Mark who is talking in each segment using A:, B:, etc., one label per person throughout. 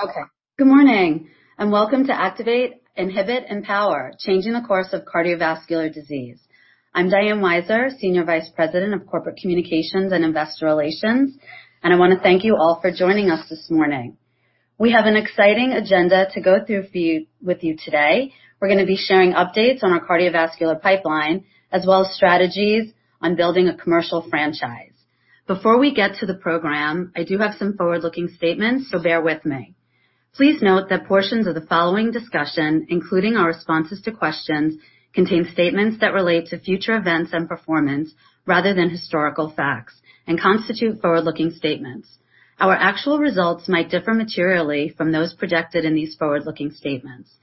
A: Okay. Good morning, and welcome to Activate, Inhibit, Empower: Changing the Course of Cardiovascular Disease. I'm Diane Weiser, Senior Vice President of Corporate Communications and Investor Relations, and I want to thank you all for joining us this morning. We have an exciting agenda to go through with you today. We're going to be sharing updates on our cardiovascular pipeline, as well as strategies on building a commercial franchise. Before we get to the program, I do have some forward-looking statements, so bear with me. Please note that portions of the following discussion, including our responses to questions, contain statements that relate to future events and performance rather than historical facts, and constitute forward-looking statements. Our actual results might differ materially from those projected in these forward-looking statements.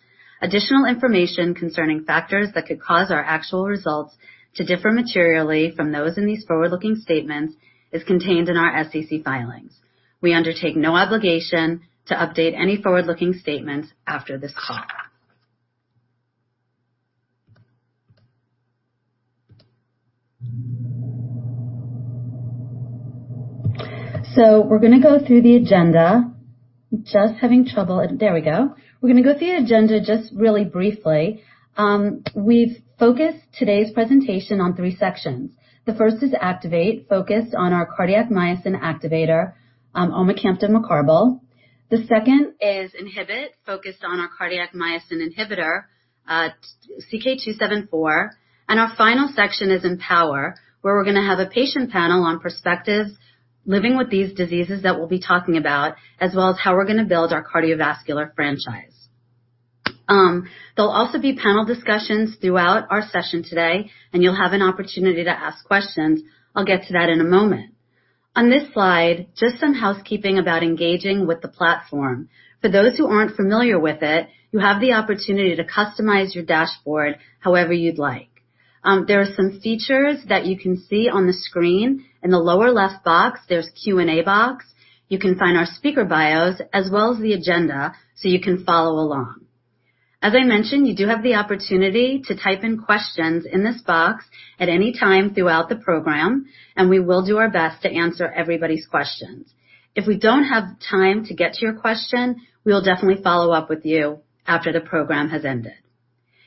A: Additional information concerning factors that could cause our actual results to differ materially from those in these forward-looking statements is contained in our SEC filings. We undertake no obligation to update any forward-looking statements after this call. We're going to go through the agenda. There we go. We're going to go through the agenda just really briefly. We've focused today's presentation on three sections. The first is Activate, focused on our cardiac myosin activator, omecamtiv mecarbil. The second is Inhibit, focused on our cardiac myosin inhibitor, CK-274. Our final section is Empower, where we're going to have a patient panel on perspectives living with these diseases that we'll be talking about, as well as how we're going to build our cardiovascular franchise. There'll also be panel discussions throughout our session today, and you'll have an opportunity to ask questions. I'll get to that in a moment. On this slide, just some housekeeping about engaging with the platform. For those who aren't familiar with it, you have the opportunity to customize your dashboard however you'd like. There are some features that you can see on the screen. In the lower left box, there's Q&A box. You can find our speaker bios as well as the agenda so you can follow along. As I mentioned, you do have the opportunity to type in questions in this box at any time throughout the program, and we will do our best to answer everybody's questions. If we don't have time to get to your question, we'll definitely follow up with you after the program has ended.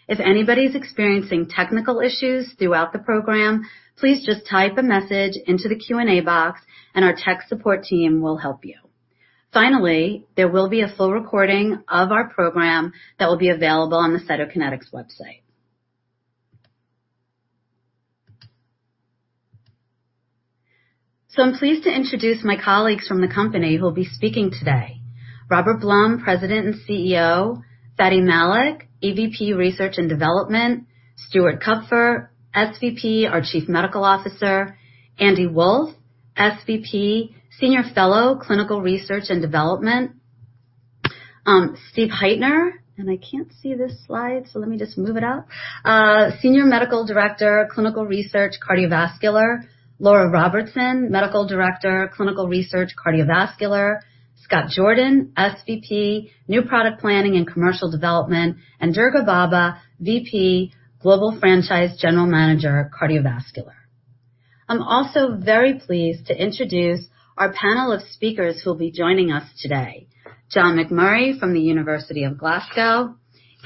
A: If anybody's experiencing technical issues throughout the program, please just type a message into the Q&A box and our tech support team will help you. There will be a full recording of our program that will be available on the Cytokinetics website. I'm pleased to introduce my colleagues from the company who'll be speaking today. Robert Blum, President and CEO; Fady Malik, EVP, Research and Development; Stuart Kupfer, SVP, our Chief Medical Officer; Andy Wolff, SVP, Senior Fellow, Clinical Research and Development; Stephen Heitner, and I can't see this slide, let me just move it up. Senior Medical Director, Clinical Research, Cardiovascular; Laura Robertson, Medical Director, Clinical Research, Cardiovascular; Scott Jordan, SVP, New Product Planning and Commercial Development; and Durga Bobba, VP, Global Franchise, General Manager, Cardiovascular. I'm also very pleased to introduce our panel of speakers who'll be joining us today. John McMurray from the University of Glasgow,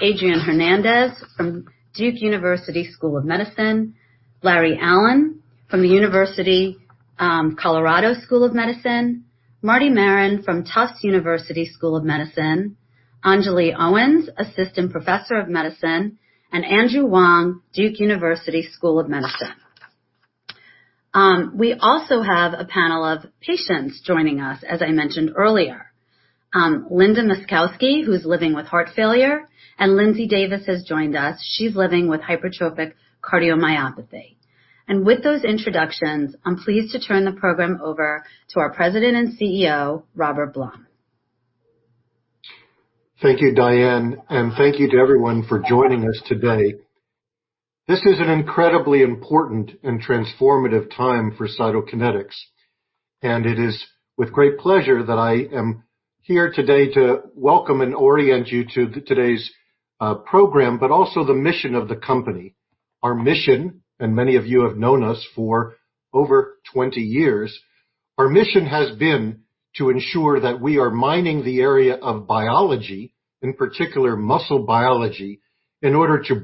A: Adrian Hernandez from Duke University School of Medicine, Larry Allen from the University of Colorado School of Medicine, Marty Maron from Tufts University School of Medicine, Anjali Owens, Assistant Professor of Medicine, and Andrew Wang, Duke University School of Medicine. We also have a panel of patients joining us, as I mentioned earlier. Linda Myskowski, who's living with heart failure, and Lindsay Davis has joined us. She's living with hypertrophic cardiomyopathy. With those introductions, I'm pleased to turn the program over to our President and CEO, Robert Blum.
B: Thank you, Diane. Thank you to everyone for joining us today. This is an incredibly important and transformative time for Cytokinetics, and it is with great pleasure that I am here today to welcome and orient you to today's program, but also the mission of the company. Our mission, and many of you have known us for over 20 years, our mission has been to ensure that we are mining the area of biology, in particular muscle biology, in order to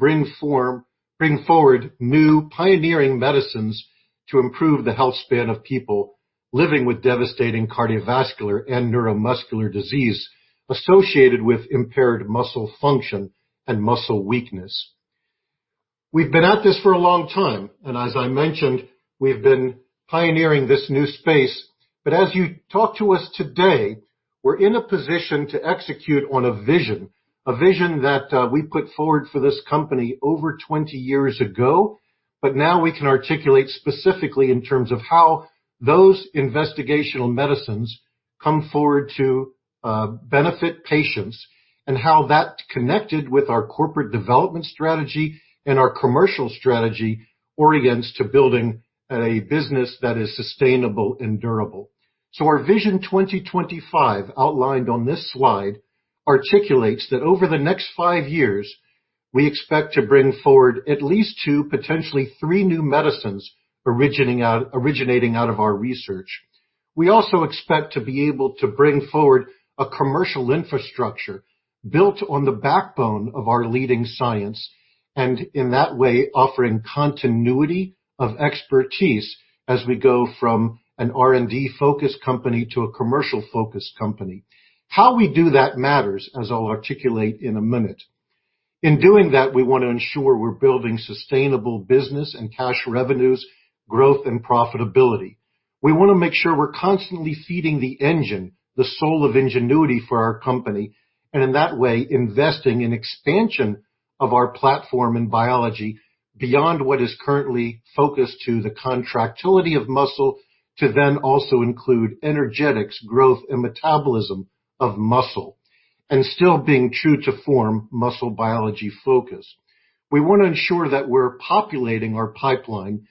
B: bring forward new pioneering medicines to improve the health span of people living with devastating cardiovascular and neuromuscular disease associated with impaired muscle function and muscle weakness. We've been at this for a long time, and as I mentioned, we've been pioneering this new space. As you talk to us today, we're in a position to execute on a vision, a vision that we put forward for this company over 20 years ago. Now we can articulate specifically in terms of how those investigational medicines come forward to benefit patients, and how that connected with our corporate development strategy and our commercial strategy orients to building a business that is sustainable and durable. Our Vision 2025 outlined on this slide articulates that over the next five years. We expect to bring forward at least two, potentially three new medicines originating out of our research. We also expect to be able to bring forward a commercial infrastructure built on the backbone of our leading science, and in that way offering continuity of expertise as we go from an R&D-focused company to a commercial-focused company. How we do that matters, as I'll articulate in a minute. In doing that, we want to ensure we're building sustainable business and cash revenues, growth, and profitability. We want to make sure we're constantly feeding the engine, the soul of ingenuity for our company, and in that way, investing in expansion of our platform in biology beyond what is currently focused to the contractility of muscle, to then also include energetics, growth, and metabolism of muscle, and still being true to form muscle biology focus. We want to ensure that we're populating our pipeline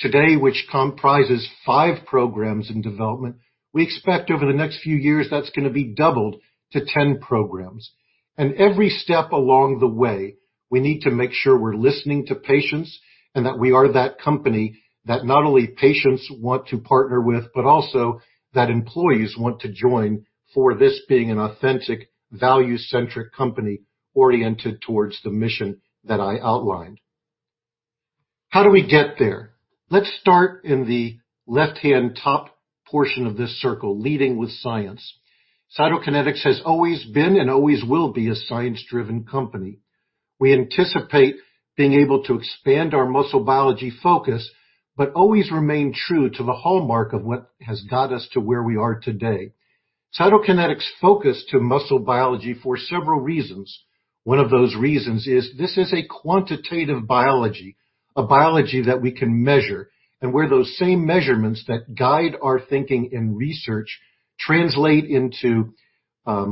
B: today, which comprises five programs in development. We expect over the next few years, that's going to be doubled to 10 programs. Every step along the way, we need to make sure we're listening to patients and that we are that company that not only patients want to partner with, but also that employees want to join for this being an authentic value-centric company oriented towards the mission that I outlined. How do we get there? Let's start in the left-hand top portion of this circle, leading with science. Cytokinetics has always been and always will be a science-driven company. We anticipate being able to expand our muscle biology focus, but always remain true to the hallmark of what has got us to where we are today. Cytokinetics' focus to muscle biology for several reasons. One of those reasons is this is a quantitative biology, a biology that we can measure, and where those same measurements that guide our thinking in research translate into the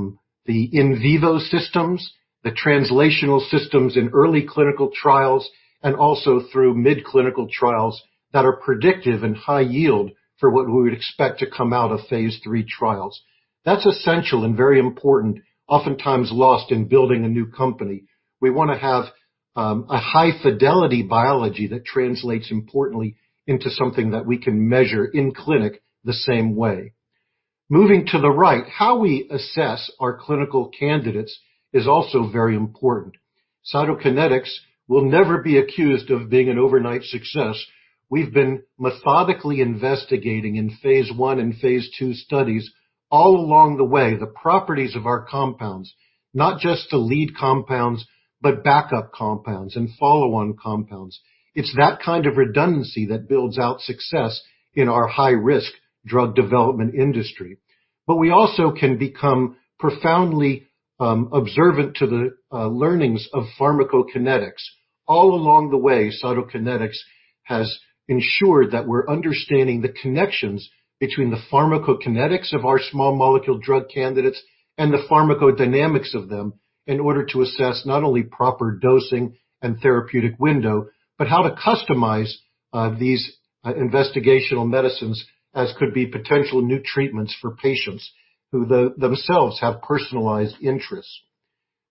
B: in vivo systems, the translational systems in early clinical trials, and also through mid-clinical trials that are predictive and high yield for what we would expect to come out of phase III trials. That's essential and very important, oftentimes lost in building a new company. We want to have a high-fidelity biology that translates importantly into something that we can measure in clinic the same way. Moving to the right, how we assess our clinical candidates is also very important. Cytokinetics will never be accused of being an overnight success. We've been methodically investigating in phase I and phase II studies all along the way, the properties of our compounds. Not just to lead compounds, but backup compounds and follow-on compounds. It's that kind of redundancy that builds out success in our high-risk drug development industry. We also can become profoundly observant to the learnings of pharmacokinetics. All along the way, Cytokinetics has ensured that we're understanding the connections between the pharmacokinetics of our small molecule drug candidates and the pharmacodynamics of them in order to assess not only proper dosing and therapeutic window, but how to customize these investigational medicines as could be potential new treatments for patients who themselves have personalized interests.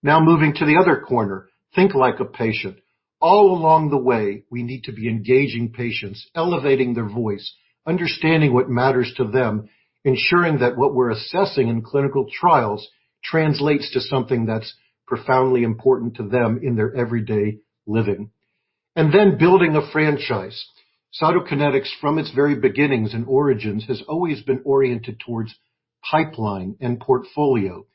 B: Moving to the other corner, think like a patient. All along the way, we need to be engaging patients, elevating their voice, understanding what matters to them, ensuring that what we're assessing in clinical trials translates to something that's profoundly important to them in their everyday living. Building a franchise. Cytokinetics, from its very beginnings and origins, has always been oriented towards pipeline and portfolio.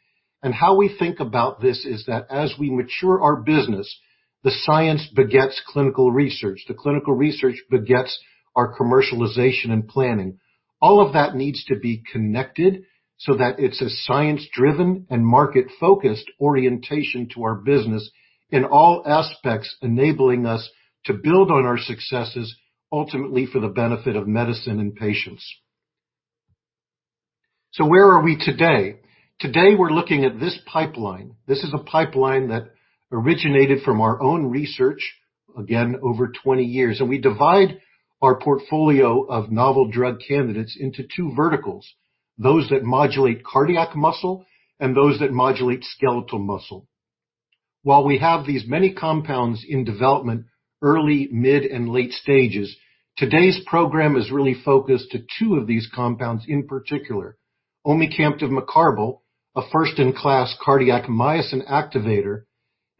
B: How we think about this is that as we mature our business, the science begets clinical research, the clinical research begets our commercialization and planning. All of that needs to be connected so that it's a science-driven and market-focused orientation to our business in all aspects, enabling us to build on our successes, ultimately for the benefit of medicine and patients. Where are we today? Today, we're looking at this pipeline. This is a pipeline that originated from our own research, again, over 20 years. We divide our portfolio of novel drug candidates into two verticals, those that modulate cardiac muscle and those that modulate skeletal muscle. While we have these many compounds in development, early, mid, and late stages, today's program is really focused to two of these compounds in particular. omecamtiv mecarbil, a first-in-class cardiac myosin activator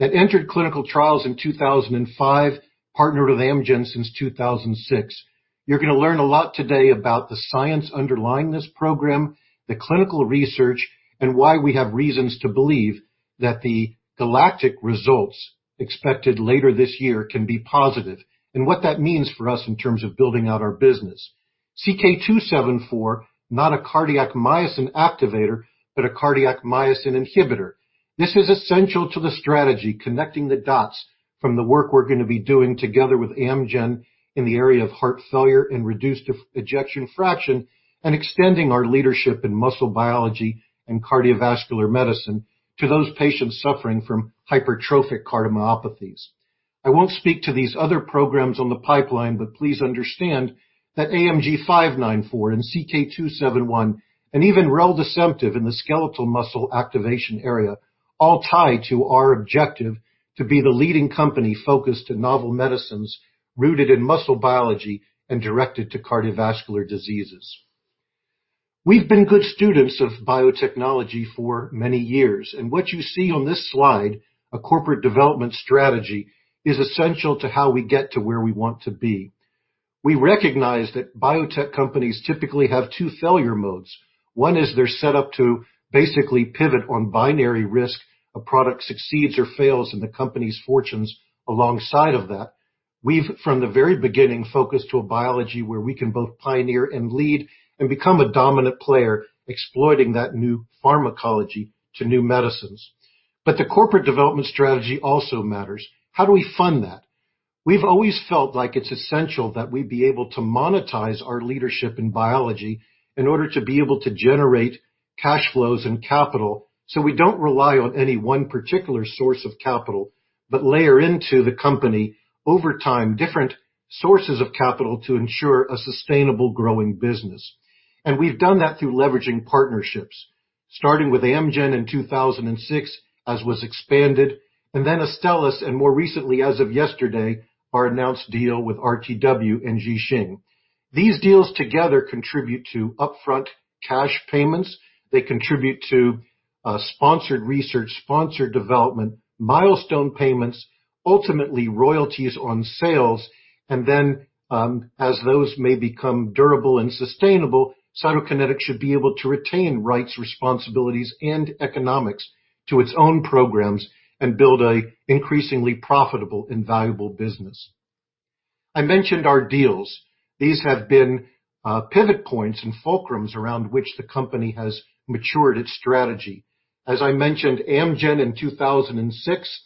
B: that entered clinical trials in 2005, partnered with Amgen since 2006. You're going to learn a lot today about the science underlying this program, the clinical research, and why we have reasons to believe that the GALACTIC results expected later this year can be positive, and what that means for us in terms of building out our business. CK-274, not a cardiac myosin activator, but a cardiac myosin inhibitor. This is essential to the strategy, connecting the dots from the work we're going to be doing together with Amgen in the area of heart failure and reduced ejection fraction, and extending our leadership in muscle biology and cardiovascular medicine to those patients suffering from hypertrophic cardiomyopathies. I won't speak to these other programs on the pipeline. Please understand that AMG 594 and CK-274, and even reldesemtiv in the skeletal muscle activation area, all tie to our objective to be the leading company focused to novel medicines rooted in muscle biology and directed to cardiovascular diseases. We've been good students of biotechnology for many years. What you see on this slide, a corporate development strategy, is essential to how we get to where we want to be. We recognize that biotech companies typically have two failure modes. One is they're set up to basically pivot on binary risk. A product succeeds or fails, and the company's fortunes alongside of that. We've, from the very beginning, focused to a biology where we can both pioneer and lead and become a dominant player, exploiting that new pharmacology to new medicines. The corporate development strategy also matters. How do we fund that? We've always felt like it's essential that we be able to monetize our leadership in biology in order to be able to generate cash flows and capital, so we don't rely on any one particular source of capital. Layer into the company, over time, different sources of capital to ensure a sustainable growing business. We've done that through leveraging partnerships. Starting with Amgen in 2006, as was expanded, and then Astellas, and more recently, as of yesterday, our announced deal with RTW and Ji Xing. These deals together contribute to upfront cash payments. They contribute to sponsored research, sponsored development, milestone payments, ultimately royalties on sales, and then, as those may become durable and sustainable, Cytokinetics should be able to retain rights, responsibilities, and economics to its own programs, and build an increasingly profitable and valuable business. I mentioned our deals. These have been pivot points and fulcrums around which the company has matured its strategy. As I mentioned, Amgen in 2006.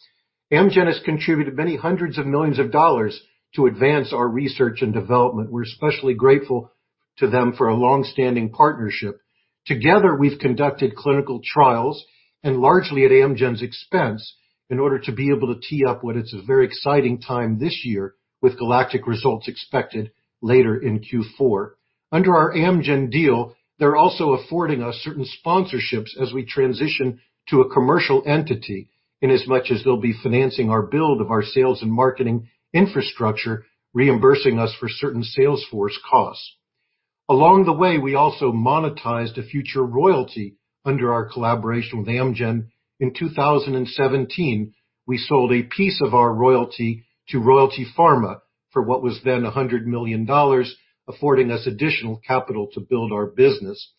B: Amgen has contributed many hundreds of millions of dollars to advance our research and development. We're especially grateful to them for a longstanding partnership. Together, we've conducted clinical trials, and largely at Amgen's expense, in order to be able to tee up what is a very exciting time this year with GALACTIC results expected later in Q4. Under our Amgen deal, they're also affording us certain sponsorships as we transition to a commercial entity in as much as they'll be financing our build of our sales and marketing infrastructure, reimbursing us for certain sales force costs. Along the way, we also monetized a future royalty under our collaboration with Amgen. In 2017, we sold a piece of our royalty to Royalty Pharma for what was then $100 million, affording us additional capital to build our business.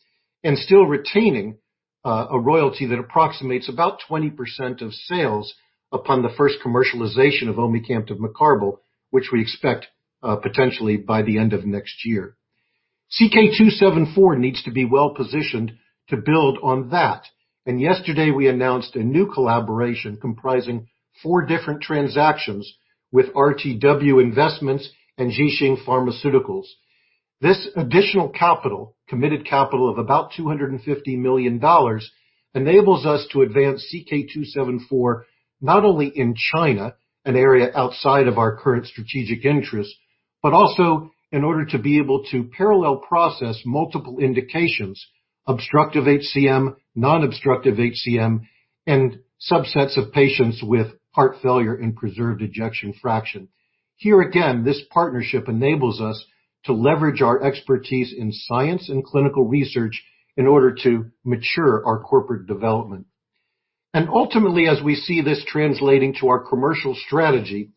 B: Still retaining a royalty that approximates about 20% of sales upon the first commercialization of omecamtiv mecarbil, which we expect potentially by the end of next year. CK-274 needs to be well-positioned to build on that, Yesterday we announced a new collaboration comprising four different transactions with RTW Investments and Ji Xing Pharmaceuticals. This additional capital, committed capital of about $250 million, enables us to advance CK-274, not only in China, an area outside of our current strategic interest. Also in order to be able to parallel process multiple indications, obstructive HCM, non-obstructive HCM, and subsets of patients with heart failure and preserved ejection fraction. Here again, this partnership enables us to leverage our expertise in science and clinical research in order to mature our corporate development. Ultimately, as we see this translating to our commercial strategy,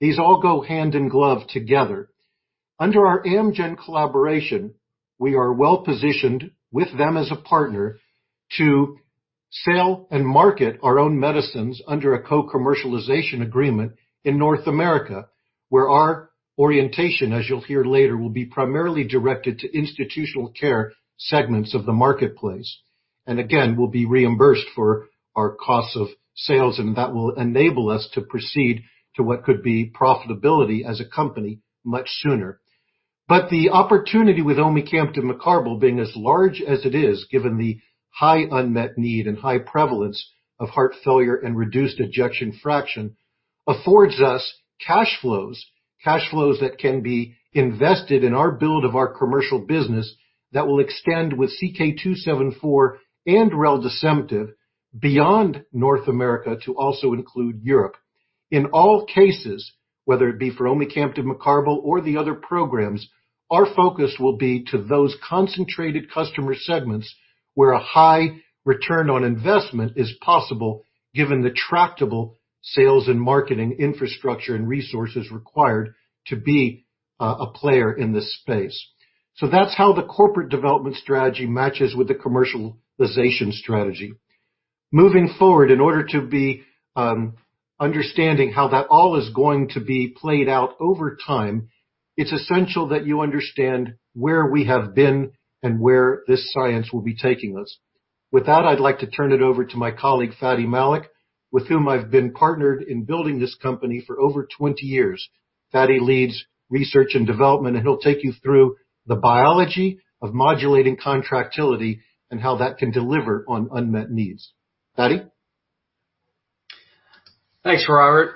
B: these all go hand in glove together. Under our Amgen collaboration, we are well-positioned with them as a partner to sell and market our own medicines under a co-commercialization agreement in North America, where our orientation, as you'll hear later, will be primarily directed to institutional care segments of the marketplace. Again, we'll be reimbursed for our cost of sales, and that will enable us to proceed to what could be profitability as a company much sooner. The opportunity with omecamtiv mecarbil being as large as it is, given the high unmet need and high prevalence of heart failure and reduced ejection fraction, affords us cash flows that can be invested in our build of our commercial business that will extend with CK-274 and reldesemtiv beyond North America to also include Europe. In all cases, whether it be for omecamtiv mecarbil or the other programs, our focus will be to those concentrated customer segments where a high return on investment is possible given the tractable sales and marketing infrastructure and resources required to be a player in this space. That's how the corporate development strategy matches with the commercialization strategy. Moving forward, in order to be understanding how that all is going to be played out over time, it's essential that you understand where we have been and where this science will be taking us. With that, I'd like to turn it over to my colleague, Fady Malik, with whom I've been partnered in building this company for over 20 years. Fady leads research and development, he'll take you through the biology of modulating contractility and how that can deliver on unmet needs. Fady?
C: Thanks, Robert.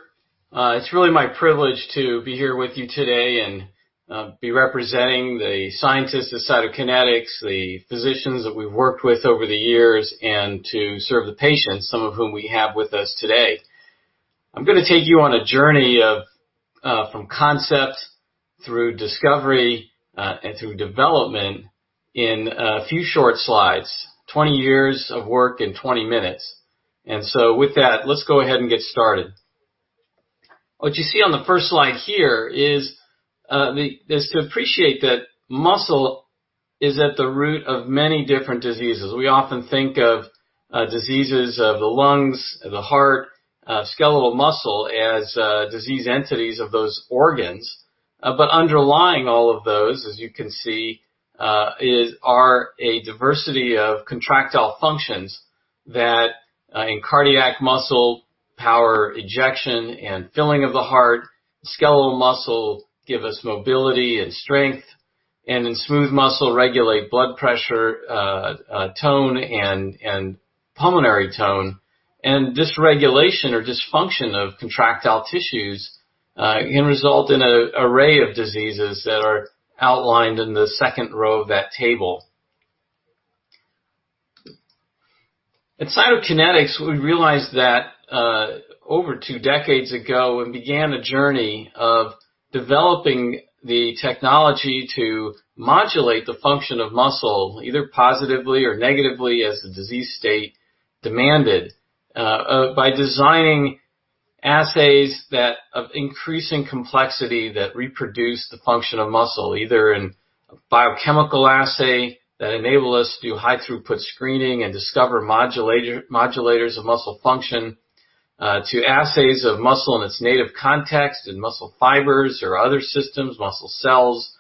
C: It's really my privilege to be here with you today and be representing the scientists of Cytokinetics, the physicians that we've worked with over the years, and to serve the patients, some of whom we have with us today. I'm going to take you on a journey from concept through discovery and through development in a few short slides. 20 years of work in 20 minutes. With that, let's go ahead and get started. What you see on the first slide here is to appreciate that muscle is at the root of many different diseases. We often think of diseases of the lungs, the heart, skeletal muscle, as disease entities of those organs. Underlying all of those, as you can see, are a diversity of contractile functions that in cardiac muscle, power ejection and filling of the heart, skeletal muscle give us mobility and strength, and in smooth muscle, regulate blood pressure, tone, and pulmonary tone. Dysregulation or dysfunction of contractile tissues can result in an array of diseases that are outlined in the second row of that table. At Cytokinetics, we realized that over two decades ago and began a journey of developing the technology to modulate the function of muscle, either positively or negatively as the disease state demanded, by designing assays of increasing complexity that reproduce the function of muscle, either in a biochemical assay that enable us to do high throughput screening and discover modulators of muscle function, to assays of muscle in its native context in muscle fibers or other systems, muscle cells,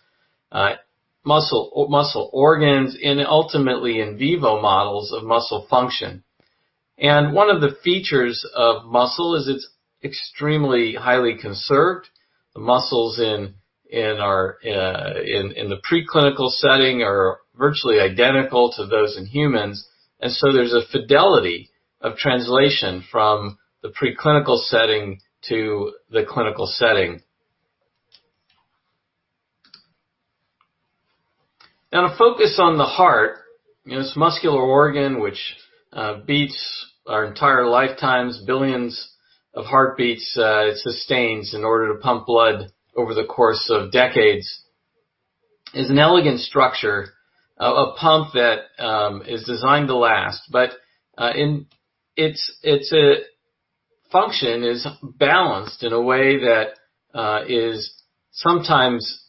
C: muscle organs, and ultimately in vivo models of muscle function. One of the features of muscle is it's extremely highly conserved. The muscles in the preclinical setting are virtually identical to those in humans. There's a fidelity of translation from the preclinical setting to the clinical setting. Now to focus on the heart, this muscular organ which beats our entire lifetimes, billions of heartbeats it sustains in order to pump blood over the course of decades, is an elegant structure, a pump that is designed to last. Its function is balanced in a way that sometimes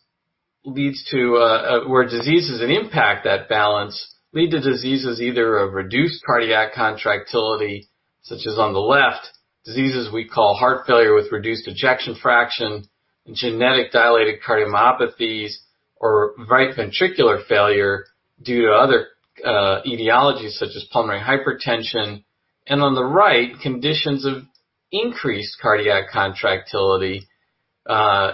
C: where diseases that impact that balance lead to diseases either of reduced cardiac contractility, such as on the left, diseases we call heart failure with reduced ejection fraction and genetic dilated cardiomyopathies or right ventricular failure due to other etiologies such as pulmonary hypertension. On the right, conditions of increased cardiac contractility,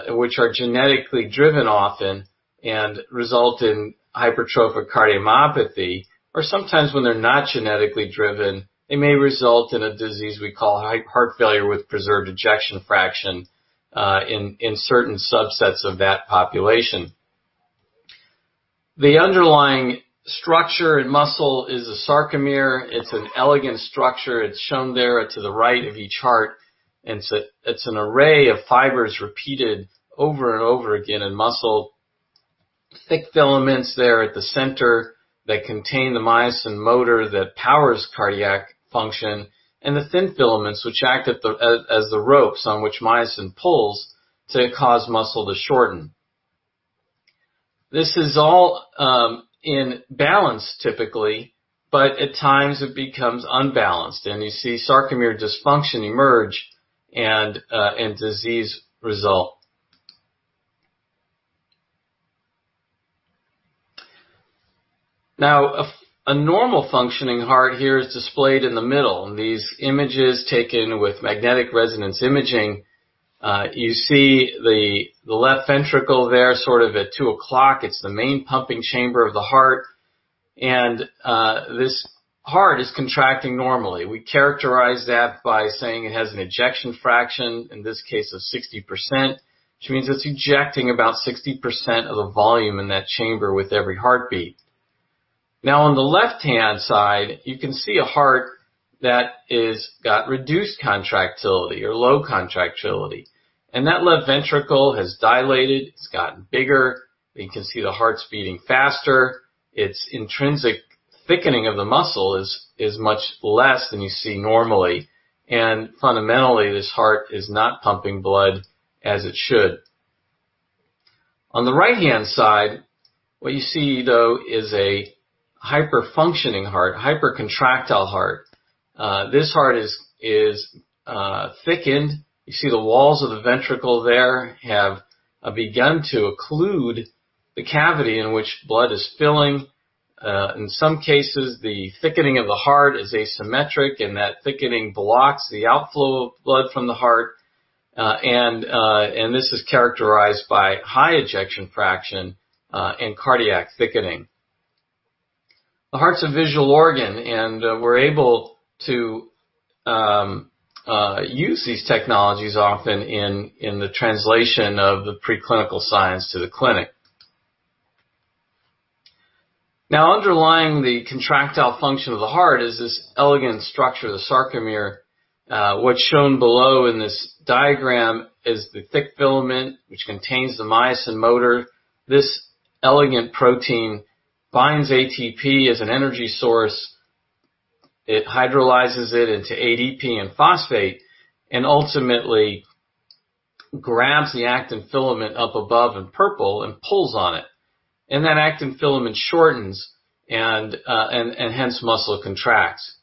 C: which are genetically driven often and result in hypertrophic cardiomyopathy. Sometimes when they're not genetically driven, they may result in a disease we call heart failure with preserved ejection fraction in certain subsets of that population. The underlying structure in muscle is a sarcomere. It's an elegant structure. It's shown there to the right of each heart. It's an array of fibers repeated over and over again in muscle. Thick filaments there at the center that contain the myosin motor that powers cardiac function, and the thin filaments, which act as the ropes on which myosin pulls to cause muscle to shorten. This is all in balance typically, but at times it becomes unbalanced, and you see sarcomere dysfunction emerge and disease result. Now, a normal functioning heart here is displayed in the middle. In these images taken with magnetic resonance imaging, you see the left ventricle there sort of at two o'clock. It's the main pumping chamber of the heart, and this heart is contracting normally. We characterize that by saying it has an ejection fraction, in this case, of 60%, which means it's ejecting about 60% of the volume in that chamber with every heartbeat. Now, on the left-hand side, you can see a heart that has got reduced contractility or low contractility, and that left ventricle has dilated. It's gotten bigger. You can see the heart's beating faster. Its intrinsic thickening of the muscle is much less than you see normally. Fundamentally, this heart is not pumping blood as it should. On the right-hand side, what you see, though, is a hyperfunctioning heart, a hypercontractile heart. This heart is thickened. You see the walls of the ventricle there have begun to occlude the cavity in which blood is filling. In some cases, the thickening of the heart is asymmetric. That thickening blocks the outflow of blood from the heart, and this is characterized by high ejection fraction and cardiac thickening. The heart's a visual organ, and we're able to use these technologies often in the translation of the preclinical science to the clinic. Now, underlying the contractile function of the heart is this elegant structure, the sarcomere. What's shown below in this diagram is the thick filament, which contains the myosin motor. This elegant protein binds ATP as an energy source. It hydrolyzes it into ADP and phosphate, and ultimately grabs the actin filament up above in purple and pulls on it. That actin filament shortens and hence muscle contracts.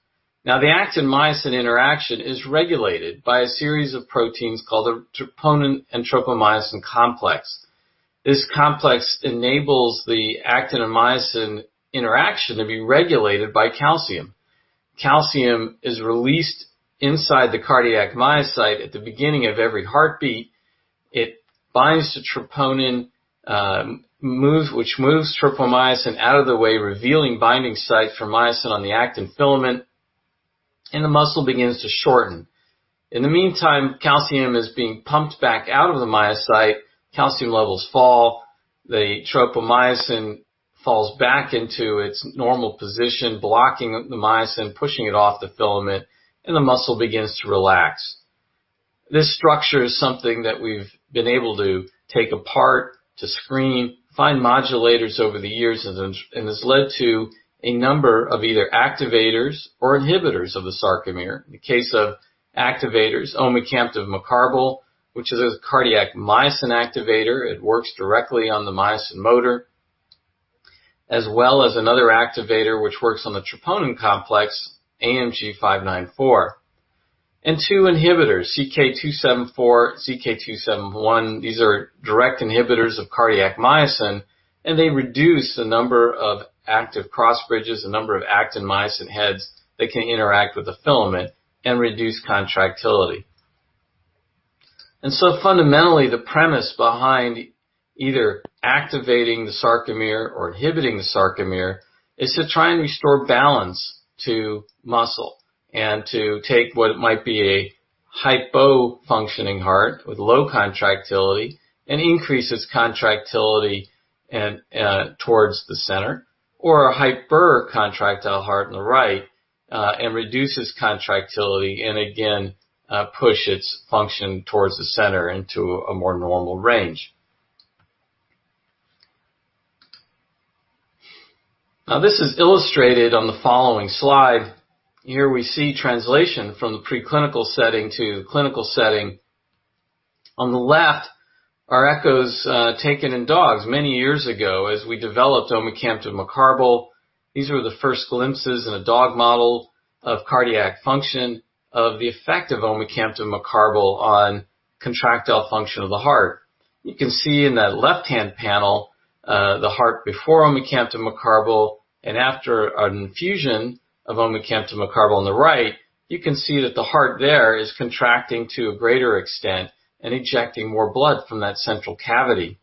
C: The actin-myosin interaction is regulated by a series of proteins called the troponin and tropomyosin complex. This complex enables the actin and myosin interaction to be regulated by calcium. Calcium is released inside the cardiac myocyte at the beginning of every heartbeat. It binds to troponin, which moves tropomyosin out of the way, revealing binding site for myosin on the actin filament, and the muscle begins to shorten. In the meantime, calcium is being pumped back out of the myocyte. Calcium levels fall. The tropomyosin falls back into its normal position, blocking the myosin, pushing it off the filament, and the muscle begins to relax. This structure is something that we've been able to take apart, to screen, find modulators over the years, and this led to a number of either activators or inhibitors of the sarcomere. In the case of activators, omecamtiv mecarbil, which is a cardiac myosin activator. It works directly on the myosin motor, as well as another activator which works on the troponin complex, AMG 594. Two inhibitors, CK-274, CK 271. These are direct inhibitors of cardiac myosin, and they reduce the number of active cross bridges, the number of actin-myosin heads that can interact with the filament and reduce contractility. Fundamentally, the premise behind either activating the sarcomere or inhibiting the sarcomere is to try and restore balance to muscle, and to take what might be a hypofunctioning heart with low contractility and increase its contractility towards the center, or a hypercontractile heart in the right, and reduces contractility, and again, push its function towards the center into a more normal range. Now, this is illustrated on the following slide. Here we see translation from the preclinical setting to clinical setting. On the left are echoes taken in dogs many years ago as we developed omecamtiv mecarbil. These were the first glimpses in a dog model of cardiac function of the effect of omecamtiv mecarbil on contractile function of the heart. You can see in that left-hand panel, the heart before omecamtiv mecarbil and after an infusion of omecamtiv mecarbil on the right. You can see that the heart there is contracting to a greater extent and ejecting more blood from that central cavity.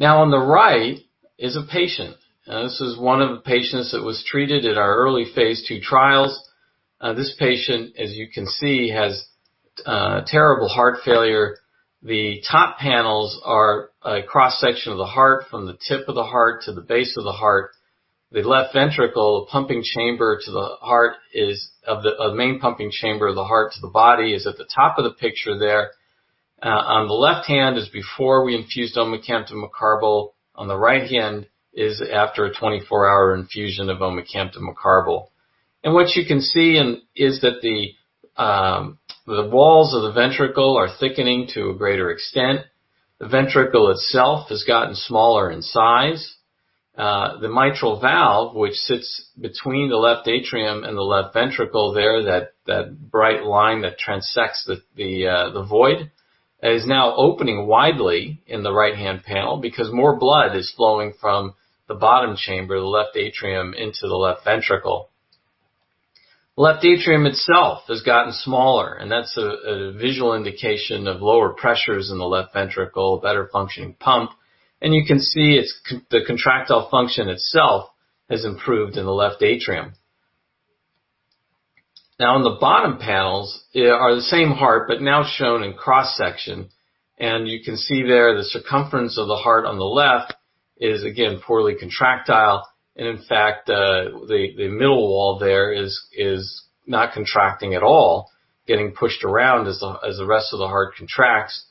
C: On the right is a patient. This is one of the patients that was treated at our early phase II trials. This patient, as you can see, has terrible heart failure. The top panels are a cross-section of the heart from the tip of the heart to the base of the heart. The left ventricle, the main pumping chamber of the heart to the body, is at the top of the picture there. On the left hand is before we infused omecamtiv mecarbil. On the right hand is after a 24-hour infusion of omecamtiv mecarbil. What you can see is that the walls of the ventricle are thickening to a greater extent. The ventricle itself has gotten smaller in size. The mitral valve, which sits between the left atrium and the left ventricle there, that bright line that transects the void, is now opening widely in the right-hand panel because more blood is flowing from the bottom chamber, the left atrium, into the left ventricle. Left atrium itself has gotten smaller, and that's a visual indication of lower pressures in the left ventricle, a better functioning pump. You can see the contractile function itself has improved in the left atrium. On the bottom panels are the same heart, but now shown in cross-section. You can see there the circumference of the heart on the left is again poorly contractile. In fact, the middle wall there is not contracting at all, getting pushed around as the rest of the heart contracts.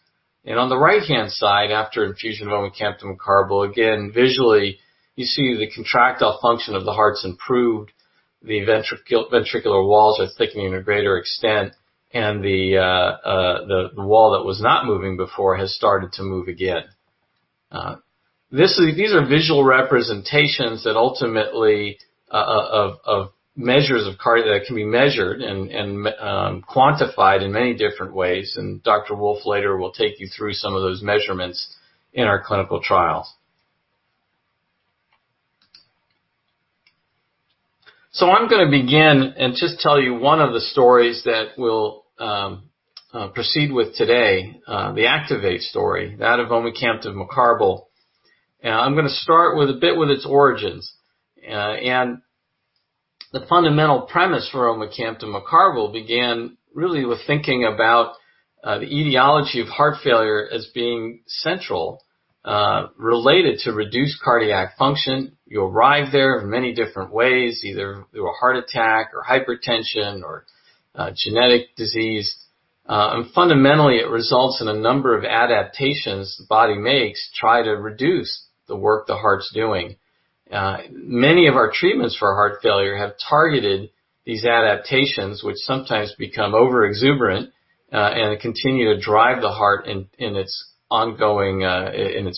C: On the right-hand side, after infusion of omecamtiv mecarbil, again, visually, you see the contractile function of the heart's improved. The ventricular walls are thickening to a greater extent, and the wall that was not moving before has started to move again. These are visual representations that ultimately of measures of cardiac that can be measured and quantified in many different ways, and Dr. Wolff later will take you through some of those measurements in our clinical trials. I'm going to begin and just tell you one of the stories that we'll proceed with today, the Activate story, that of omecamtiv mecarbil. I'm going to start with a bit with its origins. The fundamental premise for omecamtiv mecarbil began really with thinking about the etiology of heart failure as being central, related to reduced cardiac function. You arrive there in many different ways, either through a heart attack or hypertension or genetic disease. Fundamentally, it results in a number of adaptations the body makes to try to reduce the work the heart's doing. Many of our treatments for heart failure have targeted these adaptations, which sometimes become overexuberant, and continue to drive the heart in its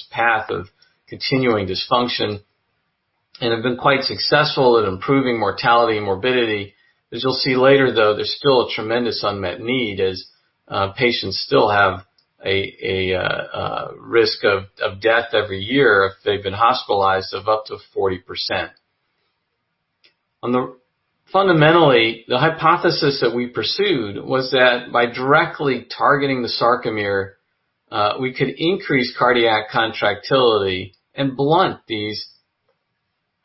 C: path of continuing dysfunction, and have been quite successful at improving mortality and morbidity. As you'll see later, though, there's still a tremendous unmet need, as patients still have a risk of death every year if they've been hospitalized of up to 40%. Fundamentally, the hypothesis that we pursued was that by directly targeting the sarcomere, we could increase cardiac contractility and blunt these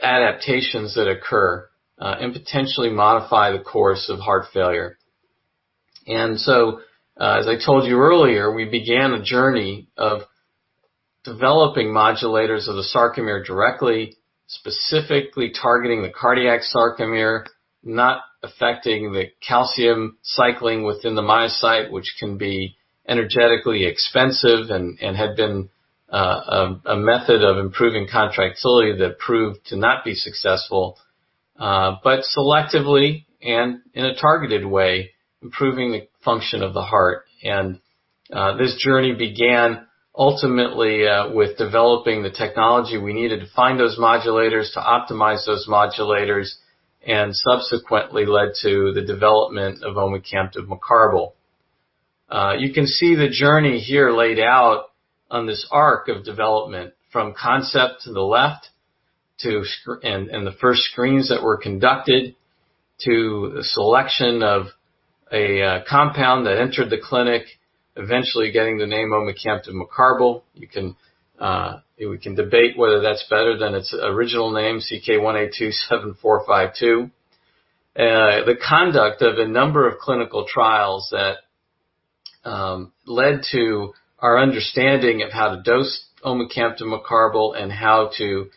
C: adaptations that occur, and potentially modify the course of heart failure. As I told you earlier, we began a journey of developing modulators of the sarcomere directly, specifically targeting the cardiac sarcomere, not affecting the calcium cycling within the myocyte, which can be energetically expensive and had been a method of improving contractility that proved to not be successful. Selectively and in a targeted way, improving the function of the heart. This journey began ultimately with developing the technology we needed to find those modulators, to optimize those modulators, and subsequently led to the development of omecamtiv mecarbil. You can see the journey here laid out on this arc of development from concept to the left and the first screens that were conducted to the selection of a compound that entered the clinic, eventually getting the name omecamtiv mecarbil. We can debate whether that's better than its original name, CK-1827452. The conduct of a number of clinical trials that led to our understanding of how to dose omecamtiv mecarbil and how to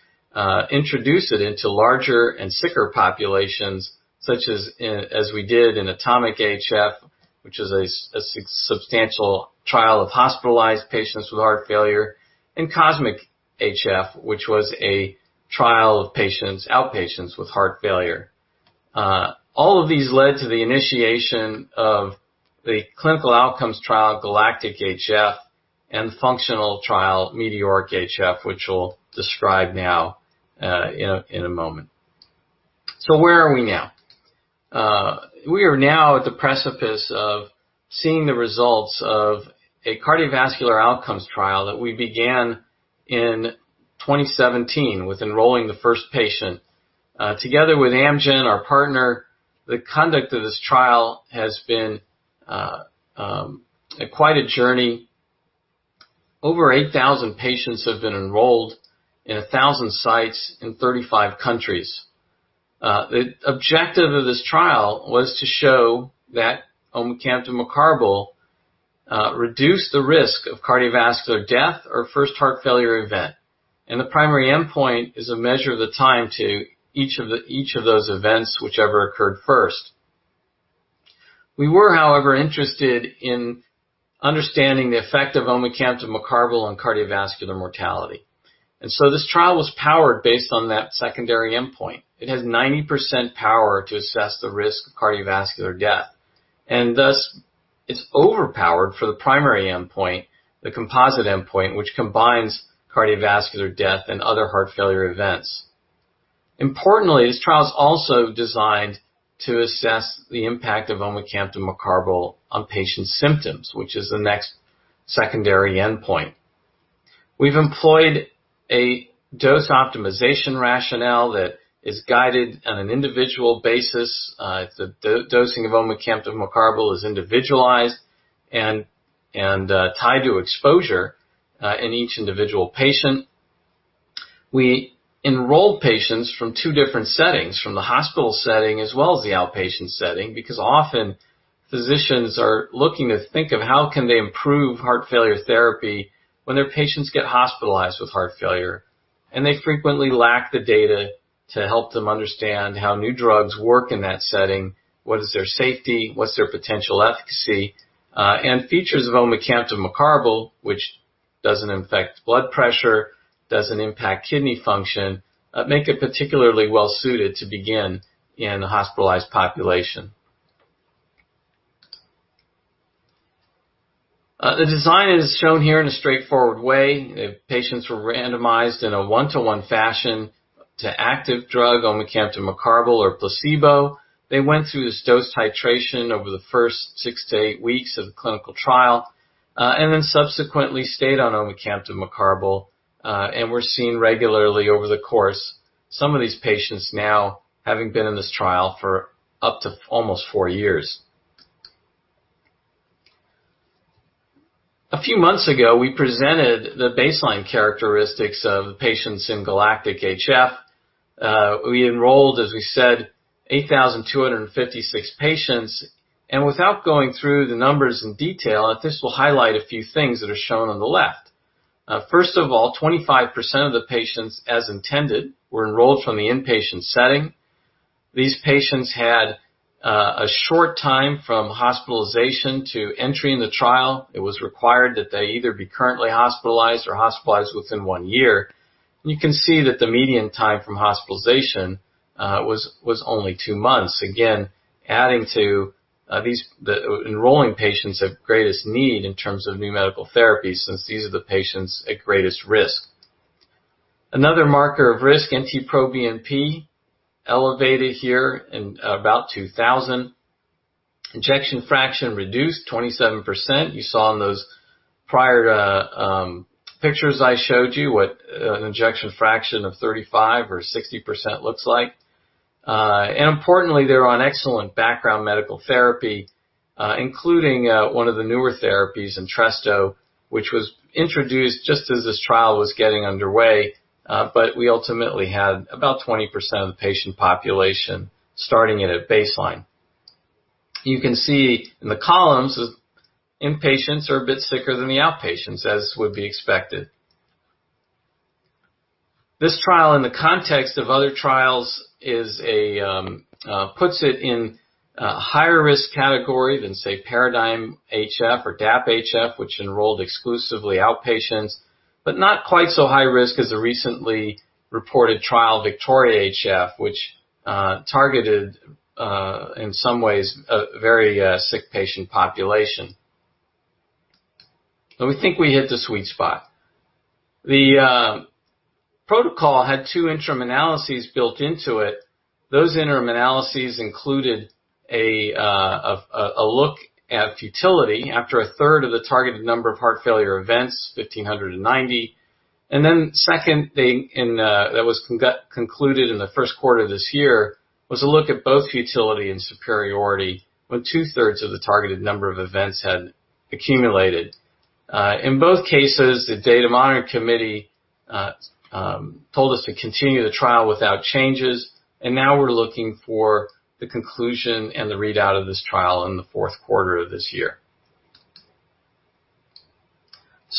C: introduce it into larger and sicker populations, such as we did in ATOMIC-AHF, which is a substantial trial of hospitalized patients with heart failure, and COSMIC-HF, which was a trial of outpatients with heart failure. All of these led to the initiation of the clinical outcomes trial, GALACTIC-HF, and functional trial, METEORIC-HF, which we'll describe now in a moment. Where are we now? We are now at the precipice of seeing the results of a cardiovascular outcomes trial that we began in 2017 with enrolling the first patient. Together with Amgen, our partner, the conduct of this trial has been quite a journey. Over 8,000 patients have been enrolled in 1,000 sites in 35 countries. The objective of this trial was to show that omecamtiv mecarbil reduced the risk of cardiovascular death or first heart failure event. The primary endpoint is a measure of the time to each of those events, whichever occurred first. We were, however, interested in understanding the effect of omecamtiv mecarbil on cardiovascular mortality. This trial was powered based on that secondary endpoint. It has 90% power to assess the risk of cardiovascular death, thus it's overpowered for the primary endpoint, the composite endpoint, which combines cardiovascular death and other heart failure events. Importantly, this trial is also designed to assess the impact of omecamtiv mecarbil on patients' symptoms, which is the next secondary endpoint. We've employed a dose optimization rationale that is guided on an individual basis. The dosing of omecamtiv mecarbil is individualized and tied to exposure in each individual patient. We enrolled patients from two different settings, from the hospital setting as well as the outpatient setting, because often physicians are looking to think of how can they improve heart failure therapy when their patients get hospitalized with heart failure. They frequently lack the data to help them understand how new drugs work in that setting. What is their safety? What's their potential efficacy? Features of omecamtiv mecarbil, which doesn't affect blood pressure, doesn't impact kidney function, make it particularly well-suited to begin in the hospitalized population. The design is shown here in a straightforward way. Patients were randomized in a one-to-one fashion to active drug omecamtiv mecarbil or placebo. They went through this dose titration over the first six to eight weeks of the clinical trial, and then subsequently stayed on omecamtiv mecarbil, and were seen regularly over the course. Some of these patients now having been in this trial for up to almost four years. A few months ago, we presented the baseline characteristics of patients in GALACTIC-HF. We enrolled, as we said, 8,256 patients. Without going through the numbers in detail, this will highlight a few things that are shown on the left. 25% of the patients, as intended, were enrolled from the inpatient setting. These patients had a short time from hospitalization to entry in the trial. It was required that they either be currently hospitalized or hospitalized within one year. You can see that the median time from hospitalization was only two months. Adding to enrolling patients of greatest need in terms of new medical therapy, since these are the patients at greatest risk. Another marker of risk, NT-proBNP, elevated here in about 2,000. Ejection fraction reduced 27%. You saw in those prior pictures I showed you what an ejection fraction of 35% or 60% looks like. Importantly, they're on excellent background medical therapy, including one of the newer therapies, Entresto, which was introduced just as this trial was getting underway. We ultimately had about 20% of the patient population starting it at baseline. You can see in the columns, inpatients are a bit sicker than the outpatients, as would be expected. This trial, in the context of other trials, puts it in a higher risk category than, say, PARADIGM-HF or DAPA-HF, which enrolled exclusively outpatients, but not quite so high risk as the recently reported trial, VICTORIA which targeted, in some ways, a very sick patient population. We think we hit the sweet spot. The protocol had two interim analyses built into it. Those interim analyses included a look at futility after a third of the targeted number of heart failure events, 1,590. Second thing that was concluded in the first quarter of this year was a look at both futility and superiority when two-thirds of the targeted number of events had accumulated. In both cases, the data monitoring committee told us to continue the trial without changes, now we're looking for the conclusion and the readout of this trial in the fourth quarter of this year.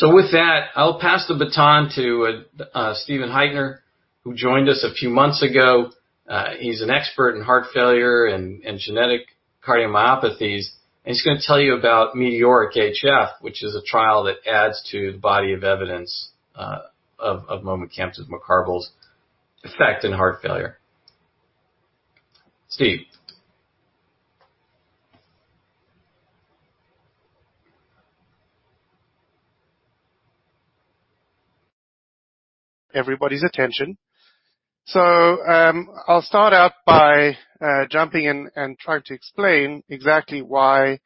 C: With that, I'll pass the baton to Stephen Heitner, who joined us a few months ago. He's an expert in heart failure and genetic cardiomyopathies, he's going to tell you about METEORIC-HF, which is a trial that adds to the body of evidence of omecamtiv mecarbil's effect in heart failure. Steve.
D: Everybody's attention. I'll start out by jumping in and trying to explain exactly why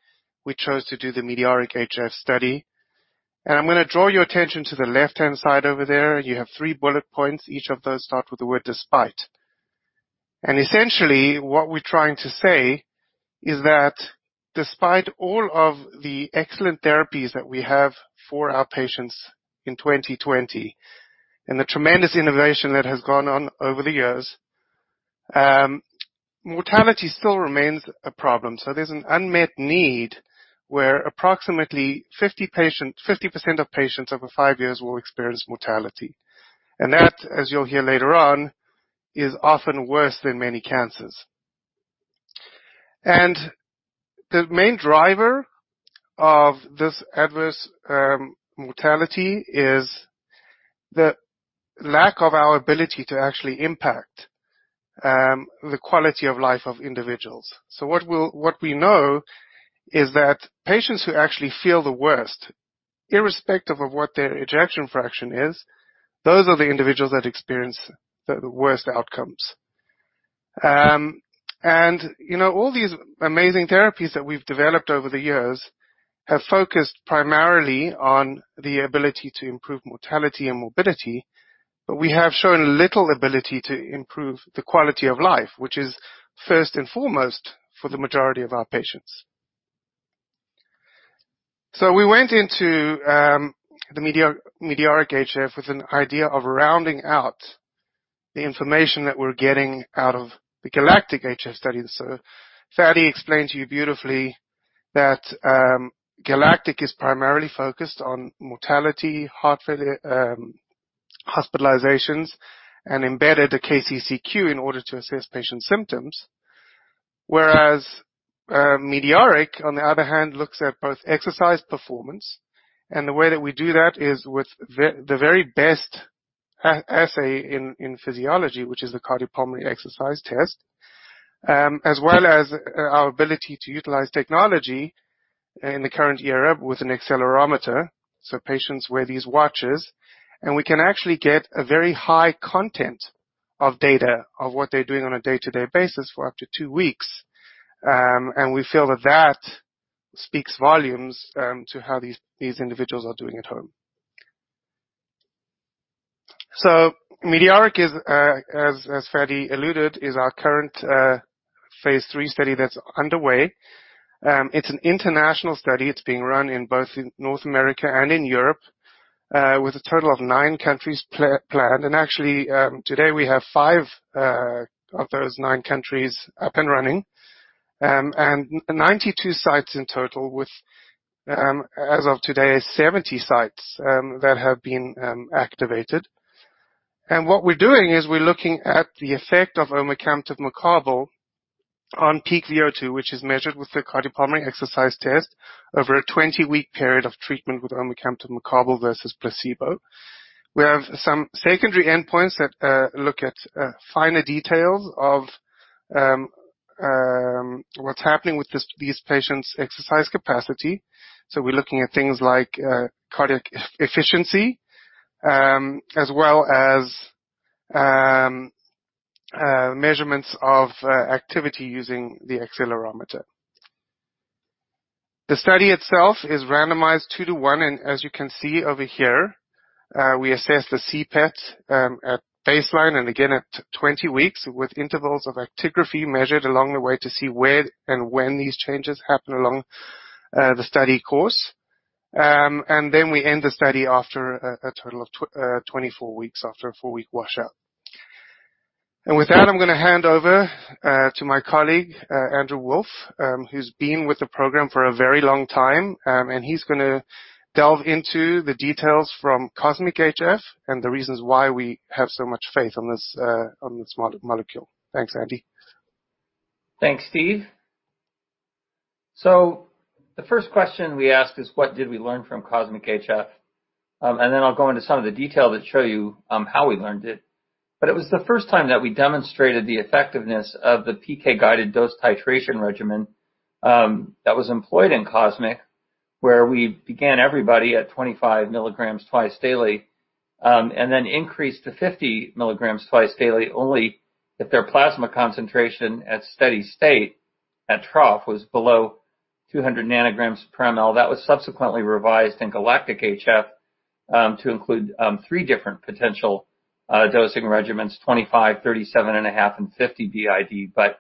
D: we chose to do the METEORIC-HF study. I'm going to draw your attention to the left-hand side over there. You have three bullet points. Each of those start with the word despite. Essentially, what we're trying to say is that despite all of the excellent therapies that we have for our patients in 2020, and the tremendous innovation that has gone on over the years, mortality still remains a problem. There's an unmet need where approximately 50% of patients over five years will experience mortality. That, as you'll hear later on, is often worse than many cancers. The main driver of this adverse mortality is the lack of our ability to actually impact the quality of life of individuals. What we know is that patients who actually feel the worst, irrespective of what their ejection fraction is, those are the individuals that experience the worst outcomes. All these amazing therapies that we've developed over the years have focused primarily on the ability to improve mortality and morbidity. We have shown little ability to improve the quality of life, which is first and foremost for the majority of our patients. We went into the METEORIC-HF with an idea of rounding out the information that we're getting out of the GALACTIC-HF study. Fady explained to you beautifully that GALACTIC-HF is primarily focused on mortality, heart failure hospitalizations, and embedded a KCCQ in order to assess patient symptoms. Whereas METEORIC, on the other hand, looks at both exercise performance. The way that we do that is with the very best assay in physiology, which is the cardiopulmonary exercise test, as well as our ability to utilize technology in the current era with an accelerometer. Patients wear these watches, and we can actually get a very high content of data of what they're doing on a day-to-day basis for up to two weeks. We feel that that speaks volumes to how these individuals are doing at home. METEORIC, as Fady alluded, is our current phase III study that's underway. It's an international study. It's being run in both North America and in Europe, with a total of nine countries planned. Actually, today we have five of those nine countries up and running, and 92 sites in total, with, as of today, 70 sites that have been activated. What we're doing is we're looking at the effect of omecamtiv mecarbil on peak VO2, which is measured with the cardiopulmonary exercise test over a 20-week period of treatment with omecamtiv mecarbil versus placebo. We have some secondary endpoints that look at finer details of what's happening with these patients' exercise capacity. We're looking at things like cardiac efficiency, as well as measurements of activity using the accelerometer. The study itself is randomized 2:1, as you can see over here, we assess the CPET at baseline and again at 20 weeks, with intervals of actigraphy measured along the way to see where and when these changes happen along the study course. We end the study after a total of 24 weeks after a four-week washout. With that, I'm going to hand over to my colleague, Andrew Wolff, who's been with the program for a very long time, and he's going to delve into the details from COSMIC-HF and the reasons why we have so much faith on this molecule. Thanks, Andy.
E: Thanks, Steve. The first question we ask is, what did we learn from COSMIC-HF? I'll go into some of the detail to show you how we learned it. It was the first time that we demonstrated the effectiveness of the PK-guided dose titration regimen that was employed in COSMIC, where we began everybody at 25 mg twice daily and then increased to 50 mg twice daily only if their plasma concentration at steady state at trough was below 200 nanograms/mL. That was subsequently revised in GALACTIC-HF to include three different potential dosing regimens, 25 mg, 37.5 mg, and 50 mg BID.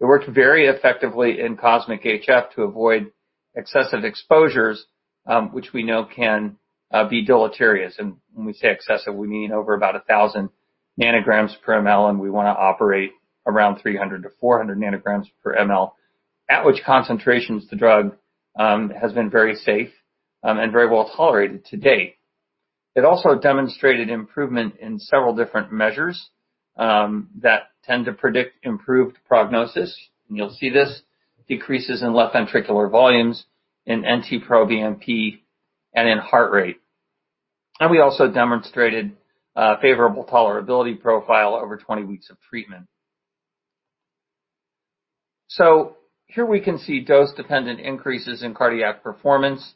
E: It worked very effectively in COSMIC-HF to avoid excessive exposures, which we know can be deleterious. When we say excessive, we mean over about 1,000 nanograms/mL, and we want to operate around 300 nanograms/mL to 400 nanograms/mL, at which concentrations the drug has been very safe and very well-tolerated to date. It also demonstrated improvement in several different measures that tend to predict improved prognosis. You'll see this, decreases in left ventricular volumes, in NT-proBNP, and in heart rate. We also demonstrated a favorable tolerability profile over 20 weeks of treatment. Here we can see dose-dependent increases in cardiac performance.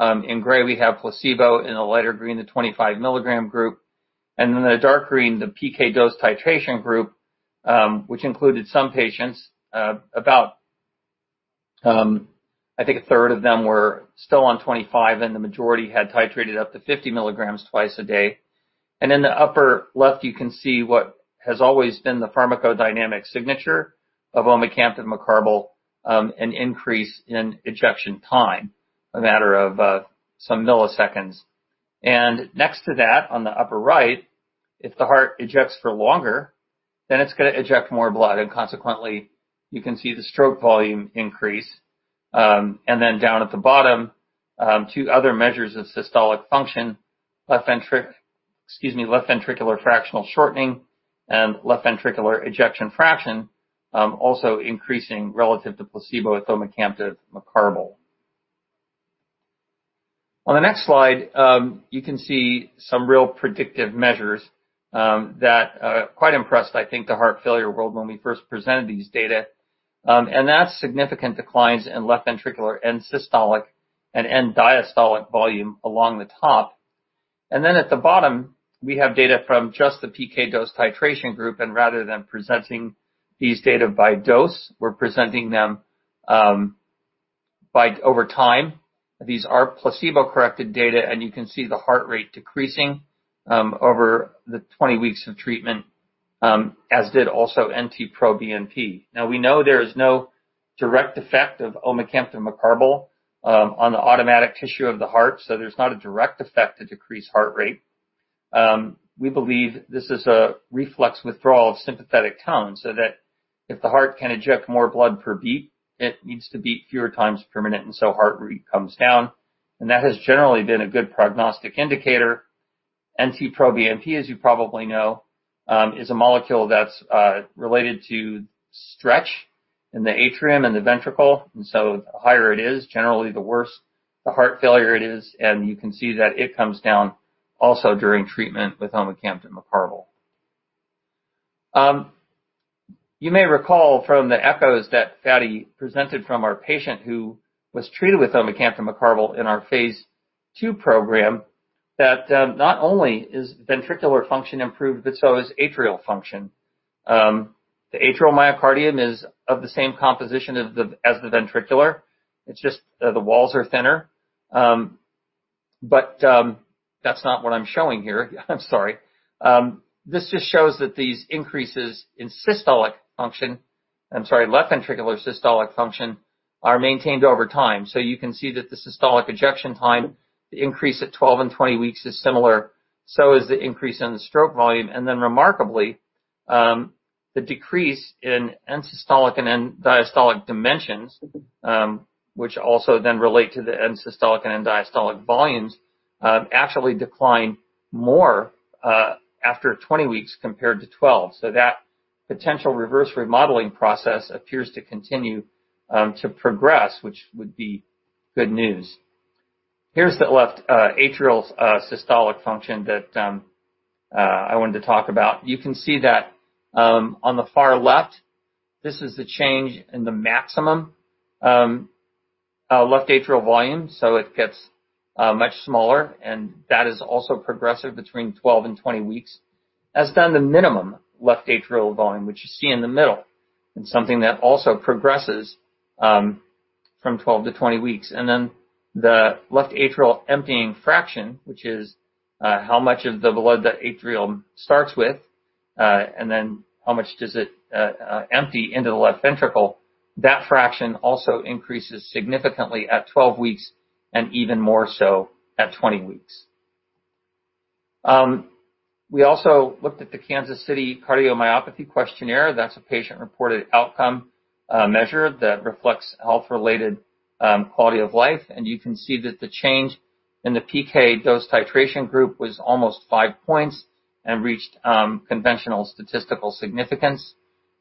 E: In gray, we have placebo, in the lighter green, the 25 mg group, and then the dark green, the PK dose titration group, which included some patients. About, I think, a third of them were still on 25 mg, and the majority had titrated up to 50 mg twice a day. In the upper left, you can see what has always been the pharmacodynamic signature of omecamtiv mecarbil, an increase in ejection time, a matter of some milliseconds. Next to that, on the upper right, if the heart ejects for longer, it's going to eject more blood, consequently, you can see the stroke volume increase. Down at the bottom, two other measures of systolic function, left ventricular fractional shortening and left ventricular ejection fraction, also increasing relative to placebo with omecamtiv mecarbil. On the next slide, you can see some real predictive measures that quite impressed, I think, the heart failure world when we first presented these data. That's significant declines in left ventricular end systolic and end diastolic volume along the top. At the bottom, we have data from just the PK dose titration group. Rather than presenting these data by dose, we're presenting them over time. These are placebo-corrected data. You can see the heart rate decreasing over the 20 weeks of treatment, as did also NT-proBNP. We know there is no direct effect of omecamtiv mecarbil on the automatic tissue of the heart. There's not a direct effect to decrease heart rate. We believe this is a reflex withdrawal of sympathetic tone. If the heart can eject more blood per beat, it needs to beat fewer times per minute. Heart rate comes down. That has generally been a good prognostic indicator. NT-proBNP, as you probably know, is a molecule that's related to stretch in the atrium and the ventricle. The higher it is, generally, the worse the heart failure it is. You can see that it comes down also during treatment with omecamtiv mecarbil. You may recall from the echoes that Fady presented from our patient who was treated with omecamtiv mecarbil in our phase II program, that not only is ventricular function improved, but so is atrial function. The atrial myocardium is of the same composition as the ventricular. It's just the walls are thinner. That's not what I'm showing here. I'm sorry. This just shows that these increases in systolic function, I'm sorry, left ventricular systolic function, are maintained over time. You can see that the systolic ejection time, the increase at 12 and 20 weeks is similar. So is the increase in the stroke volume. Remarkably, the decrease in end-systolic and end-diastolic dimensions which also then relate to the end-systolic and end-diastolic volumes, actually decline more after 20 weeks compared to 12. That potential reverse remodeling process appears to continue to progress, which would be good news. Here's the left atrial systolic function that I wanted to talk about. You can see that on the far left, this is the change in the maximum left atrial volume. It gets much smaller, and that is also progressive between 12 and 20 weeks. As does the minimum left atrial volume, which you see in the middle, and something that also progresses from 12 to 20 weeks. The left atrial emptying fraction, which is how much of the blood the atrium starts with, and then how much does it empty into the left ventricle. That fraction also increases significantly at 12 weeks and even more so at 20 weeks. We also looked at the Kansas City Cardiomyopathy Questionnaire. That's a patient-reported outcome measure that reflects health-related quality of life. You can see that the change in the PK dose titration group was almost five points and reached conventional statistical significance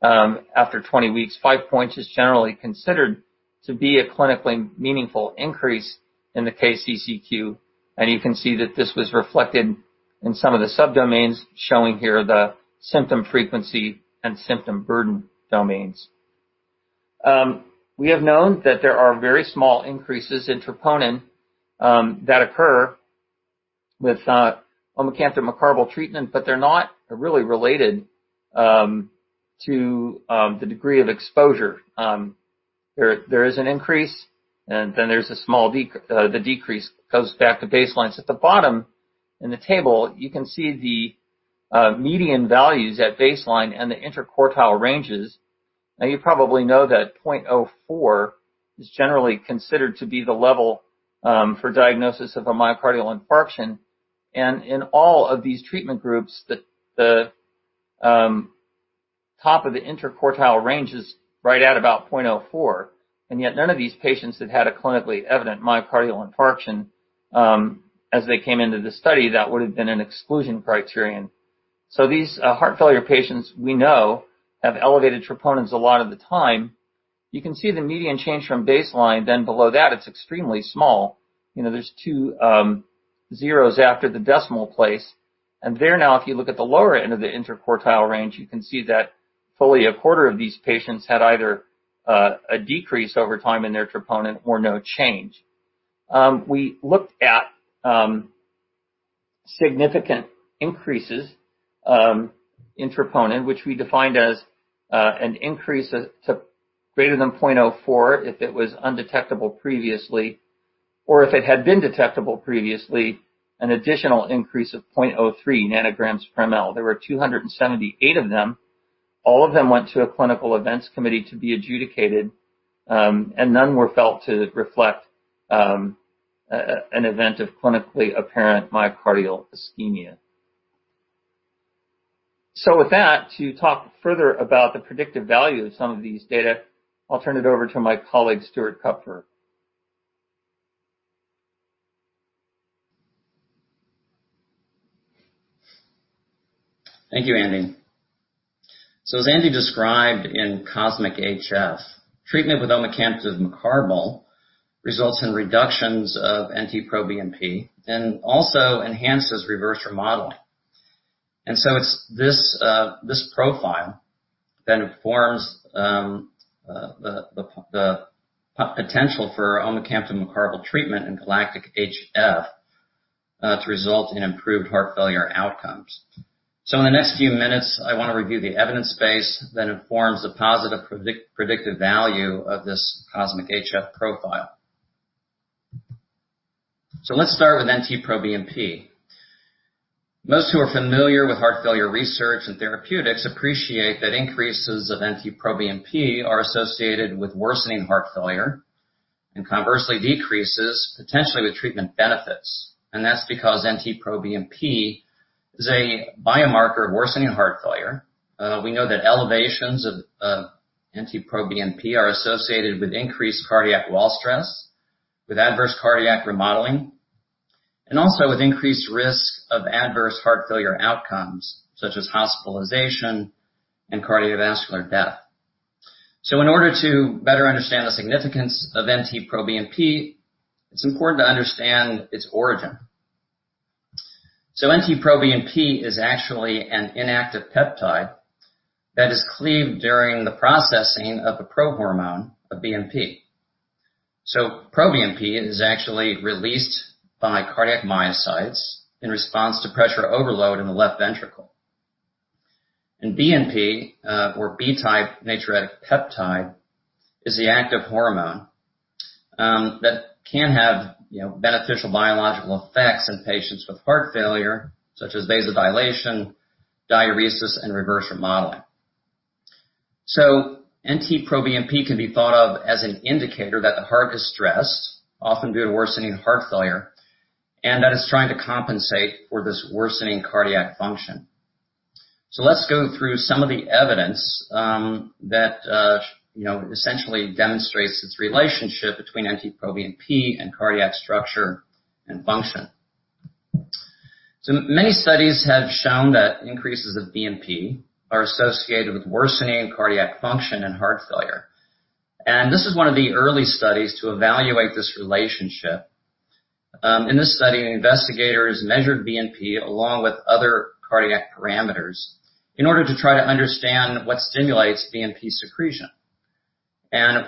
E: after 20 weeks. Five points is generally considered to be a clinically meaningful increase in the KCCQ, and you can see that this was reflected in some of the subdomains showing here the symptom frequency and symptom burden domains. We have known that there are very small increases in troponin that occur with omecamtiv mecarbil treatment, but they're not really related to the degree of exposure. There is an increase, and then there's a small decrease goes back to baseline. At the bottom in the table, you can see the median values at baseline and the interquartile ranges. Now, you probably know that 0.04 nanograms/mL is generally considered to be the level for diagnosis of a myocardial infarction. In all of these treatment groups, the top of the interquartile range is right at about 0.04 nanograms/mL. Yet none of these patients had had a clinically evident myocardial infarction as they came into the study. That would have been an exclusion criterion. These heart failure patients, we know, have elevated troponins a lot of the time. You can see the median change from baseline. Below that, it's extremely small. There's two zeros after the decimal place. There now, if you look at the lower end of the interquartile range, you can see that fully a quarter of these patients had either a decrease over time in their troponin or no change. We looked at significant increases in troponin, which we defined as an increase to greater than 0.04 nanograms/mL if it was undetectable previously, or if it had been detectable previously, an additional increase of 0.03 nanograms/mL. There were 278 of them. All of them went to a clinical events committee to be adjudicated, and none were felt to reflect an event of clinically apparent myocardial ischemia. With that, to talk further about the predictive value of some of these data, I'll turn it over to my colleague, Stuart Kupfer.
F: Thank you, Andy. As Andy described in COSMIC-HF, treatment with omecamtiv mecarbil results in reductions of NT-proBNP and also enhances reverse remodeling. It's this profile that informs the potential for omecamtiv mecarbil treatment in GALACTIC-HF to result in improved heart failure outcomes. In the next few minutes, I want to review the evidence base that informs the positive predictive value of this COSMIC-HF profile. Let's start with NT-proBNP. Most who are familiar with heart failure research and therapeutics appreciate that increases of NT-proBNP are associated with worsening heart failure, and conversely, decreases potentially with treatment benefits. That's because NT-proBNP is a biomarker of worsening heart failure. We know that elevations of NT-proBNP are associated with increased cardiac wall stress, with adverse cardiac remodeling and also with increased risk of adverse heart failure outcomes, such as hospitalization and cardiovascular death. In order to better understand the significance of NT-proBNP, it's important to understand its origin. NT-proBNP is actually an inactive peptide that is cleaved during the processing of the prohormone of BNP. proBNP is actually released by cardiac myocytes in response to pressure overload in the left ventricle. BNP, or B-type natriuretic peptide, is the active hormone that can have beneficial biological effects in patients with heart failure, such as vasodilation, diuresis, and reverse remodeling. NT-proBNP can be thought of as an indicator that the heart is stressed, often due to worsening heart failure, and that it's trying to compensate for this worsening cardiac function. Let's go through some of the evidence that essentially demonstrates its relationship between NT-proBNP and cardiac structure and function. Many studies have shown that increases of BNP are associated with worsening cardiac function and heart failure. This is one of the early studies to evaluate this relationship. In this study, investigators measured BNP along with other cardiac parameters in order to try to understand what stimulates BNP secretion.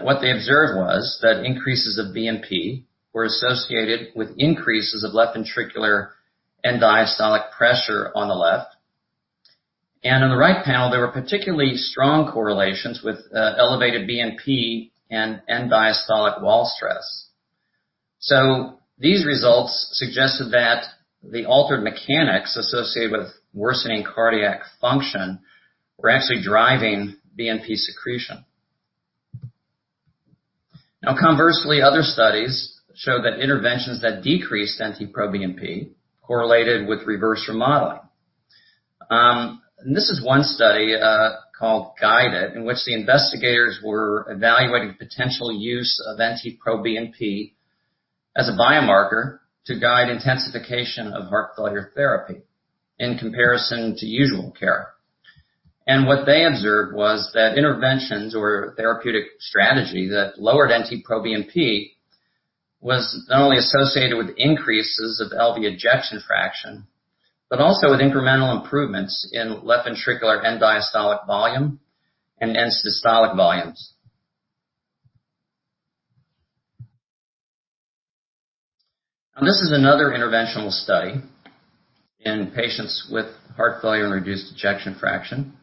F: What they observed was that increases of BNP were associated with increases of left ventricular end-diastolic pressure on the left. On the right panel, there were particularly strong correlations with elevated BNP and end-diastolic wall stress. These results suggested that the altered mechanics associated with worsening cardiac function were actually driving BNP secretion. Now, conversely, other studies show that interventions that decrease NT-proBNP correlated with reverse remodeling. This is one study called GUIDED, in which the investigators were evaluating potential use of NT-proBNP as a biomarker to guide intensification of heart failure therapy in comparison to usual care. What they observed was that interventions or therapeutic strategies that lowered NT-proBNP was not only associated with increases of LV ejection fraction, but also with incremental improvements in left ventricular end-diastolic volume and end-systolic volumes. This is another interventional study in patients with heart failure and reduced ejection fraction.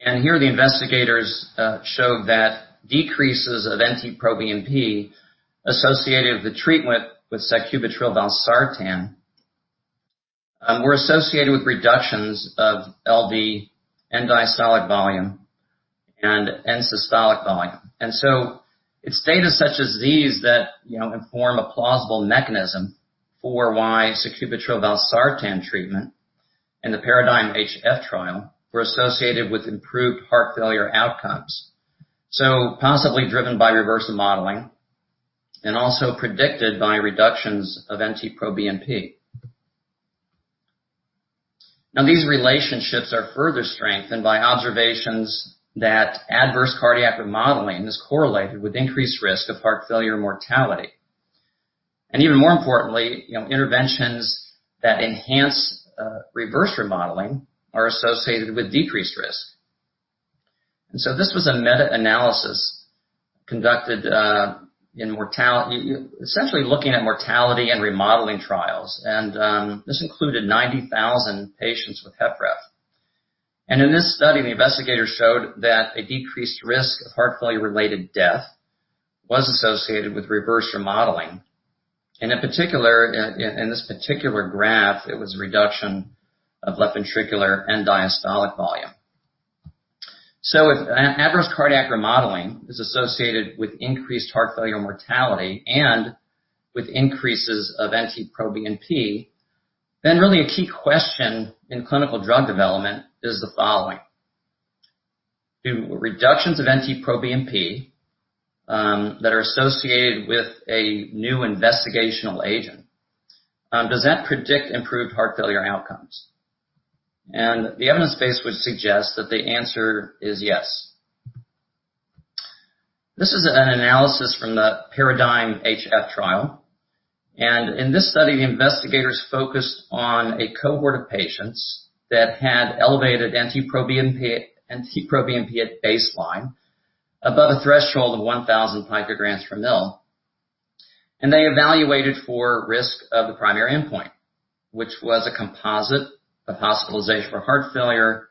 F: Here the investigators show that decreases of NT-proBNP associated with the treatment with sacubitril/valsartan were associated with reductions of LV end-diastolic volume and end-systolic volume. It's data such as these that inform a plausible mechanism for why sacubitril/valsartan treatment in the PARADIGM-HF trial were associated with improved heart failure outcomes. Possibly driven by reverse remodeling and also predicted by reductions of NT-proBNP. These relationships are further strengthened by observations that adverse cardiac remodeling is correlated with increased risk of heart failure mortality. Even more importantly, interventions that enhance reverse remodeling are associated with decreased risk. This was a meta-analysis essentially looking at mortality and remodeling trials, and this included 90,000 patients with HFrEF. In this study, the investigators showed that a decreased risk of heart failure-related death was associated with reverse remodeling. In this particular graph, it was a reduction of left ventricular end-diastolic volume. If adverse cardiac remodeling is associated with increased heart failure mortality and with increases of NT-proBNP, really a key question in clinical drug development is the following. Do reductions of NT-proBNP that are associated with a new investigational agent, does that predict improved heart failure outcomes? The evidence base would suggest that the answer is yes. This is an analysis from the PARADIGM-HF trial. In this study, the investigators focused on a cohort of patients that had elevated NT-proBNP at baseline above a threshold of 1,000 picograms/mL. They evaluated for risk of the primary endpoint, which was a composite of hospitalization for heart failure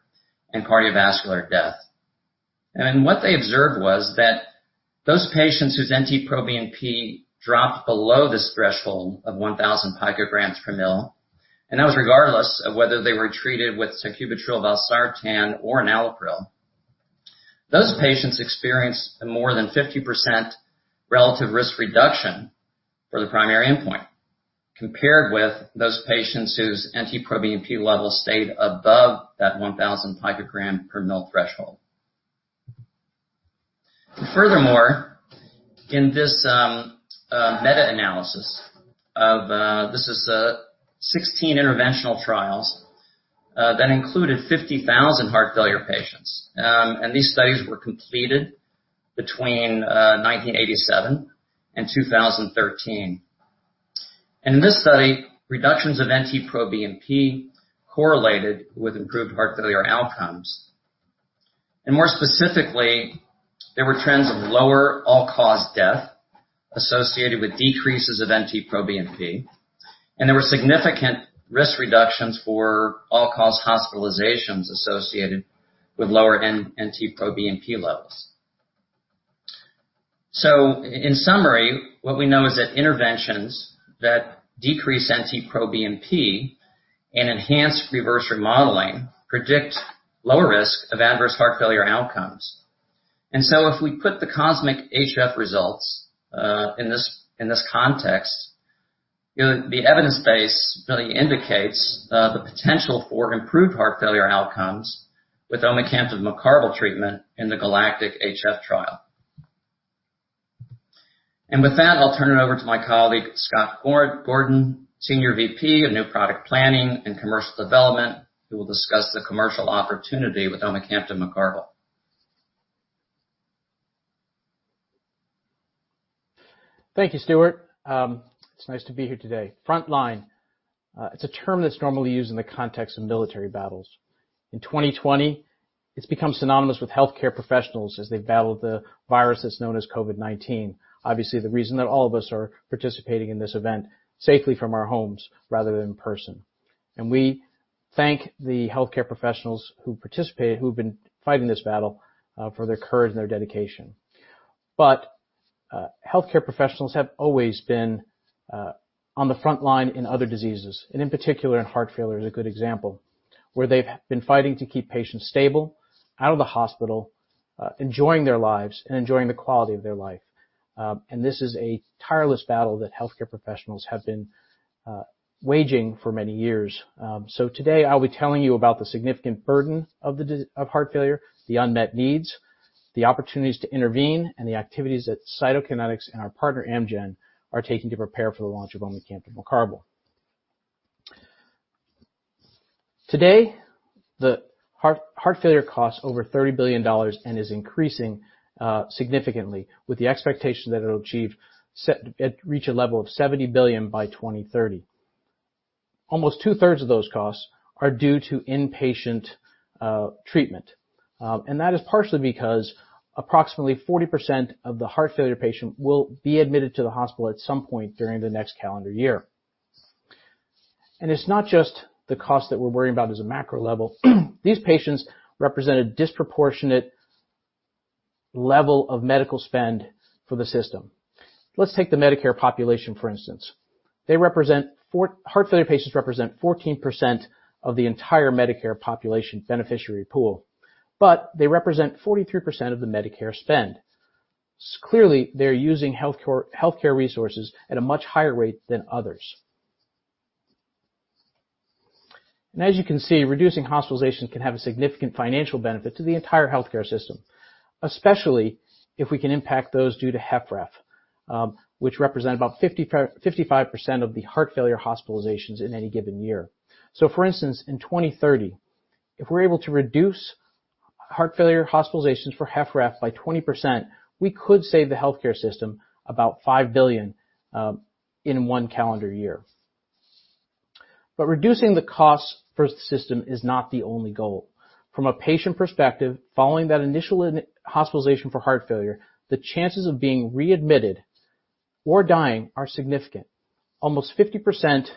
F: and cardiovascular death. What they observed was that those patients whose NT-proBNP dropped below this threshold of 1,000 picograms/mL, and that was regardless of whether they were treated with sacubitril/valsartan or enalapril. Those patients experienced a more than 50% relative risk reduction for the primary endpoint compared with those patients whose NT-proBNP level stayed above that 1,000 picogram/mL threshold. Furthermore, in this meta-analysis of 16 interventional trials that included 50,000 heart failure patients. These studies were completed between 1987 and 2013. In this study, reductions of NT-proBNP correlated with improved heart failure outcomes. More specifically, there were trends of lower all-cause death associated with decreases of NT-proBNP, and there were significant risk reductions for all-cause hospitalizations associated with lower NT-proBNP levels. In summary, what we know is that interventions that decrease NT-proBNP and enhance reverse remodeling predict lower risk of adverse heart failure outcomes. If we put the COSMIC-HF results in this context, the evidence base really indicates the potential for improved heart failure outcomes with omecamtiv mecarbil treatment in the GALACTIC-HF trial. With that, I'll turn it over to my colleague, Scott Gordon, Senior VP of New Product Planning and Commercial Development, who will discuss the commercial opportunity with omecamtiv mecarbil.
G: Thank you, Stuart. It's nice to be here today. Frontline is a term that's normally used in the context of military battles. In 2020, it's become synonymous with healthcare professionals as they've battled the virus that's known as COVID-19. Obviously, the reason that all of us are participating in this event safely from our homes rather than in person. We thank the healthcare professionals who participate, who've been fighting this battle, for their courage and their dedication. Healthcare professionals have always been on the frontline in other diseases, and in particular, heart failure is a good example, where they've been fighting to keep patients stable, out of the hospital, enjoying their lives, and enjoying the quality of their life. This is a tireless battle that healthcare professionals have been waging for many years. Today, I'll be telling you about the significant burden of heart failure, the unmet needs, the opportunities to intervene, and the activities that Cytokinetics and our partner, Amgen, are taking to prepare for the launch of omecamtiv mecarbil. Today, heart failure costs over $30 billion and is increasing significantly, with the expectation that it'll reach a level of $70 billion by 2030. Almost two-thirds of those costs are due to inpatient treatment. That is partially because approximately 40% of the heart failure patient will be admitted to the hospital at some point during the next calendar year. It's not just the cost that we're worrying about as a macro level, these patients represent a disproportionate level of medical spend for the system. Let's take the Medicare population, for instance. Heart failure patients represent 14% of the entire Medicare population beneficiary pool, but they represent 43% of the Medicare spend. Clearly, they're using healthcare resources at a much higher rate than others. As you can see, reducing hospitalizations can have a significant financial benefit to the entire healthcare system, especially if we can impact those due to HFrEF, which represent about 55% of the heart failure hospitalizations in any given year. For instance, in 2030, if we're able to reduce heart failure hospitalizations for HFrEF by 20%, we could save the healthcare system about $5 billion in one calendar year. Reducing the cost for the system is not the only goal. From a patient perspective, following that initial hospitalization for heart failure, the chances of being readmitted or dying are significant. Almost 50%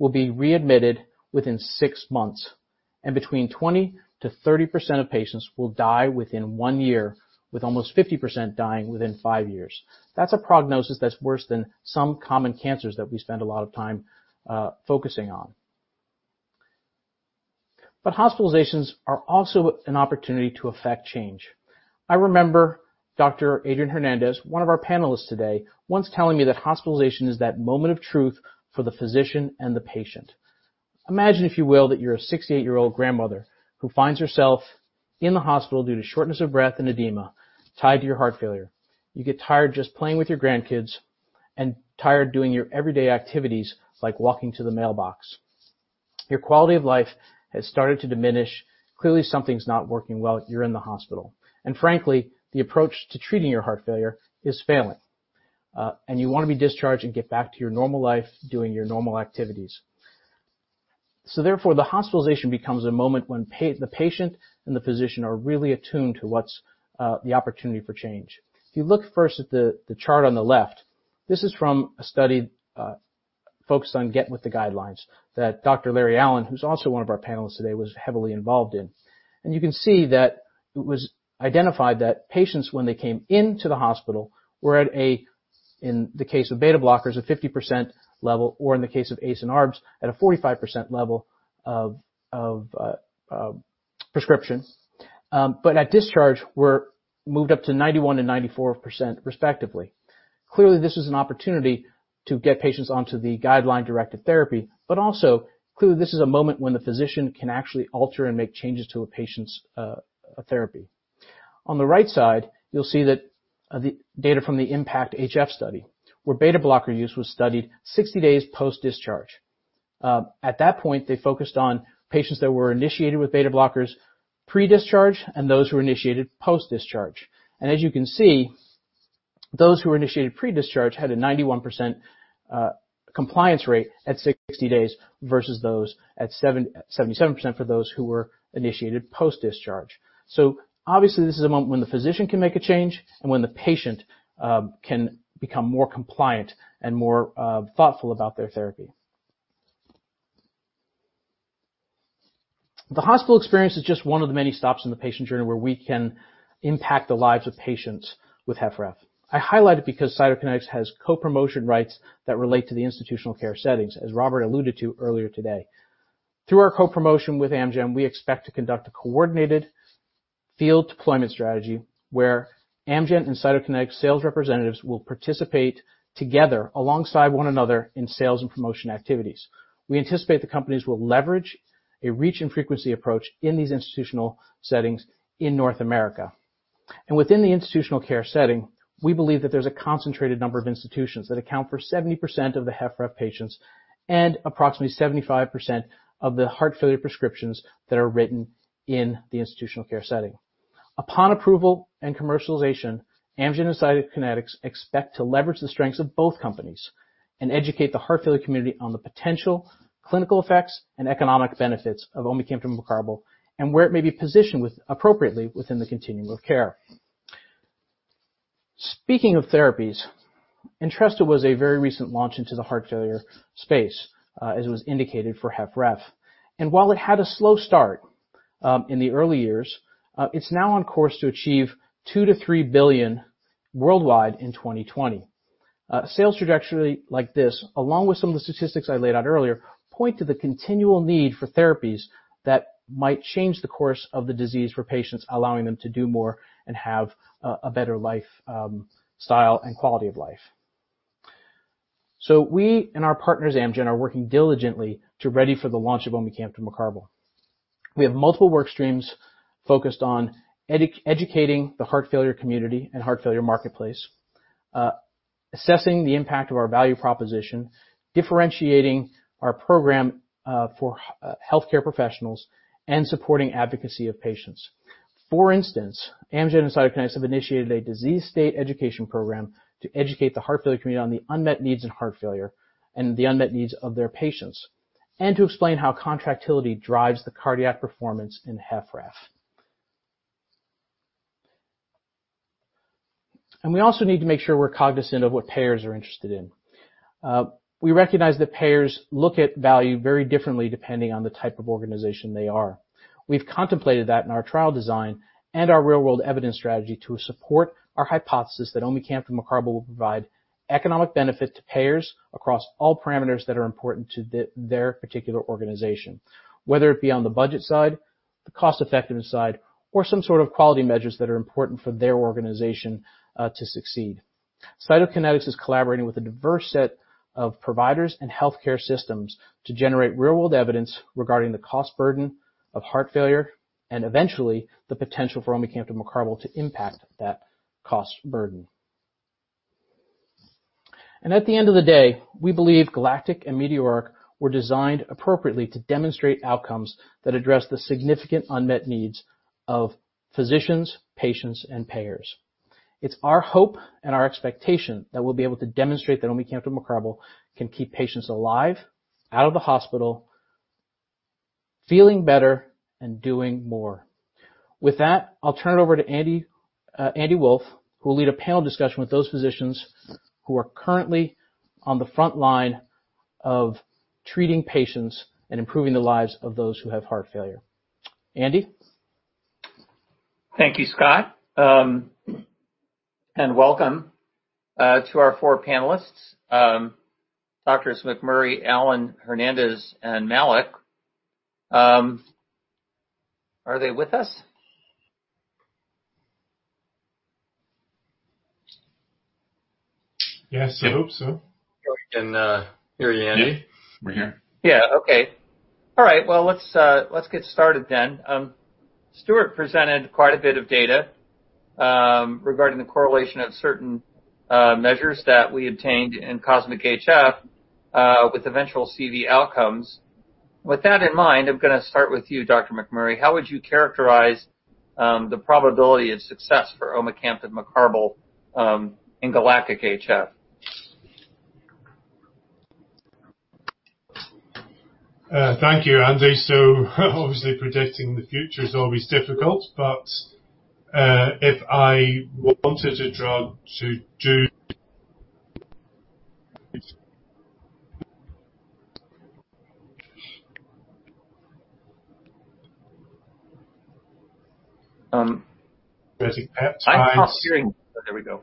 G: will be readmitted within six months, between 20%-30% of patients will die within one year, with almost 50% dying within five years. That's a prognosis that's worse than some common cancers that we spend a lot of time focusing on. Hospitalizations are also an opportunity to affect change. I remember Dr. Adrian Hernandez, one of our panelists today, once telling me that hospitalization is that moment of truth for the physician and the patient. Imagine, if you will, that you're a 68-year-old grandmother who finds herself in the hospital due to shortness of breath and edema tied to your heart failure. You get tired just playing with your grandkids and tired doing your everyday activities, like walking to the mailbox. Your quality of life has started to diminish. Clearly, something's not working well. You're in the hospital. Frankly, the approach to treating your heart failure is failing. You want to be discharged and get back to your normal life, doing your normal activities. Therefore, the hospitalization becomes a moment when the patient and the physician are really attuned to what's the opportunity for change. If you look first at the chart on the left, this is from a study focused on Get With The Guidelines, that Dr. Larry Allen, who's also one of our panelists today, was heavily involved in. You can see that it was identified that patients, when they came into the hospital, were at a, in the case of beta blockers, a 50% level, or in the case of ACE and ARBs, at a 45% level of prescription. At discharge, were moved up to 91% and 94%, respectively. Clearly, this is an opportunity to get patients onto the guideline-directed therapy, but also, clearly, this is a moment when the physician can actually alter and make changes to a patient's therapy. On the right side, you'll see the data from the IMPACT-HF study, where beta blocker use was studied 60 days post-discharge. At that point, they focused on patients that were initiated with beta blockers pre-discharge and those who were initiated post-discharge. As you can see, those who were initiated pre-discharge had a 91% compliance rate at 60 days versus 77% for those who were initiated post-discharge. Obviously, this is a moment when the physician can make a change and when the patient can become more compliant and more thoughtful about their therapy. The hospital experience is just one of the many stops in the patient journey where we can impact the lives of patients with HFrEF. I highlight it because Cytokinetics has co-promotion rights that relate to the institutional care settings, as Robert alluded to earlier today. Through our co-promotion with Amgen, we expect to conduct a coordinated field deployment strategy where Amgen and Cytokinetics sales representatives will participate together alongside one another in sales and promotion activities. We anticipate the companies will leverage a reach and frequency approach in these institutional settings in North America. Within the institutional care setting, we believe that there's a concentrated number of institutions that account for 70% of the HFrEF patients and approximately 75% of the heart failure prescriptions that are written in the institutional care setting. Upon approval and commercialization, Amgen and Cytokinetics expect to leverage the strengths of both companies and educate the heart failure community on the potential clinical effects and economic benefits of omecamtiv mecarbil and where it may be positioned appropriately within the continuum of care. Speaking of therapies, Entresto was a very recent launch into the heart failure space as it was indicated for HFrEF. While it had a slow start in the early years, it's now on course to achieve $2 billion-$3 billion worldwide in 2020. A sales trajectory like this, along with some of the statistics I laid out earlier, point to the continual need for therapies that might change the course of the disease for patients, allowing them to do more and have a better lifestyle and quality of life. We and our partners Amgen are working diligently to ready for the launch of omecamtiv mecarbil. We have multiple work streams focused on educating the heart failure community and heart failure marketplace, assessing the impact of our value proposition, differentiating our program for healthcare professionals, and supporting advocacy of patients. For instance, Amgen and Cytokinetics have initiated a disease state education program to educate the heart failure community on the unmet needs in heart failure and the unmet needs of their patients, and to explain how contractility drives the cardiac performance in HFrEF. We also need to make sure we're cognizant of what payers are interested in. We recognize that payers look at value very differently depending on the type of organization they are. We've contemplated that in our trial design and our real-world evidence strategy to support our hypothesis that omecamtiv mecarbil will provide economic benefit to payers across all parameters that are important to their particular organization, whether it be on the budget side, the cost-effectiveness side, or some sort of quality measures that are important for their organization to succeed. Cytokinetics is collaborating with a diverse set of providers and healthcare systems to generate real-world evidence regarding the cost burden of heart failure, and eventually, the potential for omecamtiv mecarbil to impact that cost burden. At the end of the day, we believe GALACTIC and METEORIC were designed appropriately to demonstrate outcomes that address the significant unmet needs of physicians, patients, and payers. It's our hope and our expectation that we'll be able to demonstrate that omecamtiv mecarbil can keep patients alive, out of the hospital, feeling better, and doing more. With that, I'll turn it over to Andy Wolff, who will lead a panel discussion with those physicians who are currently on the front line of treating patients and improving the lives of those who have heart failure. Andy?
E: Thank you, Scott. Welcome to our four panelists, Doctors McMurray, Allen, Hernandez, and Malik. Are they with us?
G: Yes, I hope so.
H: We can hear you, Andy.
I: We're here.
E: Yeah. Okay. All right. Well, let's get started then. Stuart presented quite a bit of data regarding the correlation of certain measures that we obtained in COSMIC-HF with eventual CV outcomes. With that in mind, I'm going to start with you, Dr. McMurray. How would you characterize the probability of success for omecamtiv mecarbil in GALACTIC-HF?
J: Thank you, Andy. Obviously, predicting the future is always difficult. If I wanted a drug to do
E: Oh, there we go.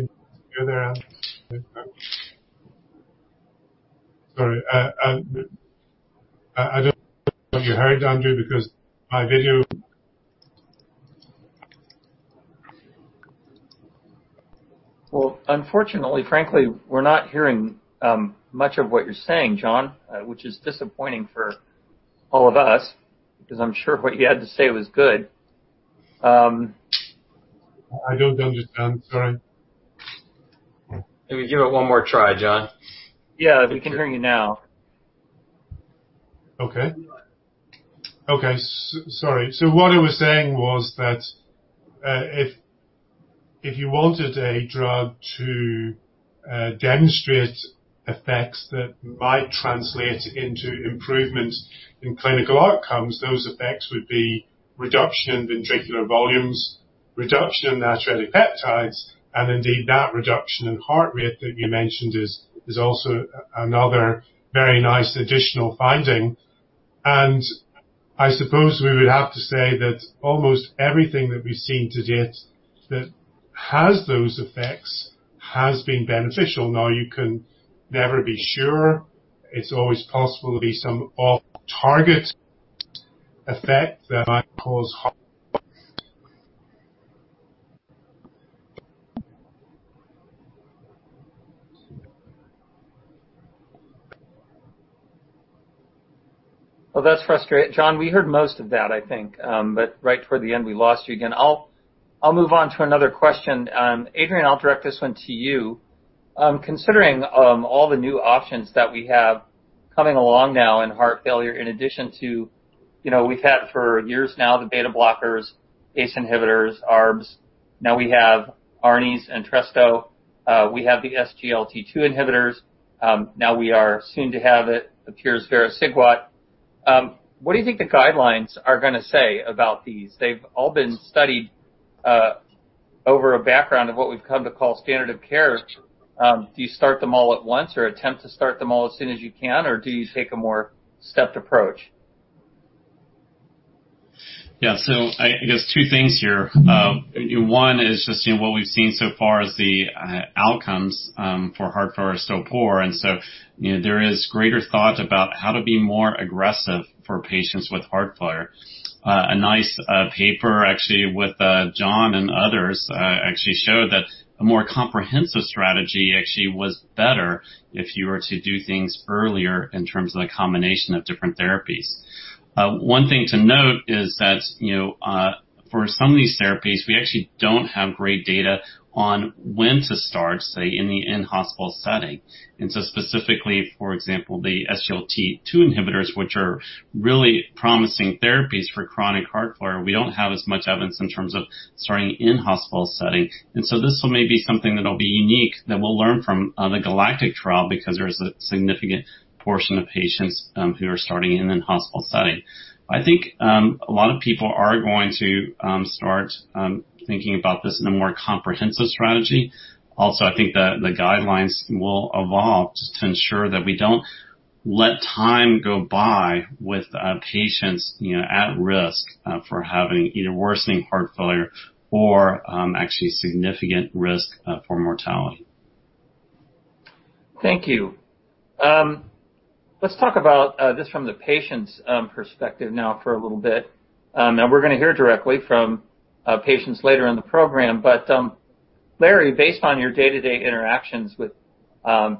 J: You there, Andy? Sorry. I don't know if you heard, Andrew, because my video-
E: Well, unfortunately, frankly, we're not hearing much of what you're saying, John, which is disappointing for all of us because I'm sure what you had to say was good.
J: I don't understand. Sorry.
H: Maybe give it one more try, John.
E: Yeah. We can hear you now.
J: Okay. Sorry. What I was saying was that if you wanted a drug to demonstrate effects that might translate into improvements in clinical outcomes, those effects would be reduction in ventricular volumes, reduction in natriuretic peptides, and indeed, that reduction in heart rate that you mentioned is also another very nice additional finding. I suppose we would have to say that almost everything that we've seen to date that has those effects has been beneficial. Now, you can never be sure. It's always possible to be some off-target effect that might cause heart.
E: Well, that's frustrating. John, we heard most of that, I think. Right toward the end, we lost you again. I'll move on to another question. Adrian, I'll direct this one to you. Considering all the new options that we have coming along now in heart failure, in addition to, we've had for years now the beta blockers, ACE inhibitors, ARBs. Now we have ARNIs, Entresto. We have the SGLT2 inhibitors. Now we are soon to have it appears, vericiguat. What do you think the guidelines are going to say about these? They've all been studied over a background of what we've come to call standard of care. Do you start them all at once or attempt to start them all as soon as you can, or do you take a more stepped approach?
H: I guess two things here. One is just what we've seen so far is the outcomes for heart failure are so poor. There is greater thought about how to be more aggressive for patients with heart failure. A nice paper, actually, with John and others, actually showed that a more comprehensive strategy actually was better if you were to do things earlier in terms of the combination of different therapies. One thing to note is that for some of these therapies, we actually don't have great data on when to start, say, in the in-hospital setting. Specifically, for example, the SGLT2 inhibitors, which are really promising therapies for chronic heart failure, we don't have as much evidence in terms of starting in-hospital setting. This may be something that'll be unique that we'll learn from the GALACTIC-HF trial because there is a significant portion of patients who are starting in an in-hospital setting. I think that the guidelines will evolve just to ensure that we don't let time go by with patients at risk for having either worsening heart failure or actually significant risk for mortality.
E: Thank you. Let's talk about this from the patient's perspective now for a little bit. We're going to hear directly from patients later in the program. Larry, based on your day-to-day interactions with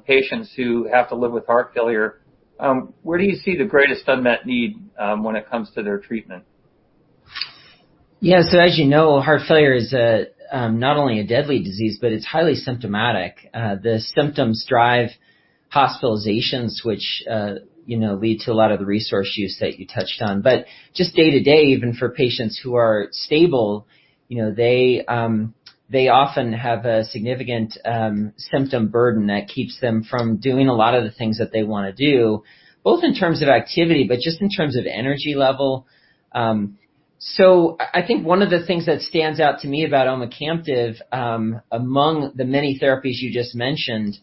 E: patients who have to live with heart failure, where do you see the greatest unmet need when it comes to their treatment?
K: Yeah. As you know, heart failure is not only a deadly disease, but it's highly symptomatic. The symptoms drive hospitalizations, which lead to a lot of the resource use that you touched on. Just day to day, even for patients who are stable, they often have a significant symptom burden that keeps them from doing a lot of the things that they want to do, both in terms of activity, but just in terms of energy level. I think one of the things that stands out to me about omecamtiv, among the many therapies you just mentioned,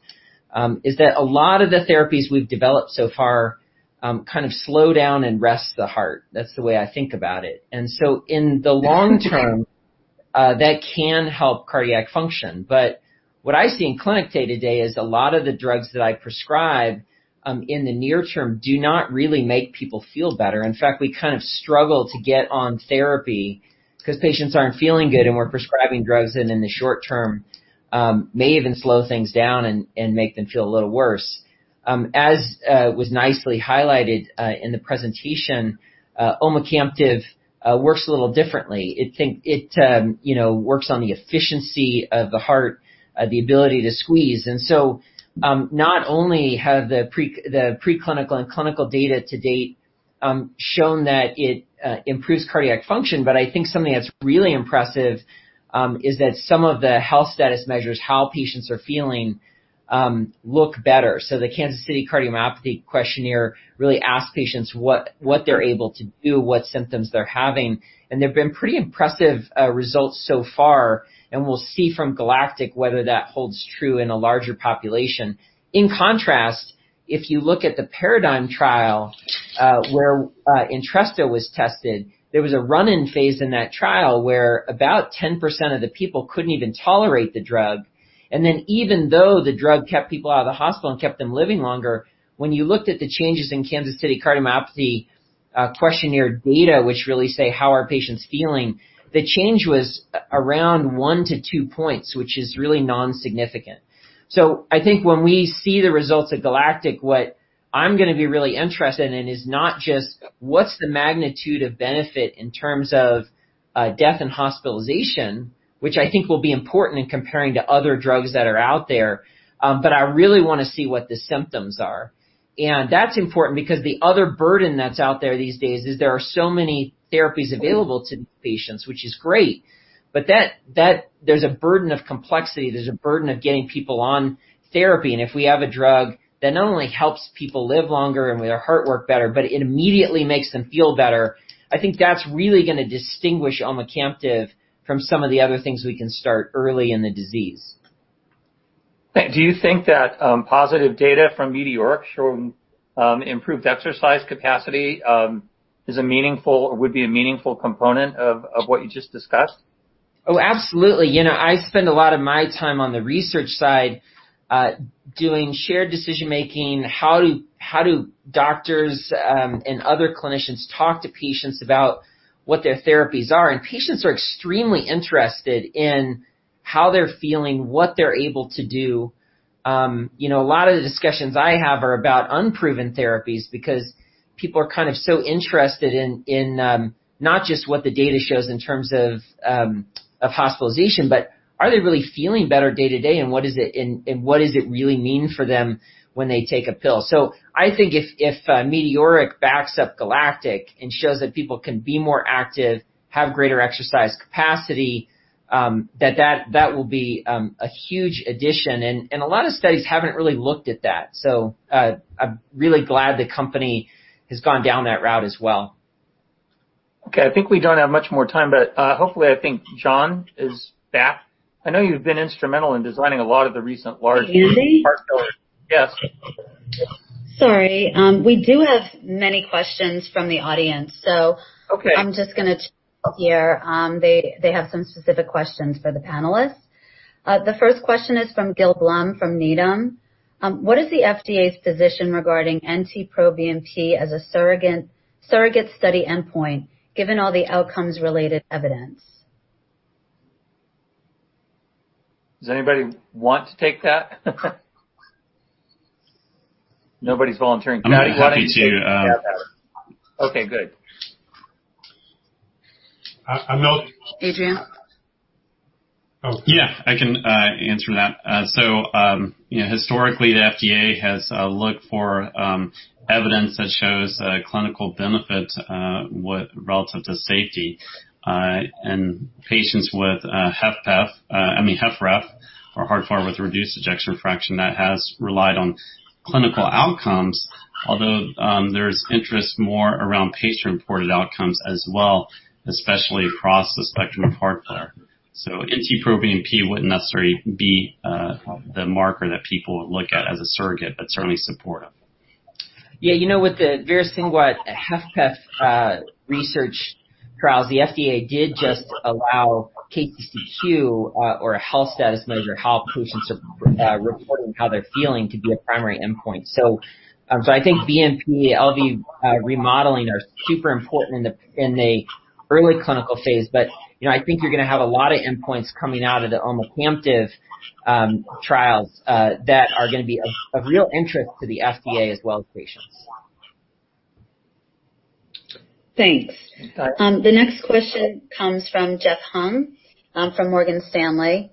K: is that a lot of the therapies we've developed so far kind of slow down and rest the heart. That's the way I think about it. In the long term, that can help cardiac function. What I see in clinic day to day is a lot of the drugs that I prescribe in the near term do not really make people feel better. In fact, we kind of struggle to get on therapy because patients aren't feeling good, and we're prescribing drugs that in the short term may even slow things down and make them feel a little worse. As was nicely highlighted in the presentation, omecamtiv works a little differently. It works on the efficiency of the heart, the ability to squeeze. Not only have the preclinical and clinical data to date shown that it improves cardiac function, but I think something that's really impressive is that some of the health status measures, how patients are feeling, look better. The Kansas City Cardiomyopathy Questionnaire really asks patients what they're able to do, what symptoms they're having, and there have been pretty impressive results so far, and we'll see from GALACTIC-HF whether that holds true in a larger population. In contrast, if you look at the PARADIGM trial, where Entresto was tested, there was a run-in phase in that trial where about 10% of the people couldn't even tolerate the drug. Even though the drug kept people out of the hospital and kept them living longer, when you looked at the changes in Kansas City Cardiomyopathy Questionnaire data which really say how are patients feeling. The change was around 1 to 2 points, which is really non-significant. I think when we see the results of GALACTIC-HF, what I'm going to be really interested in is not just what's the magnitude of benefit in terms of death and hospitalization, which I think will be important in comparing to other drugs that are out there. I really want to see what the symptoms are. That's important because the other burden that's out there these days is there are so many therapies available to patients, which is great, but there's a burden of complexity. There's a burden of getting people on therapy. If we have a drug that not only helps people live longer and with their heart work better, but it immediately makes them feel better, I think that's really going to distinguish omecamtiv from some of the other things we can start early in the disease.
C: Do you think that positive data from METEORIC showing improved exercise capacity is a meaningful, or would be a meaningful component of what you just discussed?
K: Oh, absolutely. I spend a lot of my time on the research side, doing shared decision-making. How do doctors and other clinicians talk to patients about what their therapies are? Patients are extremely interested in how they're feeling, what they're able to do. A lot of the discussions I have are about unproven therapies because people are so interested in not just what the data shows in terms of hospitalization, but are they really feeling better day to day, and what does it really mean for them when they take a pill? I think if METEORIC backs up GALACTIC-HF and shows that people can be more active, have greater exercise capacity, that will be a huge addition. A lot of studies haven't really looked at that. I'm really glad the company has gone down that route as well.
E: Okay, I think we don't have much more time, but hopefully, I think John is back. I know you've been instrumental in designing a lot of the recent large-
A: Andy?
E: Yes.
A: Sorry. We do have many questions from the audience.
E: Okay.
A: I'm just going to check here. They have some specific questions for the panelists. The first question is from Gil Blum from Needham. What is the FDA's position regarding NT-proBNP as a surrogate study endpoint, given all the outcomes-related evidence?
E: Does anybody want to take that? Nobody's volunteering. Fady, do you want to take that?
H: I'm happy to.
E: Okay, good.
K: I'm not-
A: Adrian?
H: I can answer that. Historically, the FDA has looked for evidence that shows clinical benefit relative to safety. Patients with HFpEF, I mean HFrEF or heart failure with reduced ejection fraction that has relied on clinical outcomes, although there's interest more around patient-reported outcomes as well, especially across the spectrum of heart failure. NT-proBNP wouldn't necessarily be the marker that people look at as a surrogate, but certainly supportive.
K: Yeah. With the VITALITY-HFpEF research trials, the FDA did just allow KCCQ or a health status measure, how patients are reporting how they're feeling to be a primary endpoint. I think BNP, LV remodeling are super important in the early clinical phase, but I think you're going to have a lot of endpoints coming out of the omecamtiv trials that are going to be of real interest to the FDA as well as patients.
A: Thanks. The next question comes from Jeff Hung from Morgan Stanley.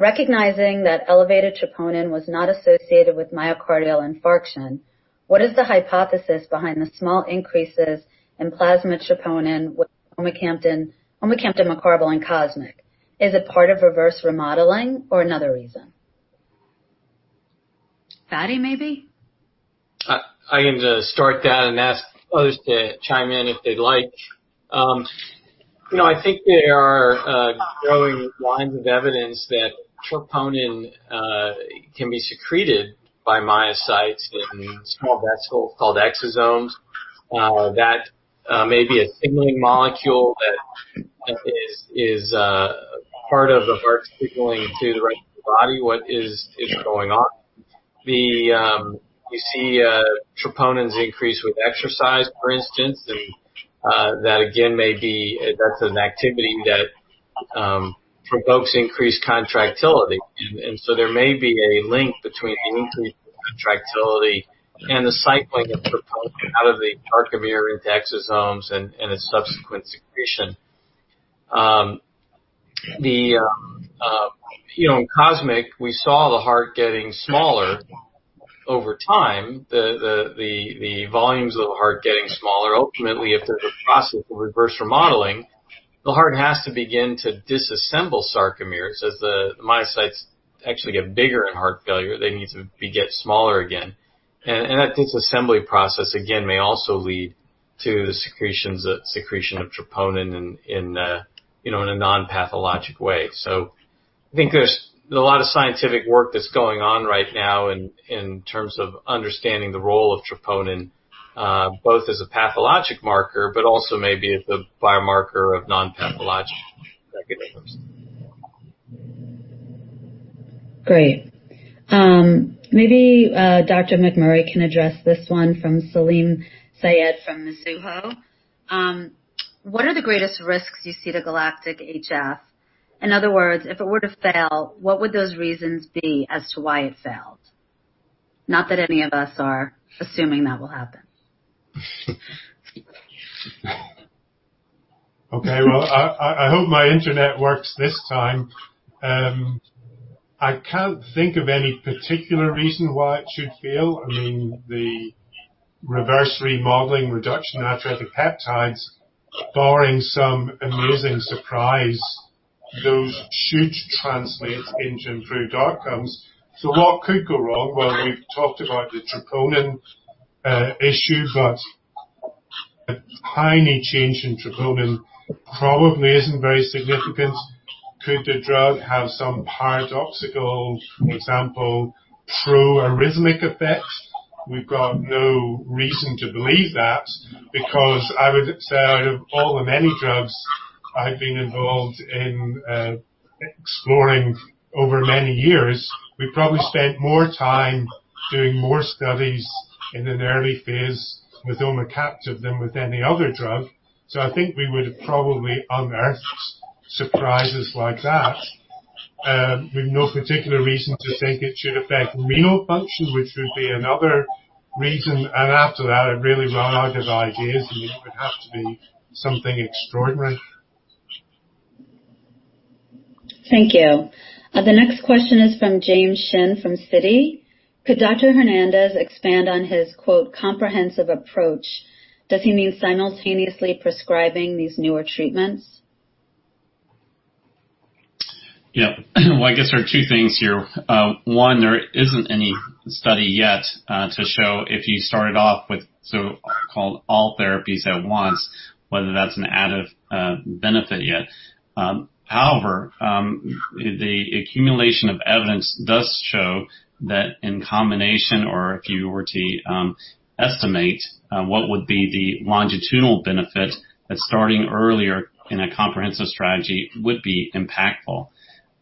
A: Recognizing that elevated troponin was not associated with myocardial infarction, what is the hypothesis behind the small increases in plasma troponin with omecamtiv mecarbil in COSMIC? Is it part of reverse remodeling or another reason? Fady, maybe?
C: I can start that and ask others to chime in if they'd like. I think there are growing lines of evidence that troponin can be secreted by myocytes in small vesicles called exosomes. That may be a signaling molecule that is part of the heart signaling to the rest of the body what is going on. You see troponins increase with exercise, for instance, and that again may be that's an activity that provokes increased contractility. There may be a link between an increase in contractility and the cycling of troponin out of the sarcomere into exosomes and its subsequent secretion. In COSMIC, we saw the heart getting smaller over time, the volumes of the heart getting smaller. Ultimately, if there's a process of reverse remodeling, the heart has to begin to disassemble sarcomeres. As the myocytes actually get bigger in heart failure, they need to get smaller again. That disassembly process, again, may also lead to the secretion of troponin in a non-pathologic way. I think there's a lot of scientific work that's going on right now in terms of understanding the role of troponin, both as a pathologic marker, but also maybe as a biomarker of non-pathologic mechanisms.
A: Great. Maybe Dr. McMurray can address this one from Salim Syed from Mizuho. What are the greatest risks you see to GALACTIC-HF? In other words, if it were to fail, what would those reasons be as to why it failed? Not that any of us are assuming that will happen.
J: Okay. Well, I hope my internet works this time. I can't think of any particular reason why it should fail. The reverse remodeling reduction of natriuretic peptides, barring some amazing surprise, those should translate into improved outcomes. What could go wrong? Well, we've talked about the troponin issue, but a tiny change in troponin probably isn't very significant. Could the drug have some paradoxical, for example, pro-arrhythmic effect? We've got no reason to believe that because I would say out of all the many drugs I've been involved in exploring over many years, we've probably spent more time doing more studies in an early phase with omecamtiv than with any other drug. I think we would have probably unearthed surprises like that. We've no particular reason to think it should affect renal function, which would be another reason. After that, I'm really run out of ideas. It would have to be something extraordinary.
A: Thank you. The next question is from James Shin from Citi. Could Dr. Hernandez expand on his, quote, "comprehensive approach?" Does he mean simultaneously prescribing these newer treatments?
H: Yeah. Well, I guess there are two things here. One, there isn't any study yet to show if you started off with so-called all therapies at once, whether that's an additive benefit yet. However, the accumulation of evidence does show that in combination or if you were to estimate what would be the longitudinal benefit that starting earlier in a comprehensive strategy would be impactful.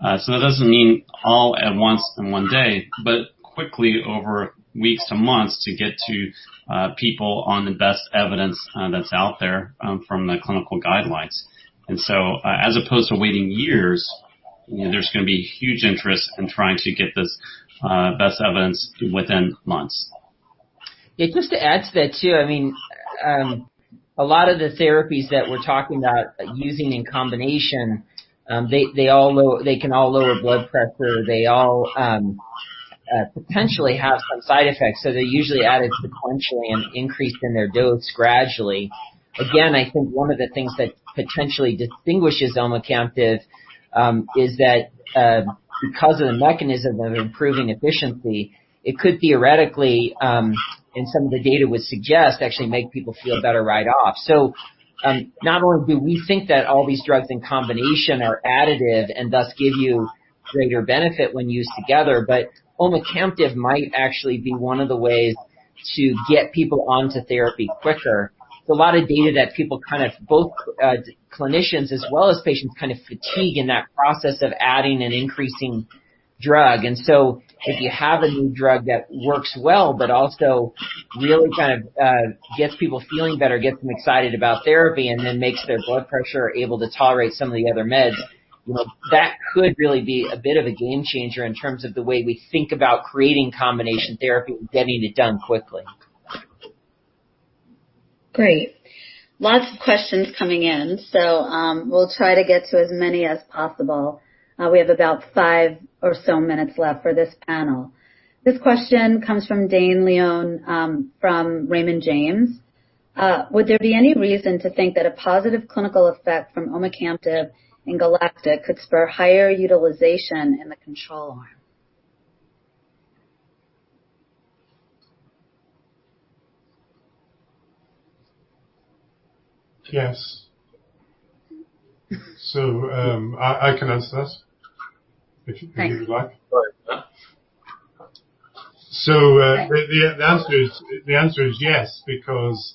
H: That doesn't mean all at once in one day, but quickly over weeks to months to get to people on the best evidence that's out there from the clinical guidelines. As opposed to waiting years, there's going to be huge interest in trying to get this best evidence within months.
K: Yeah, just to add to that, too, a lot of the therapies that we're talking about using in combination, they can all lower blood pressure. They all potentially have some side effects. They're usually added sequentially and increased in their dose gradually. Again, I think one of the things that potentially distinguishes omecamtiv, is that because of the mechanism of improving efficiency, it could theoretically, and some of the data would suggest, actually make people feel better right off. Not only do we think that all these drugs in combination are additive and thus give you greater benefit when used together, but omecamtiv might actually be one of the ways to get people onto therapy quicker. There's a lot of data that people kind of both clinicians as well as patients kind of fatigue in that process of adding an increasing drug. If you have a new drug that works well but also really kind of gets people feeling better, gets them excited about therapy, and then makes their blood pressure able to tolerate some of the other meds, that could really be a bit of a game changer in terms of the way we think about creating combination therapy and getting it done quickly.
A: Great. Lots of questions coming in. We'll try to get to as many as possible. We have about five or so minutes left for this panel. This question comes from Dane Leone from Raymond James. Would there be any reason to think that a positive clinical effect from omecamtiv and GALACTIC could spur higher utilization in the control arm?
J: Yes. I can answer that if you'd like.
A: Thanks.
J: The answer is yes, because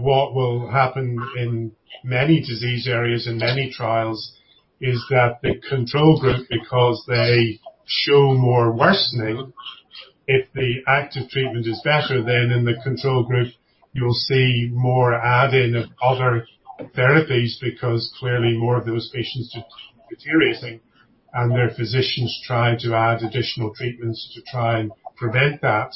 J: what will happen in many disease areas in many trials is that the control group, because they show more worsening, if the active treatment is better, then in the control group, you'll see more add-in of other therapies because clearly more of those patients are deteriorating and their physicians try to add additional treatments to try and prevent that.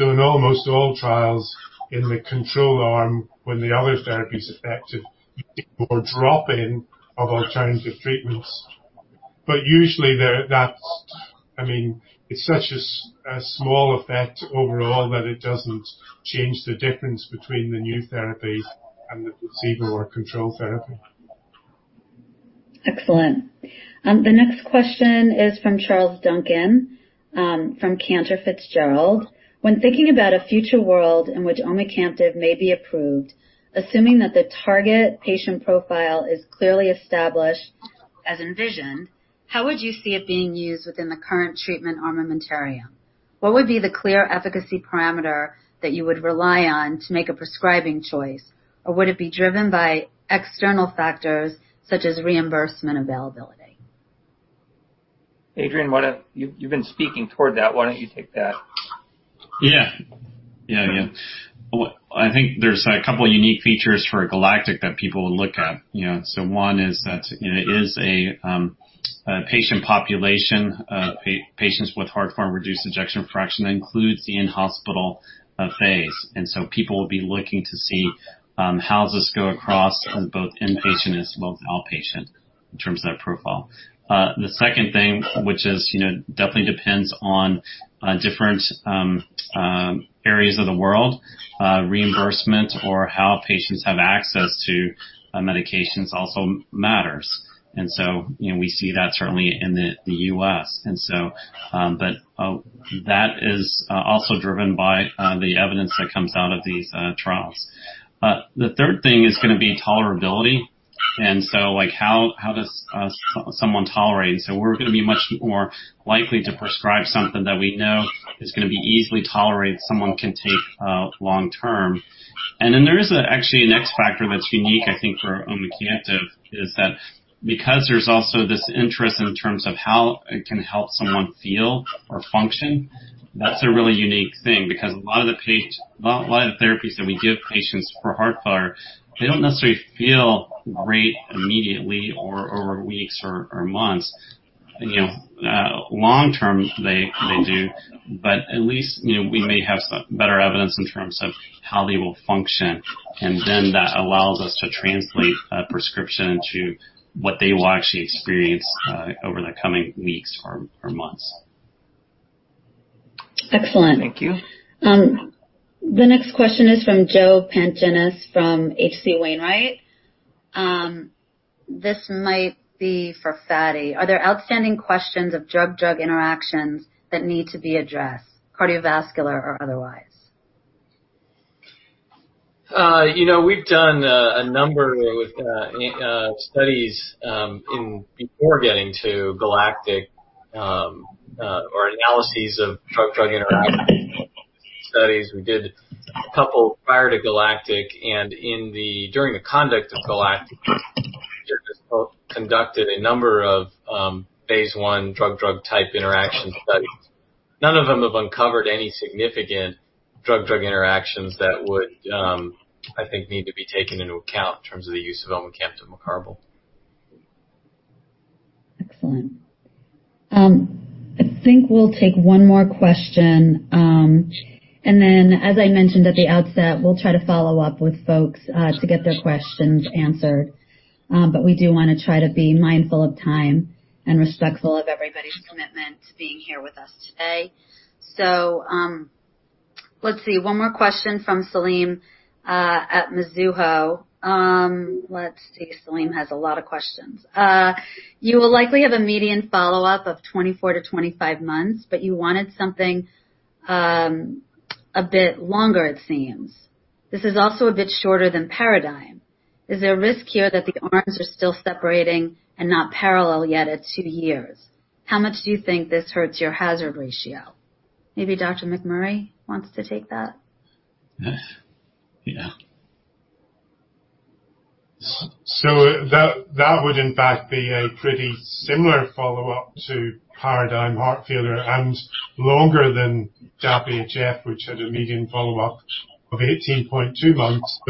J: In almost all trials in the control arm, when the other therapy is effective, you see more drop-in of alternative treatments. Usually it's such a small effect overall that it doesn't change the difference between the new therapy and the placebo or control therapy.
A: Excellent. The next question is from Charles Duncan from Cantor Fitzgerald. When thinking about a future world in which omecamtiv may be approved, assuming that the target patient profile is clearly established as envisioned, how would you see it being used within the current treatment armamentarium? What would be the clear efficacy parameter that you would rely on to make a prescribing choice? Or would it be driven by external factors such as reimbursement availability?
C: Adrian, you've been speaking toward that. Why don't you take that?
H: Yeah. I think there's a couple unique features for GALACTIC-HF that people will look at. One is that it is a patient population, patients with heart failure, reduced ejection fraction, that includes the in-hospital phase. People will be looking to see how does this go across both inpatient as well as outpatient in terms of their profile. The second thing, which definitely depends on different areas of the world, reimbursement or how patients have access to medications also matters. We see that certainly in the U.S. That is also driven by the evidence that comes out of these trials. The third thing is going to be tolerability. How does someone tolerate? We're going to be much more likely to prescribe something that we know is going to be easily tolerated, someone can take long term. There is actually an X factor that's unique, I think, for omecamtiv, is that because there's also this interest in terms of how it can help someone feel or function, that's a really unique thing. A lot of the therapies that we give patients for heart failure, they don't necessarily feel great immediately or over weeks or months. Long term, they do. At least we may have better evidence in terms of how they will function. That allows us to translate a prescription to what they will actually experience over the coming weeks or months.
A: Excellent.
H: Thank you.
A: The next question is from Joe Pantginis from H.C. Wainwright. This might be for Fady. Are there outstanding questions of drug-drug interactions that need to be addressed, cardiovascular or otherwise?
C: We've done a number of studies before getting to GALACTIC-HF or analyses of drug-drug interaction studies. We did a couple prior to GALACTIC-HF, and during the conduct of GALACTIC-HF, conducted a number of phase I drug-drug type interaction studies. None of them have uncovered any significant drug-drug interactions that would, I think, need to be taken into account in terms of the use of omecamtiv mecarbil.
A: Excellent. I think we'll take one more question, and then as I mentioned at the outset, we'll try to follow up with folks to get their questions answered. We do want to try to be mindful of time and respectful of everybody's commitment to being here with us today. Let's see. One more question from Salim at Mizuho. Let's see. Salim has a lot of questions. You will likely have a median follow-up of 24 to 25 months, but you wanted something a bit longer, it seems. This is also a bit shorter than PARADIGM-HF. Is there a risk here that the arms are still separating and not parallel yet at two years? How much do you think this hurts your hazard ratio? Maybe Dr. McMurray wants to take that.
J: That would in fact be a pretty similar follow-up to PARADIGM-HF and longer than DAPA-HF, which had a median follow-up of 18.2 months.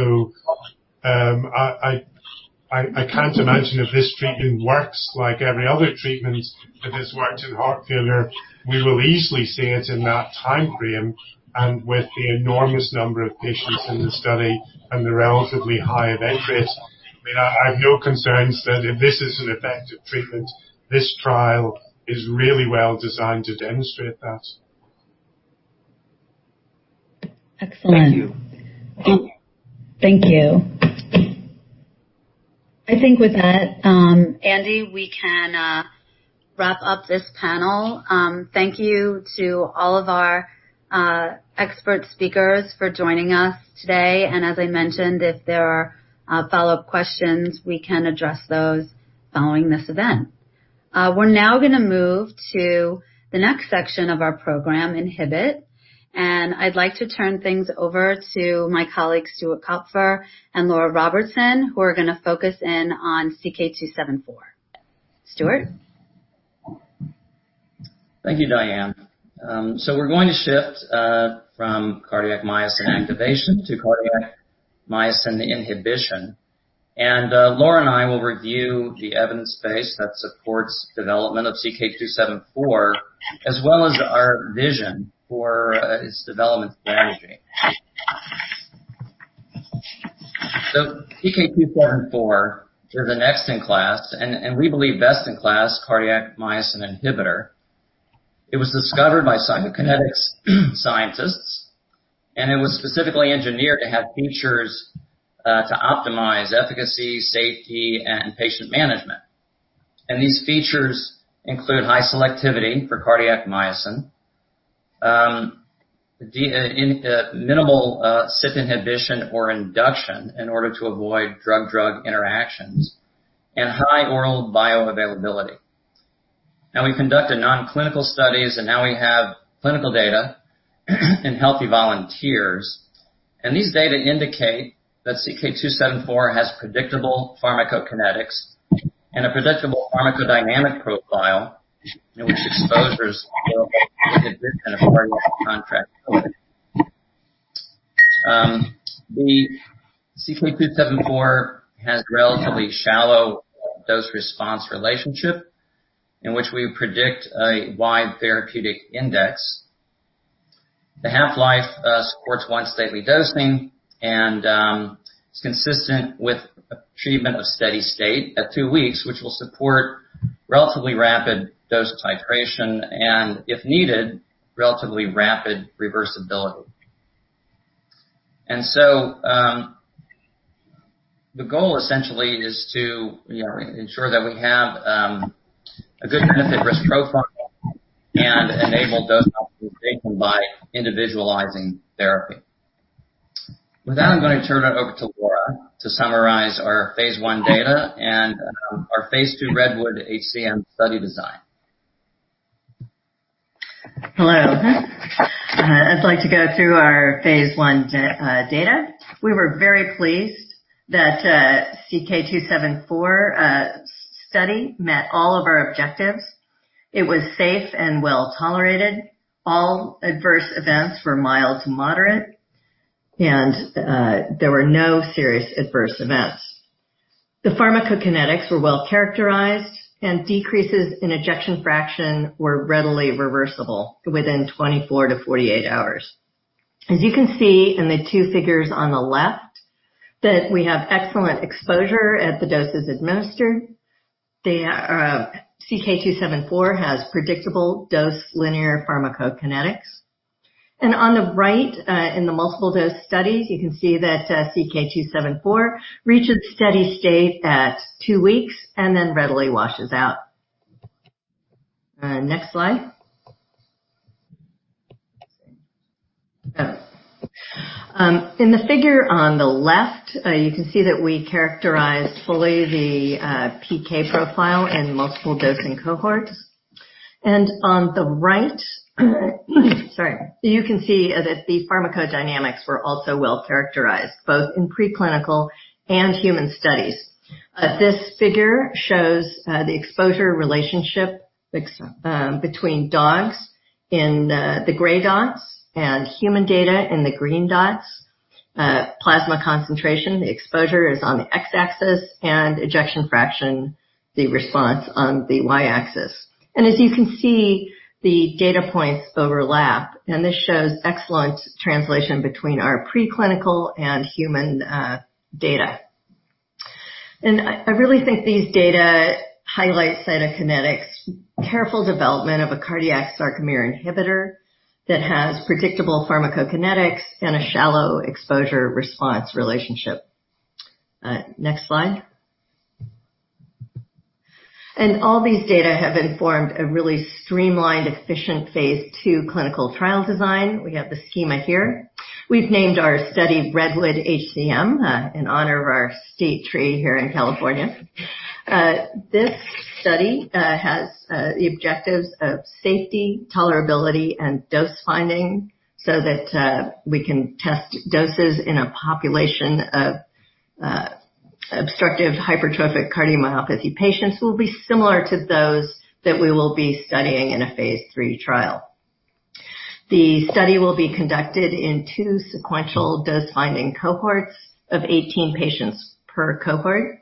J: I can't imagine if this treatment works like every other treatment that has worked in heart failure, we will easily see it in that time frame and with the enormous number of patients in the study and the relatively high event rate. I have no concerns that if this is an effective treatment, this trial is really well designed to demonstrate that.
A: Excellent.
H: Thank you.
A: Thank you. I think with that, Andy, we can wrap up this panel. Thank you to all of our expert speakers for joining us today. As I mentioned, if there are follow-up questions, we can address those following this event. We're now going to move to the next section of our program, Inhibit. I'd like to turn things over to my colleagues, Stuart Kupfer and Laura Robertson, who are going to focus in on CK-274. Stuart?
F: Thank you, Diane. We're going to shift from cardiac myosin activation to cardiac myosin inhibition. Laura and I will review the evidence base that supports development of CK-274, as well as our vision for its development strategy. CK-274 is the next in class, and we believe best in class cardiac myosin inhibitor. It was discovered by Cytokinetics scientists, and it was specifically engineered to have features to optimize efficacy, safety, and patient management. These features include high selectivity for cardiac myosin. Minimal CYP inhibition or induction in order to avoid drug-drug interactions and high oral bioavailability. We've conducted non-clinical studies, and now we have clinical data in healthy volunteers. These data indicate that CK-274 has predictable pharmacokinetics and a predictable pharmacodynamic profile in which exposures contract. CK-274 has relatively shallow dose response relationship in which we predict a wide therapeutic index. The half-life supports once daily dosing and is consistent with treatment of steady state at two weeks, which will support relatively rapid dose titration and, if needed, relatively rapid reversibility. The goal essentially is to ensure that we have a good benefit risk profile and enable dose optimization by individualizing therapy. With that, I'm going to turn it over to Laura to summarize our phase I data and our phase II REDWOOD-HCM study design.
L: Hello. I'd like to go through our phase I data. We were very pleased that CK-274 study met all of our objectives. It was safe and well tolerated. All adverse events were mild to moderate, and there were no serious adverse events. The pharmacokinetics were well-characterized, and decreases in ejection fraction were readily reversible within 24 to 48 hours. As you can see in the two figures on the left, that we have excellent exposure at the doses administered. CK-274 has predictable dose linear pharmacokinetics. On the right, in the multiple dose studies, you can see that CK-274 reaches steady state at two weeks and then readily washes out. Next slide. In the figure on the left, you can see that we characterized fully the PK profile in multiple dosing cohorts. On the right, sorry, you can see that the pharmacodynamics were also well characterized, both in preclinical and human studies. This figure shows the exposure relationship between dogs in the gray dots and human data in the green dots. Plasma concentration, the exposure is on the X-axis, and ejection fraction, the response on the Y-axis. As you can see, the data points overlap, and this shows excellent translation between our preclinical and human data. I really think these data highlight Cytokinetics' careful development of a cardiac sarcomere inhibitor that has predictable pharmacokinetics and a shallow exposure response relationship. Next slide. All these data have informed a really streamlined, efficient phase II clinical trial design. We have the schema here. We've named our study REDWOOD-HCM, in honor of our state tree here in California. This study has the objectives of safety, tolerability, and dose finding so that we can test doses in a population of obstructive hypertrophic cardiomyopathy patients who will be similar to those that we will be studying in a phase III trial. The study will be conducted in two sequential dose-finding cohorts of 18 patients per cohort.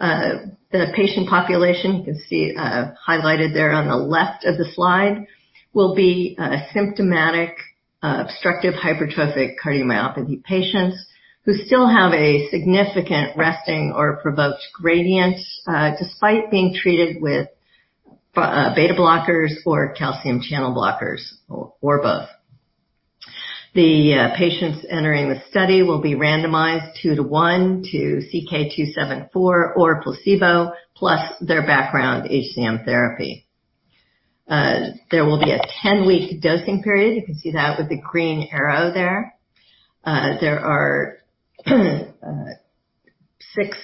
L: The patient population, you can see highlighted there on the left of the slide, will be asymptomatic obstructive hypertrophic cardiomyopathy patients who still have a significant resting or provoked gradient despite being treated with beta blockers or calcium channel blockers, or both. The patients entering the study will be randomized 2 to 1 to CK-274 or placebo, plus their background HCM therapy. There will be a 10-week dosing period. You can see that with the green arrow there. There are six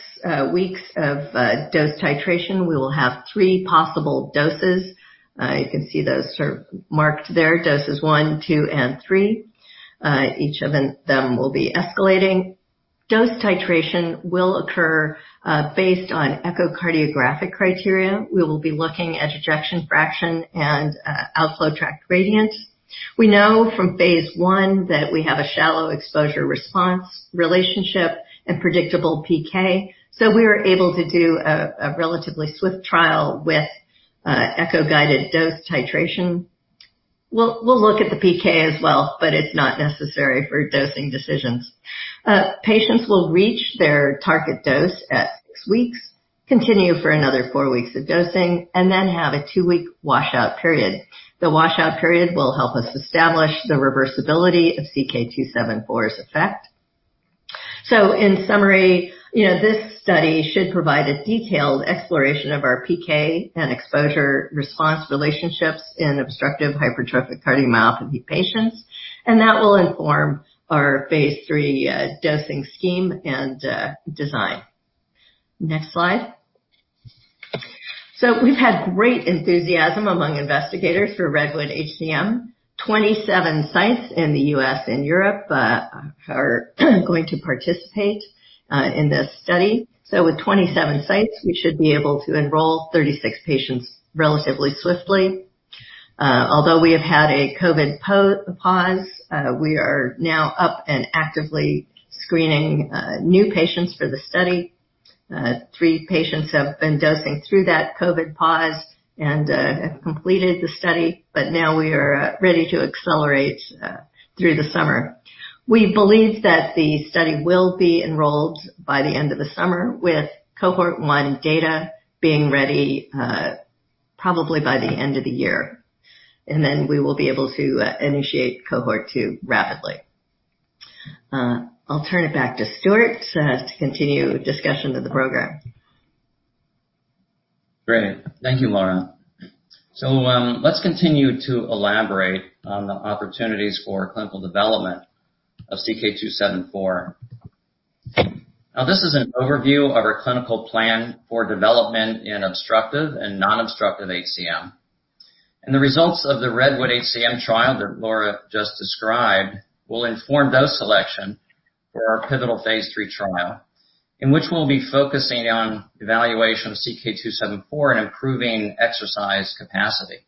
L: weeks of dose titration. We will have three possible doses. You can see those marked there, doses 1, 2, and 3. Each of them will be escalating. Dose titration will occur based on echocardiographic criteria. We will be looking at ejection fraction and outflow tract gradient. We know from phase I that we have a shallow exposure response relationship and predictable PK, so we are able to do a relatively swift trial with echo-guided dose titration. We'll look at the PK as well, but it's not necessary for dosing decisions. Patients will reach their target dose at six weeks, continue for another four weeks of dosing, and then have a two-week washout period. The washout period will help us establish the reversibility of CK-274's effect. In summary, this study should provide a detailed exploration of our PK and exposure-response relationships in obstructive hypertrophic cardiomyopathy patients, and that will inform our phase III dosing scheme and design. Next slide. We've had great enthusiasm among investigators for REDWOOD-HCM. 27 sites in the U.S. and Europe are going to participate in this study. With 27 sites, we should be able to enroll 36 patients relatively swiftly. Although we have had a COVID pause, we are now up and actively screening new patients for the study. Three patients have been dosing through that COVID pause and have completed the study, but now we are ready to accelerate through the summer. We believe that the study will be enrolled by the end of the summer, with Cohort 1 data being ready probably by the end of the year, and then we will be able to initiate Cohort 2 rapidly. I'll turn it back to Stuart to continue discussion of the program.
F: Great. Thank you, Laura. Let's continue to elaborate on the opportunities for clinical development of CK-274. This is an overview of our clinical plan for development in obstructive and non-obstructive HCM. The results of the REDWOOD-HCM trial that Laura just described will inform dose selection for our pivotal phase III trial in which we'll be focusing on evaluation of CK-274 in improving exercise capacity.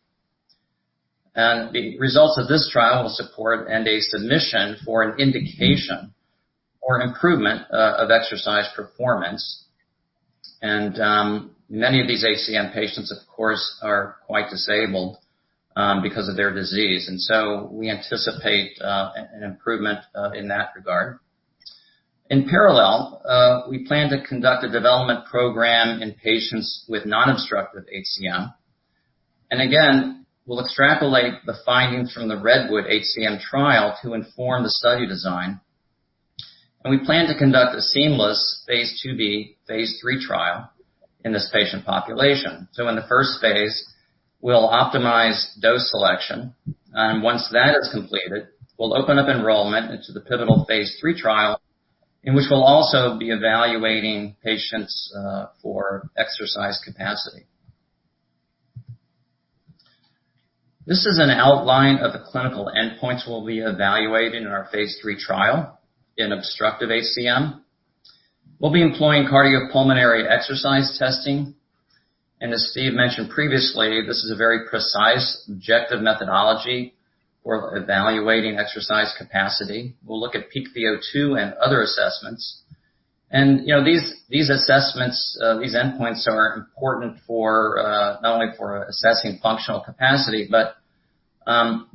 F: The results of this trial will support NDA submission for an indication or an improvement of exercise performance. Many of these HCM patients, of course, are quite disabled because of their disease, and so we anticipate an improvement in that regard. In parallel, we plan to conduct a development program in patients with non-obstructive HCM. Again, we'll extrapolate the findings from the REDWOOD-HCM trial to inform the study design. We plan to conduct a seamless phase II-B/phase III trial in this patient population. In the first phase, we'll optimize dose selection, and once that is completed, we'll open up enrollment into the pivotal phase III trial, in which we'll also be evaluating patients for exercise capacity. This is an outline of the clinical endpoints we'll be evaluating in our phase III trial in obstructive HCM. We'll be employing cardiopulmonary exercise testing. As Steve mentioned previously, this is a very precise, objective methodology for evaluating exercise capacity. We'll look at peak VO2 and other assessments. These assessments, these endpoints are important not only for assessing functional capacity, but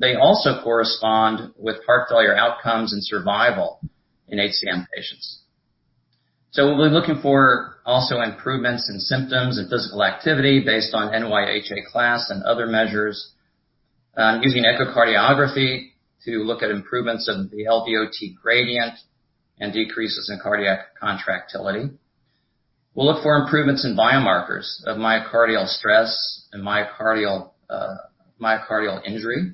F: they also correspond with heart failure outcomes and survival in HCM patients. We'll be looking for also improvements in symptoms and physical activity based on NYHA class and other measures using echocardiography to look at improvements of the LVOT gradient and decreases in cardiac contractility. We'll look for improvements in biomarkers of myocardial stress and myocardial injury.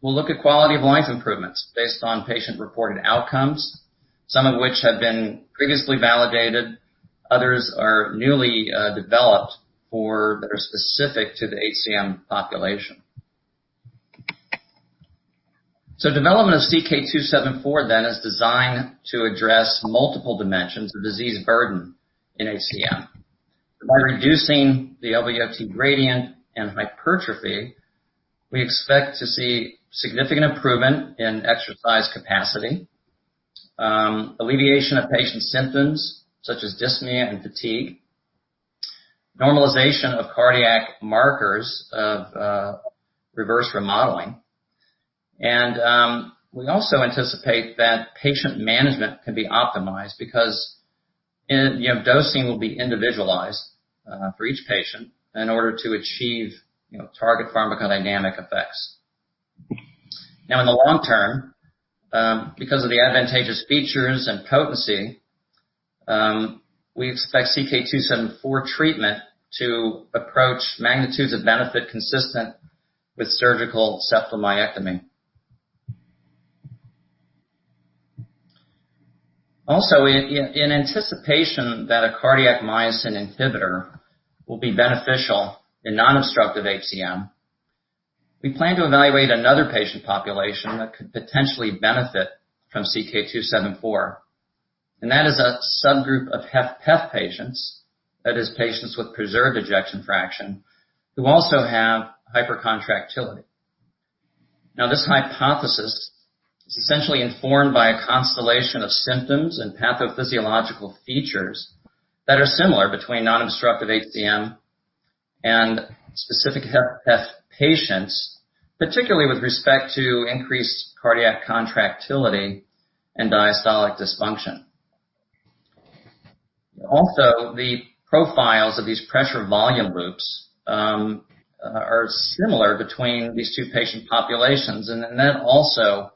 F: We'll look at quality-of-life improvements based on patient-reported outcomes, some of which have been previously validated. Others are newly developed for that are specific to the HCM population. Development of CK-274 then is designed to address multiple dimensions of disease burden in HCM. By reducing the LVOT gradient and hypertrophy, we expect to see significant improvement in exercise capacity, alleviation of patient symptoms such as dyspnea and fatigue, normalization of cardiac markers of reverse remodeling, and we also anticipate that patient management can be optimized because dosing will be individualized for each patient in order to achieve target pharmacodynamic effects. In the long term, because of the advantageous features and potency, we expect CK-274 treatment to approach magnitudes of benefit consistent with surgical septal myectomy. In anticipation that a cardiac myosin inhibitor will be beneficial in non-obstructive HCM, we plan to evaluate another patient population that could potentially benefit from CK-274, and that is a subgroup of HFpEF patients, that is patients with preserved ejection fraction, who also have hypercontractility. This hypothesis is essentially informed by a constellation of symptoms and pathophysiological features that are similar between non-obstructive HCM and specific HFpEF patients, particularly with respect to increased cardiac contractility and diastolic dysfunction. The profiles of these pressure volume loops are similar between these two patient populations, and then that also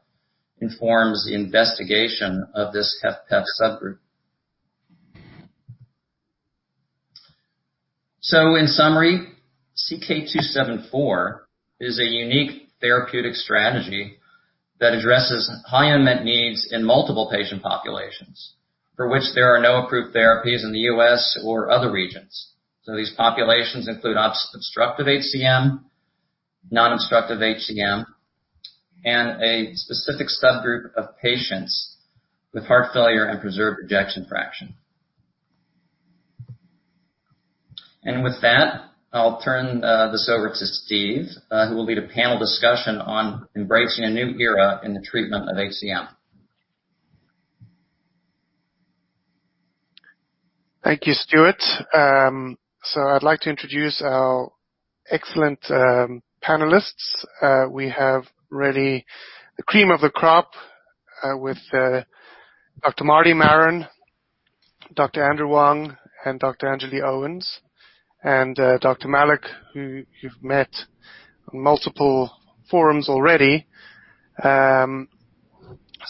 F: informs the investigation of this HFpEF subgroup. In summary, CK-274 is a unique therapeutic strategy that addresses high unmet needs in multiple patient populations for which there are no approved therapies in the U.S. or other regions. These populations include obstructive HCM, non-obstructive HCM, and a specific subgroup of patients with heart failure and preserved ejection fraction. With that, I'll turn this over to Steve, who will lead a panel discussion on embracing a new era in the treatment of HCM.
D: Thank you, Stuart. I'd like to introduce our excellent panelists. We have really the cream of the crop, with Dr. Martin Maron, Dr. Andrew Wang, and Dr. Anjali Owens, and Dr. Malik, who you've met on multiple forums already. I'm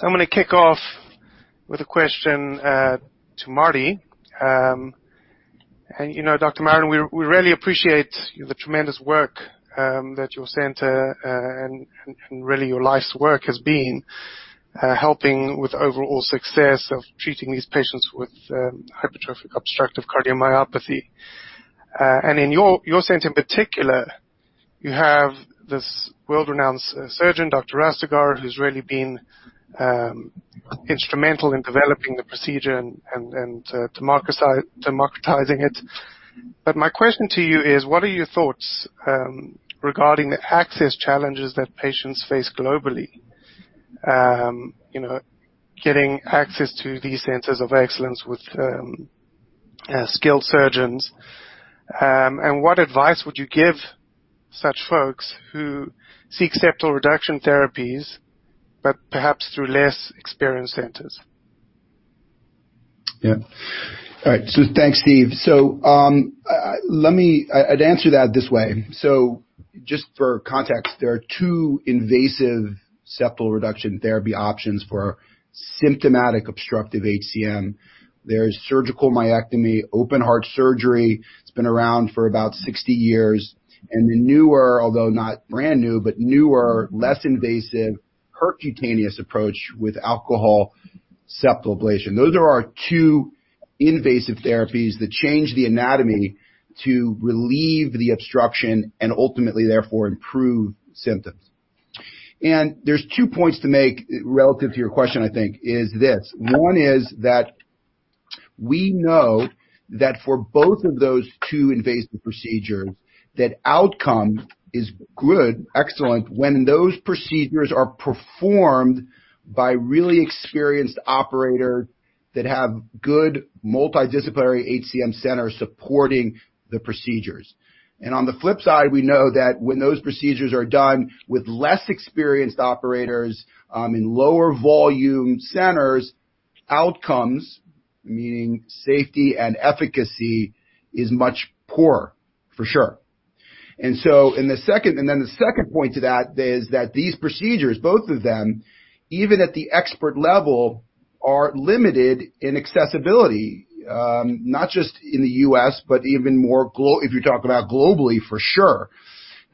D: going to kick off with a question to Marty. You know, Dr. Maron, we really appreciate the tremendous work that your center and really your life's work has been helping with overall success of treating these patients with hypertrophic obstructive cardiomyopathy. In your center in particular, you have this world-renowned surgeon, Dr. Rastegar, who's really been instrumental in developing the procedure and democratizing it. My question to you is, what are your thoughts regarding the access challenges that patients face globally, getting access to these centers of excellence with skilled surgeons? What advice would you give such folks who seek septal reduction therapies but perhaps through less experienced centers?
M: Yeah. All right. Thanks, Steve. I'd answer that this way. Just for context, there are two invasive septal reduction therapy options for symptomatic obstructive HCM. There's surgical myectomy, open heart surgery. It's been around for about 60 years. The newer, although not brand new, but newer, less invasive percutaneous approach with alcohol septal ablation. Those are our two invasive therapies that change the anatomy to relieve the obstruction and ultimately therefore improve symptoms. There's two points to make relative to your question, I think is this. One is that we know that for both of those two invasive procedures, that outcome is good, excellent when those procedures are performed by really experienced operator that have good multidisciplinary HCM center supporting the procedures. On the flip side, we know that when those procedures are done with less experienced operators, in lower volume centers, outcomes, meaning safety and efficacy, is much poor, for sure. The second point to that is that these procedures, both of them, even at the expert level, are limited in accessibility, not just in the U.S., but even more globally, if you're talking about globally, for sure.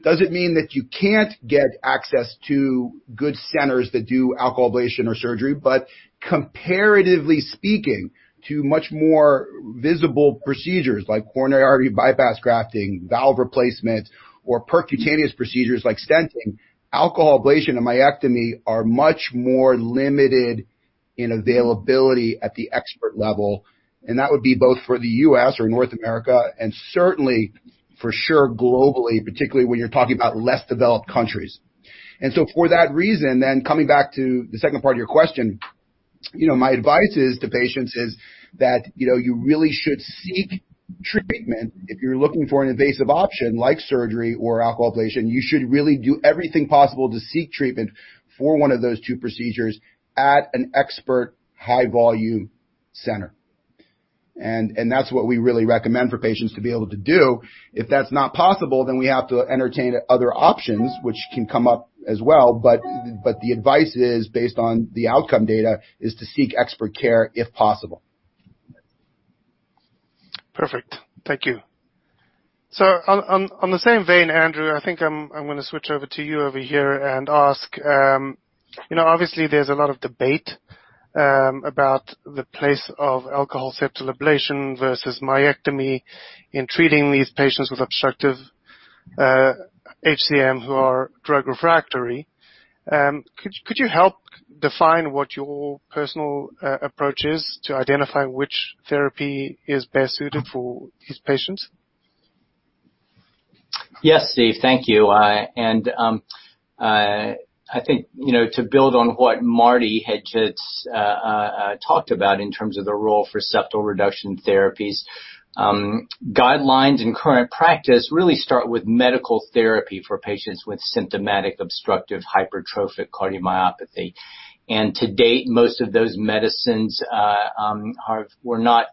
M: Doesn't mean that you can't get access to good centers that do alcohol ablation or surgery, but comparatively speaking to much more visible procedures like coronary artery bypass grafting, valve replacement, or percutaneous procedures like stenting, alcohol ablation and myectomy are much more limited in availability at the expert level, and that would be both for the U.S. or North America and certainly for sure globally, particularly when you're talking about less developed countries. For that reason, then coming back to the second part of your question, my advice is to patients is that you really should seek treatment if you're looking for an invasive option like surgery or alcohol ablation. You should really do everything possible to seek treatment for one of those two procedures at an expert high volume center. That's what we really recommend for patients to be able to do. If that's not possible, then we have to entertain other options which can come up as well. The advice is based on the outcome data, is to seek expert care if possible.
D: Perfect. Thank you. On the same vein, Andrew, I think I'm going to switch over to you over here and ask, obviously there's a lot of debate about the place of alcohol septal ablation versus myectomy in treating these patients with obstructive HCM who are drug refractory. Could you help define what your personal approach is to identify which therapy is best suited for these patients?
N: Yes, Steve. Thank you. I think to build on what Marty had just talked about in terms of the role for septal reduction therapies Guidelines and current practice really start with medical therapy for patients with symptomatic obstructive hypertrophic cardiomyopathy. To date, most of those medicines were not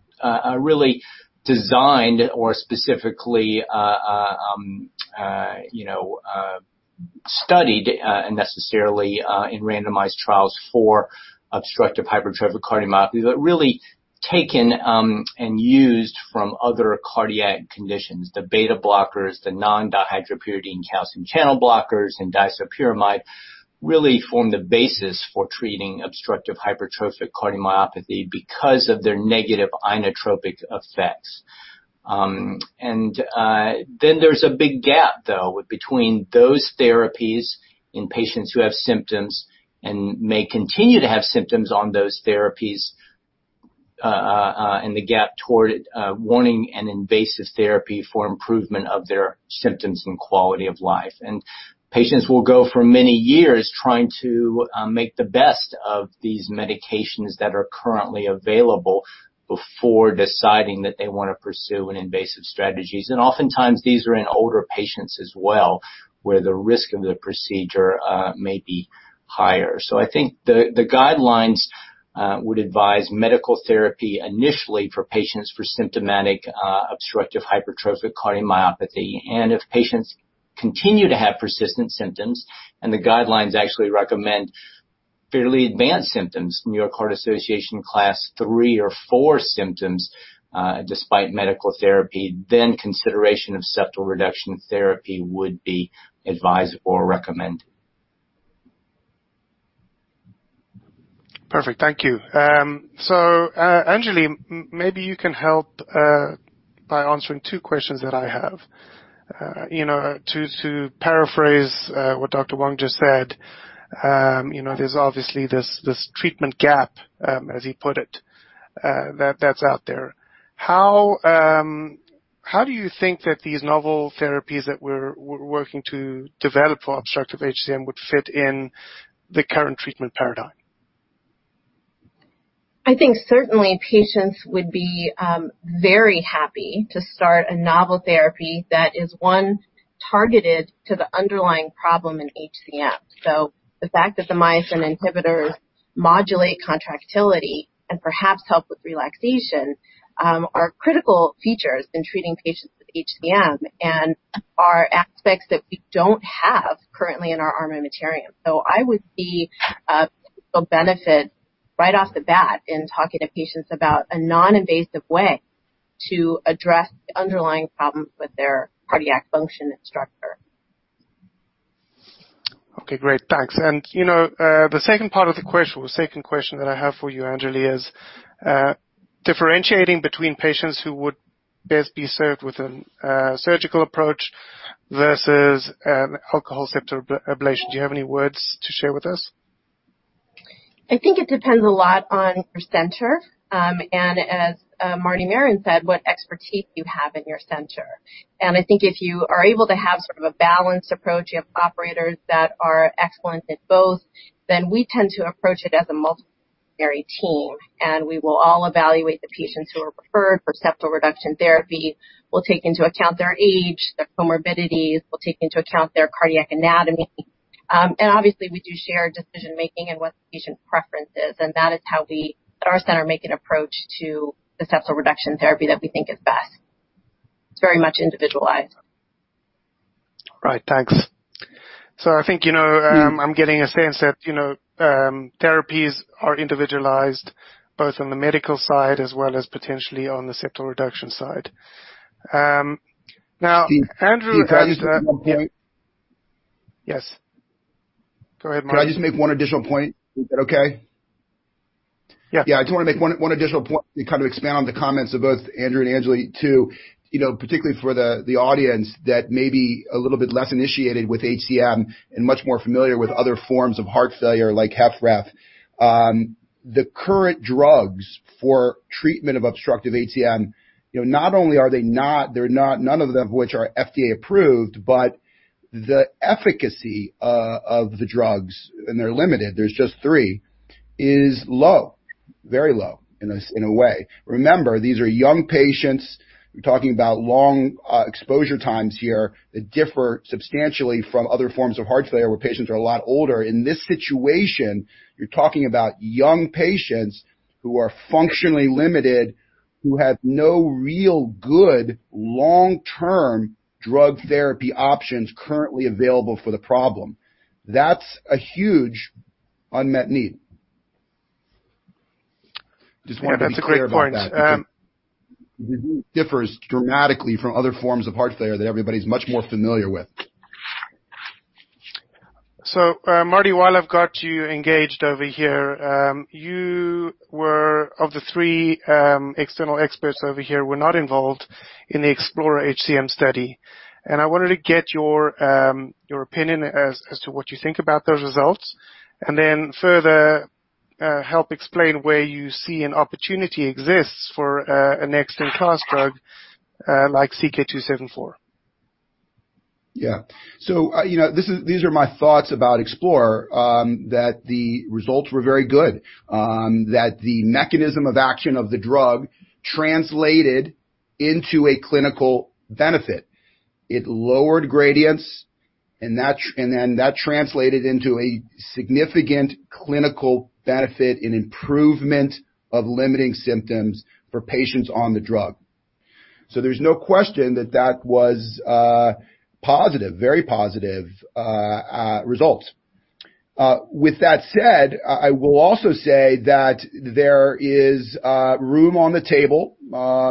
N: really designed or specifically studied necessarily in randomized trials for obstructive hypertrophic cardiomyopathy, but really taken and used from other cardiac conditions. The beta blockers, the non-dihydropyridine calcium channel blockers, and disopyramide really form the basis for treating obstructive hypertrophic cardiomyopathy because of their negative inotropic effects. There's a big gap, though, between those therapies in patients who have symptoms and may continue to have symptoms on those therapies, and the gap toward wanting an invasive therapy for improvement of their symptoms and quality of life. Patients will go for many years trying to make the best of these medications that are currently available before deciding that they want to pursue an invasive strategy. Oftentimes these are in older patients as well, where the risk of the procedure may be higher. I think the guidelines would advise medical therapy initially for patients for symptomatic obstructive hypertrophic cardiomyopathy. If patients continue to have persistent symptoms, and the guidelines actually recommend fairly advanced symptoms, New York Heart Association Class 3 or Class 4 symptoms, despite medical therapy, then consideration of septal reduction therapy would be advised or recommended.
D: Perfect. Thank you. Anjali, maybe you can help by answering two questions that I have. To paraphrase what Dr. Wang just said, there's obviously this treatment gap, as he put it, that's out there. How do you think that these novel therapies that we're working to develop for obstructive HCM would fit in the current treatment paradigm?
O: I think certainly patients would be very happy to start a novel therapy that is one targeted to the underlying problem in HCM. The fact that the myosin inhibitors modulate contractility and perhaps help with relaxation are critical features in treating patients with HCM and are aspects that we don't have currently in our armamentarium. I would see a benefit right off the bat in talking to patients about a non-invasive way to address the underlying problems with their cardiac function and structure.
D: Okay, great. Thanks. The second part of the question, or the second question that I have for you, Anjali, is differentiating between patients who would best be served with a surgical approach versus an alcohol septal ablation. Do you have any words to share with us?
O: I think it depends a lot on your center, as Martin Maron said, what expertise you have in your center. I think if you are able to have sort of a balanced approach, you have operators that are excellent at both, then we tend to approach it as a multidisciplinary team, and we will all evaluate the patients who are referred for septal reduction therapy. We'll take into account their age, their comorbidities. We'll take into account their cardiac anatomy. Obviously, we do share decision-making and what the patient preference is, and that is how we, at our center, make an approach to the septal reduction therapy that we think is best. It's very much individualized.
D: Right. Thanks. I think, I'm getting a sense that therapies are individualized, both on the medical side as well as potentially on the septal reduction side.
M: If I can just make one point.
D: Yes. Go ahead, Marty.
M: Can I just make one additional point? Is that okay?
D: Yeah.
M: Yeah. I just want to make one additional point to kind of expound on the comments of both Andrew and Anjali too, particularly for the audience that may be a little bit less initiated with HCM and much more familiar with other forms of heart failure like HFrEF. The current drugs for treatment of obstructive HCM, none of them which are FDA-approved, but the efficacy of the drugs, and they're limited, there's just three, is low. Very low in a way. Remember, these are young patients. We're talking about long exposure times here that differ substantially from other forms of heart failure where patients are a lot older. In this situation, you're talking about young patients who are functionally limited, who have no real good long-term drug therapy options currently available for the problem. That's a huge unmet need. Just wanted to be clear about that.
D: Yeah, that's a great point.
M: It differs dramatically from other forms of heart failure that everybody's much more familiar with.
D: Marty, while I've got you engaged over here, you were of the three external experts over here who were not involved in the EXPLORER-HCM study. I wanted to get your opinion as to what you think about those results, then further help explain where you see an opportunity exists for a next-in-class drug like CK-274.
M: Yeah. These are my thoughts about EXPLORER-HCM. That the results were very good, that the mechanism of action of the drug translated into a clinical benefit. It lowered gradients, that translated into a significant clinical benefit and improvement of limiting symptoms for patients on the drug. There's no question that was very positive results. With that said, I will also say that there is room on the table.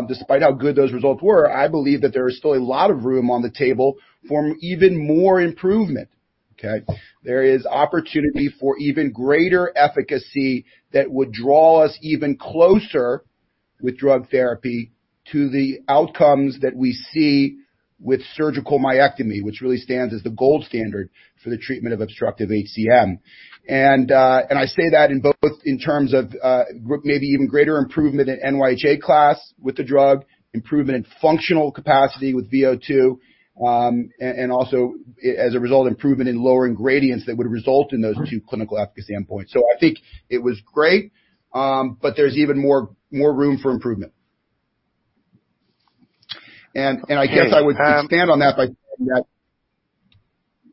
M: Despite how good those results were, I believe that there is still a lot of room on the table for even more improvement. Okay? There is opportunity for even greater efficacy that would draw us even closer with drug therapy to the outcomes that we see with surgical myectomy, which really stands as the gold standard for the treatment of obstructive HCM. I say that in both, in terms of maybe even greater improvement in NYHA class with the drug, improvement in functional capacity with VO2, and also, as a result, improvement in lowering gradients that would result in those two clinical efficacy endpoints. I think it was great, but there's even more room for improvement. I guess I would stand on that by saying that,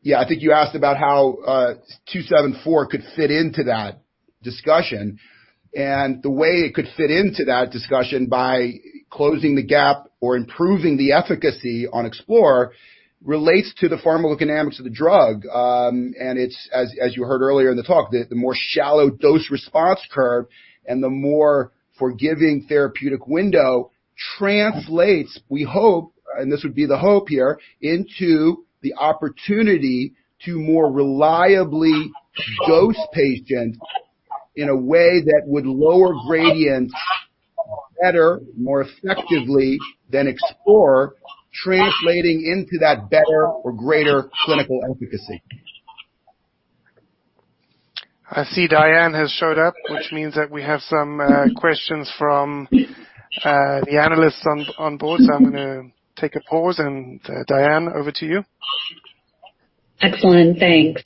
M: Yeah, I think you asked about how CK-274 could fit into that discussion, and the way it could fit into that discussion by closing the gap or improving the efficacy on EXPLORER-HCM relates to the pharmacodynamics of the drug. As you heard earlier in the talk, the more shallow dose response curve and the more forgiving therapeutic window translates, we hope, and this would be the hope here, into the opportunity to more reliably dose patients in a way that would lower gradients better, more effectively than EXPLORER-HCM, translating into that better or greater clinical efficacy.
D: I see Diane has showed up, which means that we have some questions from the analysts on board. I'm going to take a pause. Diane, over to you.
A: Excellent. Thanks.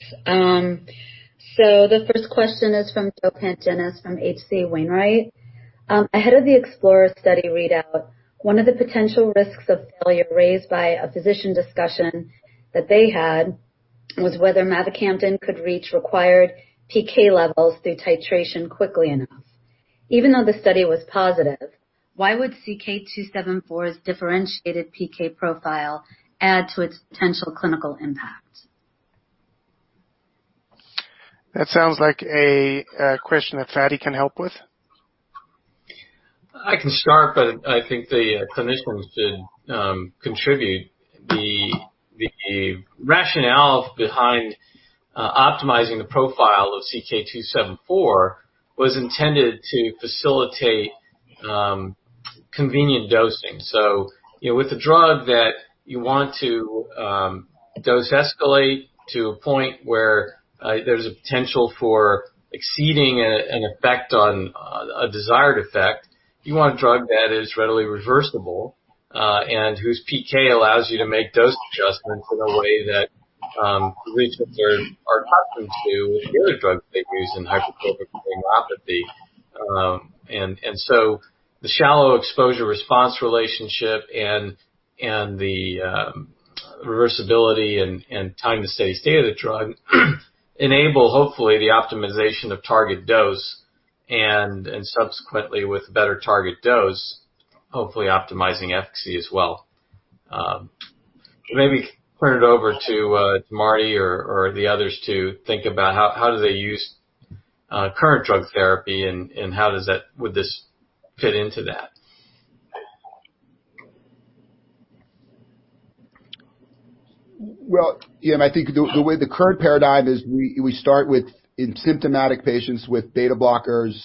A: The first question is from Joe Pantginis from H.C. Wainwright. Ahead of the EXPLORER-HCM study readout, one of the potential risks of failure raised by a physician discussion that they had was whether mavacamten could reach required PK levels through titration quickly enough. Even though the study was positive, why would CK-274's differentiated PK profile add to its potential clinical impact?
D: That sounds like a question that Fady can help with.
C: I can start, but I think the clinicians should contribute. The rationale behind optimizing the profile of CK-274 was intended to facilitate convenient dosing. With a drug that you want to dose escalate to a point where there's a potential for exceeding an effect on a desired effect, you want a drug that is readily reversible, and whose PK allows you to make dose adjustments in a way that the researchers are accustomed to with other drugs they've used in hypertrophic cardiomyopathy. The shallow exposure response relationship and the reversibility and time to steady state of the drug enable, hopefully, the optimization of target dose and, subsequently, with better target dose, hopefully optimizing efficacy as well. Maybe turn it over to Marty or the others to think about how do they use current drug therapy and how would this fit into that?
M: Well, yeah, I think the way the current paradigm is, we start with in symptomatic patients with beta blockers,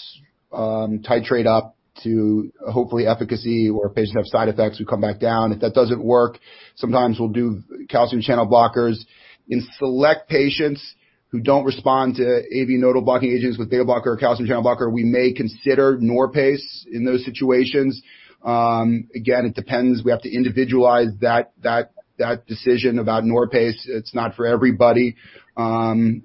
M: titrate up to hopefully efficacy, where patients have side effects, we come back down. If that doesn't work, sometimes we'll do calcium channel blockers. In select patients who don't respond to AV nodal blocking agents with beta blocker or calcium channel blocker, we may consider Norpace in those situations. Again, it depends. We have to individualize that decision about Norpace. It's not for everybody. As you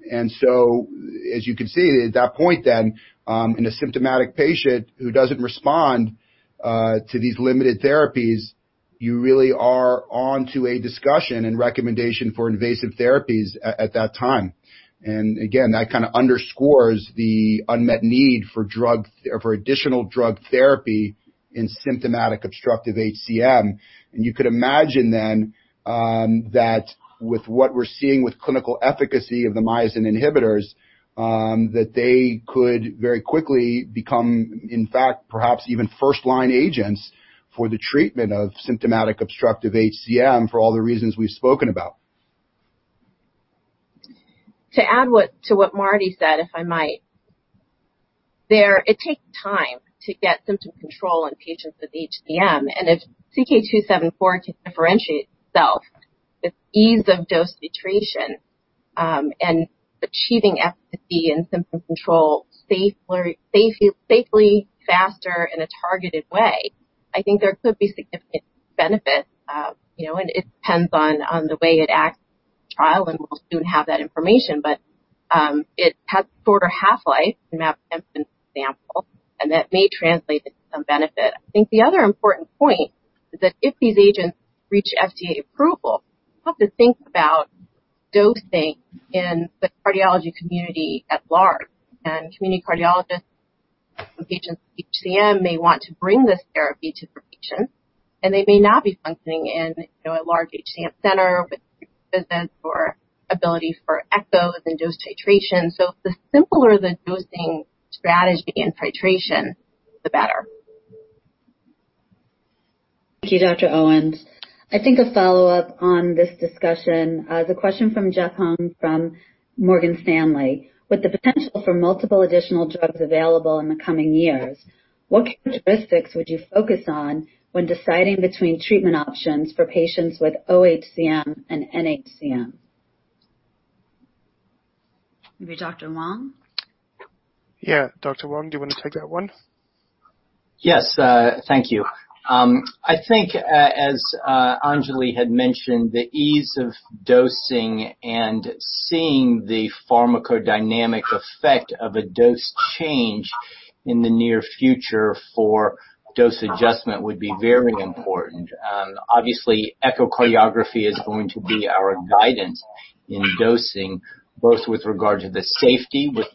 M: can see, at that point then, in a symptomatic patient who doesn't respond to these limited therapies, you really are onto a discussion and recommendation for invasive therapies at that time. Again, that kind of underscores the unmet need for additional drug therapy in symptomatic obstructive HCM. You could imagine then that with what we're seeing with clinical efficacy of the myosin inhibitors, that they could very quickly become, in fact, perhaps even first-line agents for the treatment of symptomatic obstructive HCM for all the reasons we've spoken about.
O: To add to what Marty said, if I might. It takes time to get symptom control in patients with HCM. If CK-274 can differentiate itself with ease of dose titration and achieving efficacy and symptom control safely, faster, in a targeted way. I think there could be significant benefits. It depends on the way it acts in the trial, and we'll soon have that information. It has a shorter half-life than mavacamten, for example, and that may translate into some benefit. I think the other important point is that if these agents reach FDA approval, we'll have to think about dosing in the cardiology community at large. Community cardiologists with agents with HCM may want to bring this therapy to their patients, and they may not be functioning in a large HCM center with visits or ability for echoes and dose titration. The simpler the dosing strategy and titration, the better.
A: Thank you, Dr. Owens. I think a follow-up on this discussion. The question from Jeff Hung from Morgan Stanley. With the potential for multiple additional drugs available in the coming years, what characteristics would you focus on when deciding between treatment options for patients with OHCM and NHCM? Maybe Dr. Wang?
D: Yeah. Dr. Wang, do you want to take that one?
N: Yes. Thank you. I think, as Anjali had mentioned, the ease of dosing and seeing the pharmacodynamic effect of a dose change in the near future for dose adjustment would be very important. Obviously, echocardiography is going to be our guidance in dosing, both with regard to the safety, with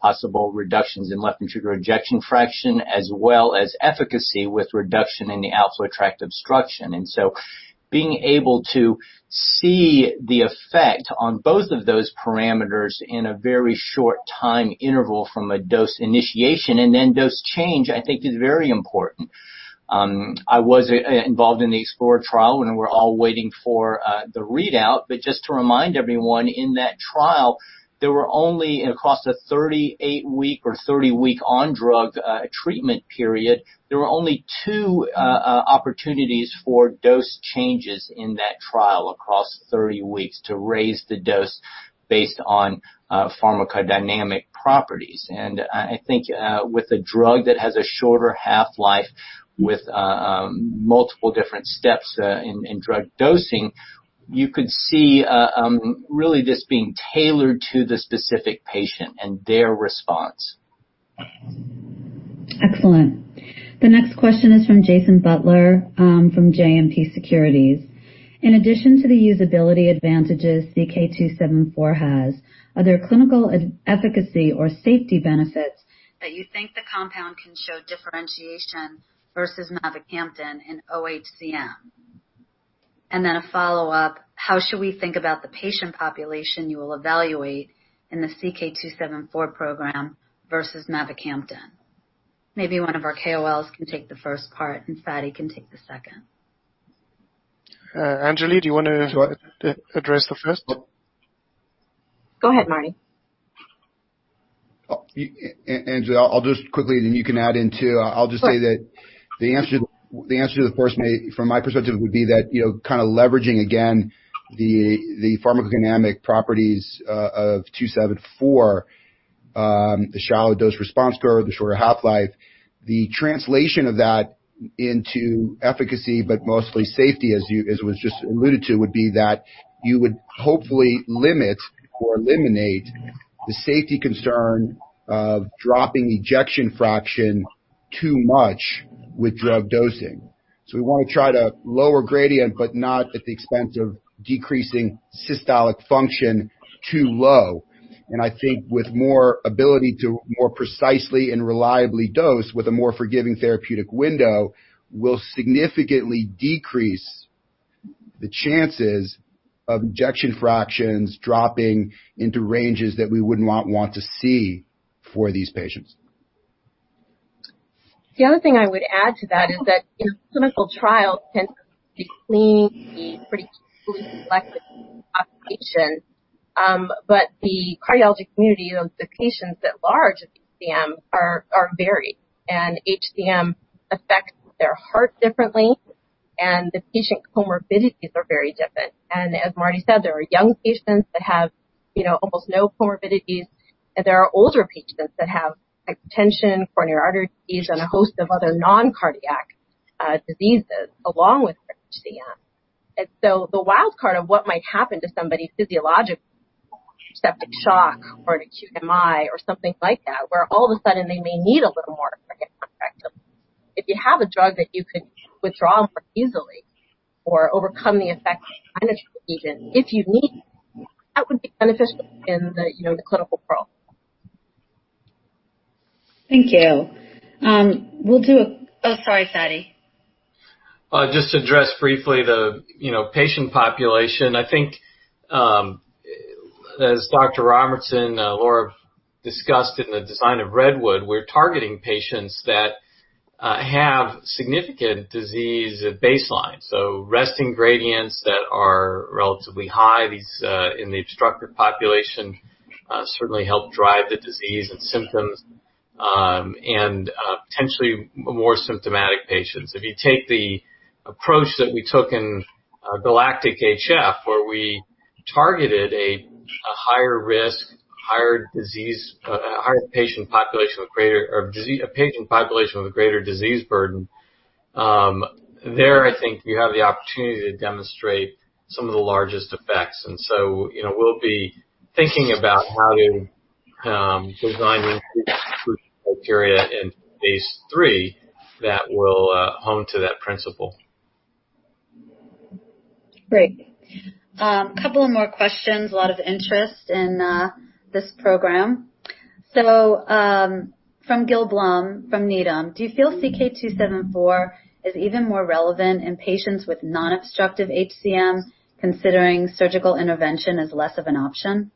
N: possible reductions in left ventricular ejection fraction, as well as efficacy with reduction in the outflow tract obstruction. Being able to see the effect on both of those parameters in a very short time interval from a dose initiation and then dose change, I think is very important. I was involved in the EXPLORER-HCM trial, and we're all waiting for the readout. Just to remind everyone, in that trial, there were only, across a 38-week or 30-week on-drug treatment period, there were only two opportunities for dose changes in that trial across 30 weeks to raise the dose based on pharmacodynamic properties. I think with a drug that has a shorter half-life with multiple different steps in drug dosing, you could see really this being tailored to the specific patient and their response.
A: Excellent. The next question is from Jason Butler from JMP Securities. In addition to the usability advantages CK-274 has, are there clinical efficacy or safety benefits that you think the compound can show differentiation versus mavacamten in OHCM? A follow-up, how should we think about the patient population you will evaluate in the CK-274 program versus mavacamten? Maybe one of our KOLs can take the first part, and Fady can take the second.
D: Anjali, do you want to address the first?
O: Go ahead, Marty.
M: Anjali, I'll just quickly, then you can add in too.
O: Sure.
M: I'll just say that the answer to the first from my perspective, would be that kind of leveraging again the pharmacodynamic properties of CK-274, the shallow dose response curve, the shorter half-life. The translation of that into efficacy, but mostly safety, as was just alluded to, would be that you would hopefully limit or eliminate the safety concern of dropping ejection fraction too much with drug dosing. We want to try to lower gradient, but not at the expense of decreasing systolic function too low. I think with more ability to more precisely and reliably dose with a more forgiving therapeutic window, will significantly decrease the chances of ejection fractions dropping into ranges that we would not want to see for these patients.
O: The other thing I would add to that is that in clinical trials, tends to be clean, be pretty carefully selected population. The cardiology community of the patients at large with HCM are varied, and HCM affects their heart differently. The patient comorbidities are very different. As Marty said, there are young patients that have almost no comorbidities, and there are older patients that have hypertension, coronary artery disease, and a host of other non-cardiac diseases along with their HCM. The wild card of what might happen to somebody physiologically, septic shock or an acute MI or something like that, where all of a sudden they may need a little more effective. If you have a drug that you could withdraw from easily or overcome the effects of if you need it, that would be beneficial in the clinical world.
A: Thank you. We'll do Oh, sorry, Fady.
C: I'll just address briefly the patient population. I think, as Dr. Robertson, Laura discussed in the design of Redwood, we're targeting patients that have significant disease at baseline. Resting gradients that are relatively high. These in the obstructive population certainly help drive the disease and symptoms and potentially more symptomatic patients. If you take the approach that we took in GALACTIC-HF, where we targeted a higher risk, higher patient population with a greater disease burden. There, I think you have the opportunity to demonstrate some of the largest effects. We'll be thinking about how to design inclusion criteria in phase III that will hone to that principle.
A: Great. Couple of more questions. A lot of interest in this program. From Gil Blum from Needham: "Do you feel CK-274 is even more relevant in patients with non-obstructive HCM, considering surgical intervention is less of an option?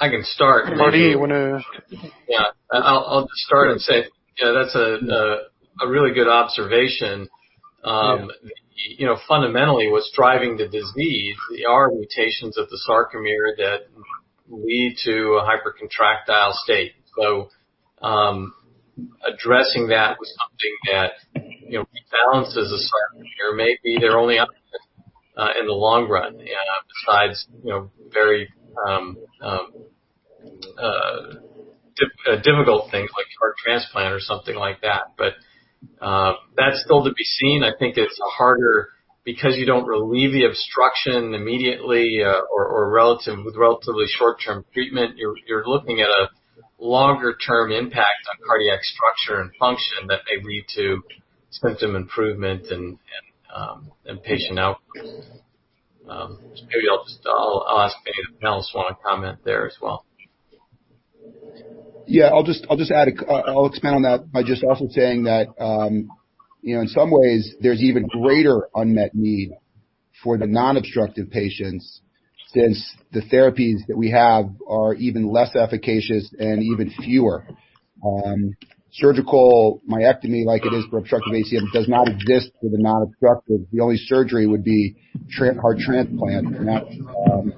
C: I can start.
D: Marty, you want to?
C: Yeah. I'll just start and say that's a really good observation.
M: Yeah.
C: Fundamentally, what's driving the disease, there are mutations of the sarcomere that lead to a hypercontractile state. Addressing that with something that rebalances the sarcomere may be their only option in the long run, besides very difficult things like heart transplant or something like that. That's still to be seen. I think it's harder because you don't relieve the obstruction immediately, or with relatively short-term treatment. You're looking at a longer-term impact on cardiac structure and function that may lead to symptom improvement and patient outcomes. Maybe I'll ask if anyone else want to comment there as well.
M: Yeah. I'll expand on that by just also saying that, in some ways, there's even greater unmet need for the non-obstructive patients, since the therapies that we have are even less efficacious and even fewer. Surgical myectomy, like it is for obstructive HCM, does not exist with a non-obstructive. The only surgery would be heart transplant, and that's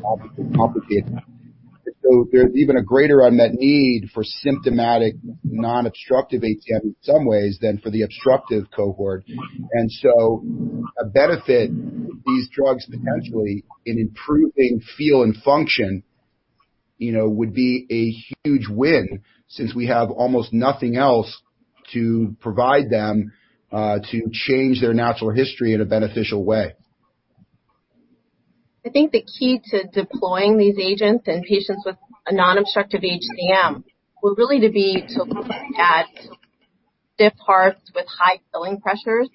M: obviously complicated. There's even a greater unmet need for symptomatic non-obstructive HCM in some ways than for the obstructive cohort. A benefit of these drugs potentially in improving feel and function, would be a huge win since we have almost nothing else to provide them to change their natural history in a beneficial way.
O: I think the key to deploying these agents in patients with a non-obstructive HCM will really to be to look at stiff hearts with high filling pressures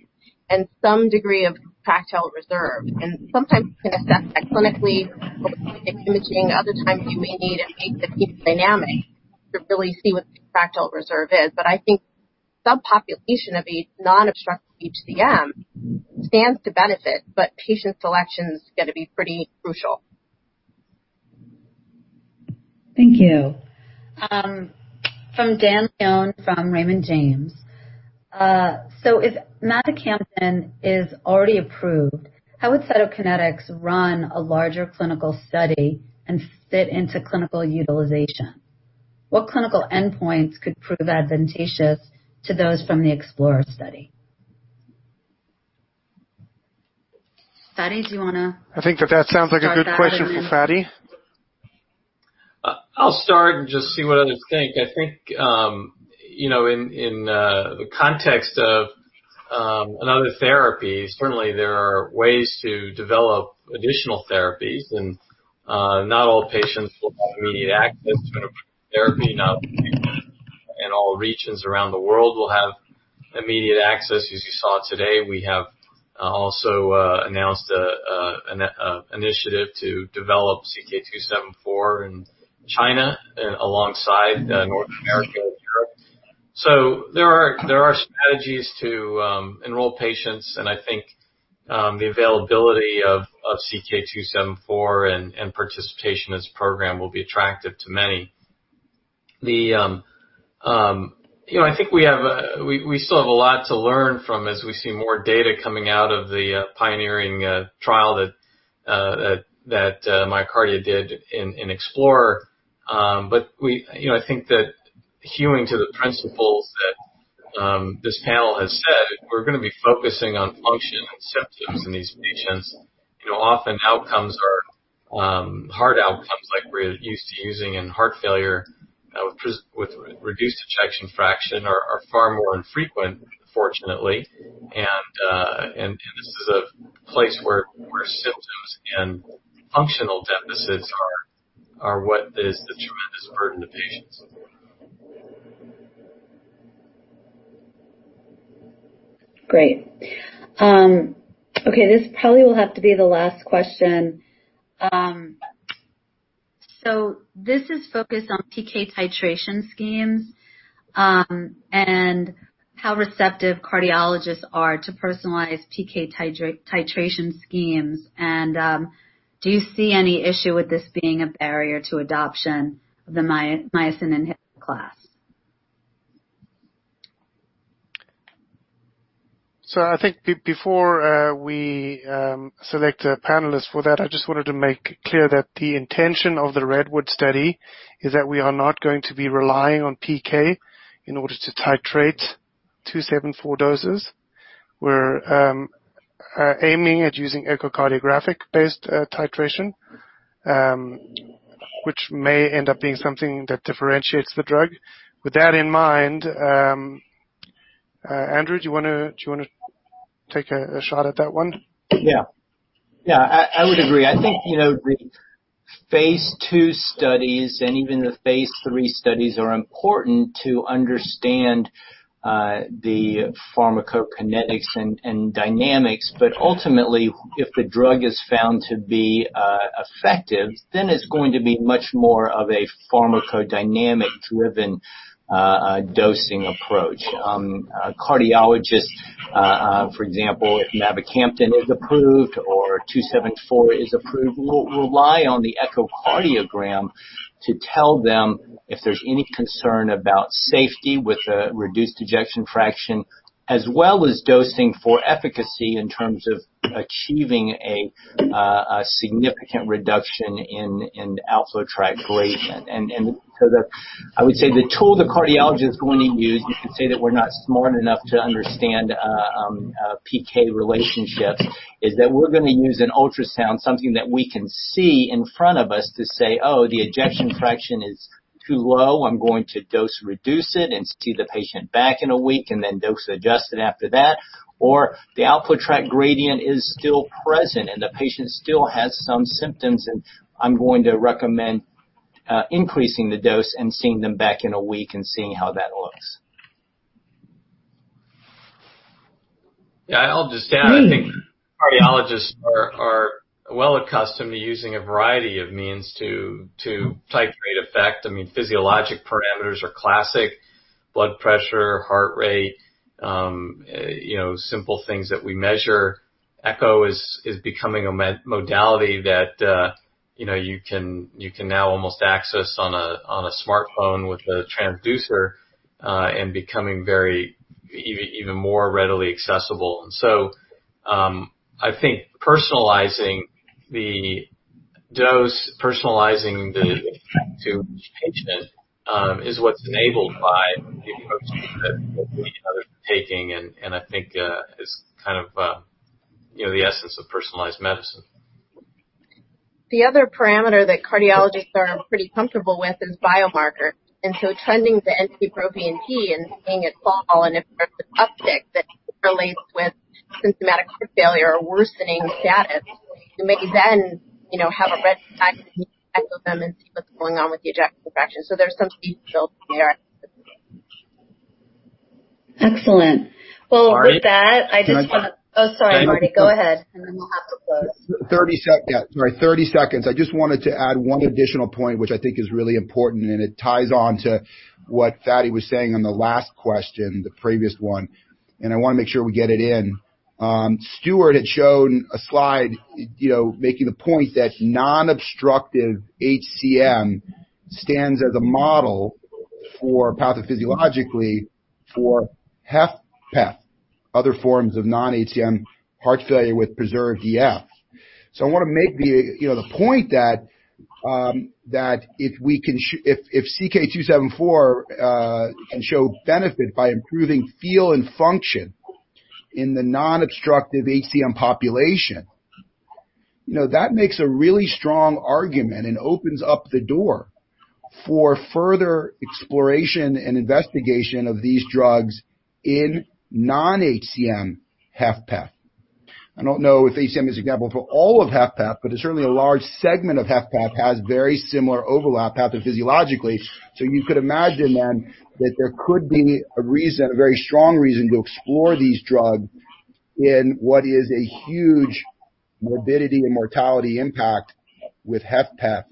O: and some degree of contractile reserve. Sometimes you can assess that clinically with imaging. Other times you may need a dynamic to really see what the contractile reserve is. I think subpopulation of a non-obstructive HCM stands to benefit, but patient selection is going to be pretty crucial.
A: Thank you. From Dane Leone from Raymond James: "If mavacamten is already approved, how would Cytokinetics run a larger clinical study and fit into clinical utilization? What clinical endpoints could prove advantageous to those from the EXPLORER-HCM study?" Fady, do you want to-
D: I think that that sounds like a good question for Fady.
C: I'll start and just see what others think. I think, in the context of another therapy, certainly there are ways to develop additional therapies. Not all patients will have immediate access to a therapy, not all patients in all regions around the world will have immediate access. As you saw today, we have also announced an initiative to develop CK274 in China alongside North America and Europe. There are strategies to enroll patients, and I think the availability of CK274 and participation in this program will be attractive to many. I think we still have a lot to learn from as we see more data coming out of the pioneering trial that MyoKardia did in EXPLORER-HCM. I think that hewing to the principles that this panel has said, we're going to be focusing on function and symptoms in these patients. Often outcomes are hard outcomes like we're used to using in heart failure with reduced ejection fraction are far more infrequent, fortunately. This is a place where symptoms and functional deficits are what is the tremendous burden to patients.
A: Great. Okay, this probably will have to be the last question. This is focused on PK titration schemes, and how receptive cardiologists are to personalized PK titration schemes. Do you see any issue with this being a barrier to adoption of the myosin inhibitor class?
D: I think before we select a panelist for that, I just wanted to make clear that the intention of the Redwood study is that we are not going to be relying on PK in order to titrate CK-274 doses. We're aiming at using echocardiographic-based titration, which may end up being something that differentiates the drug. With that in mind, Andrew, do you want to take a shot at that one?
N: I would agree. I think the phase II studies and even the phase III studies are important to understand the pharmacokinetics and dynamics. Ultimately, if the drug is found to be effective, then it's going to be much more of a pharmacodynamic-driven dosing approach. A cardiologist, for example, if mavacamten is approved or CK-274 is approved, will rely on the echocardiogram to tell them if there's any concern about safety with a reduced ejection fraction, as well as dosing for efficacy in terms of achieving a significant reduction in the LVOT gradient. I would say the tool the cardiologist is going to use, you can say that we're not smart enough to understand PK relationships, is that we're going to use an ultrasound, something that we can see in front of us to say, "Oh, the ejection fraction is too low. I'm going to dose reduce it and see the patient back in a week, and then dose adjust it after that. The outflow tract gradient is still present, and the patient still has some symptoms, and I'm going to recommend increasing the dose and seeing them back in a week and seeing how that looks.
C: Yeah, I'll just add, I think cardiologists are well accustomed to using a variety of means to titrate effect. I mean, physiologic parameters are classic. Blood pressure, heart rate, simple things that we measure. Echo is becoming a modality that you can now almost access on a smartphone with a transducer, and becoming even more readily accessible. I think personalizing the dose to each patient, is what's enabled by taking, and I think is the essence of personalized medicine.
O: The other parameter that cardiologists are pretty comfortable with is biomarker. Trending the NT-proBNP and seeing it fall and if there's an uptick that correlates with symptomatic heart failure or worsening status, you maybe then have a red flag, and you echo them and see what's going on with the ejection fraction. There's some details there.
A: Excellent. Well, with that, I just.
M: Marty, can I talk?
A: Oh, sorry, Marty. Go ahead, and then we'll have to close.
M: Sorry, 30 seconds. I just wanted to add one additional point, which I think is really important, and it ties on to what Fady was saying on the last question, the previous one, and I want to make sure we get it in. Stuart had shown a slide making the point that non-obstructive HCM stands as a model for pathophysiologically for HFpEF, other forms of non-HCM heart failure with preserved EF. I want to make the point that if CK-274 can show benefit by improving feel and function in the non-obstructive HCM population, that makes a really strong argument and opens up the door for further exploration and investigation of these drugs in non-HCM HFpEF. I don't know if HCM is example for all of HFpEF, but certainly a large segment of HFpEF has very similar overlap pathophysiologically. You could imagine then that there could be a reason, a very strong reason, to explore these drugs in what is a huge morbidity and mortality impact with HFpEF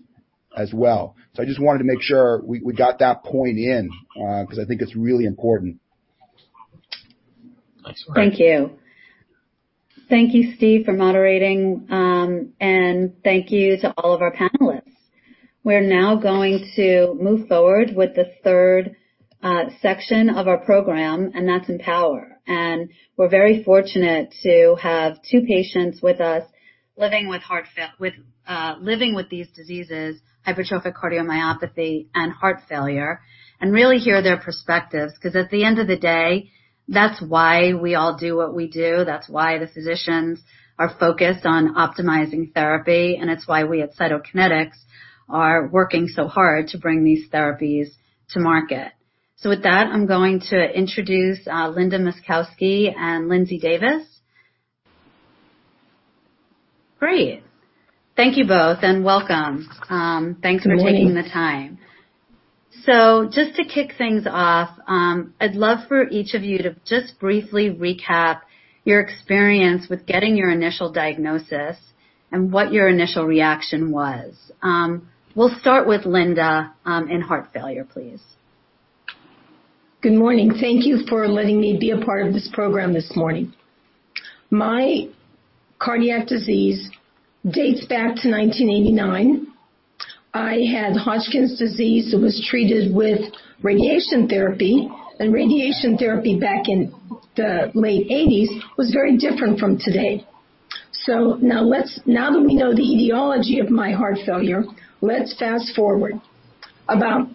M: as well. I just wanted to make sure we got that point in, because I think it's really important.
A: Thank you. Thank you, Steve, for moderating. Thank you to all of our panelists. We're now going to move forward with the third section of our program, and that's Empower. We're very fortunate to have two patients with us living with these diseases, hypertrophic cardiomyopathy and heart failure, and really hear their perspectives. At the end of the day, that's why we all do what we do, that's why the physicians are focused on optimizing therapy, and it's why we at Cytokinetics are working so hard to bring these therapies to market. With that, I'm going to introduce Linda Myskowski and Lindsay Davis. Great. Thank you both and welcome.
P: Good morning.
A: Thanks for taking the time. Just to kick things off, I'd love for each of you to just briefly recap your experience with getting your initial diagnosis and what your initial reaction was. We'll start with Linda, in heart failure, please.
P: Good morning. Thank you for letting me be a part of this program this morning. My cardiac disease dates back to 1989. I had Hodgkin's disease that was treated with radiation therapy, and radiation therapy back in the late '80s was very different from today. Now that we know the etiology of my heart failure, let's fast-forward. About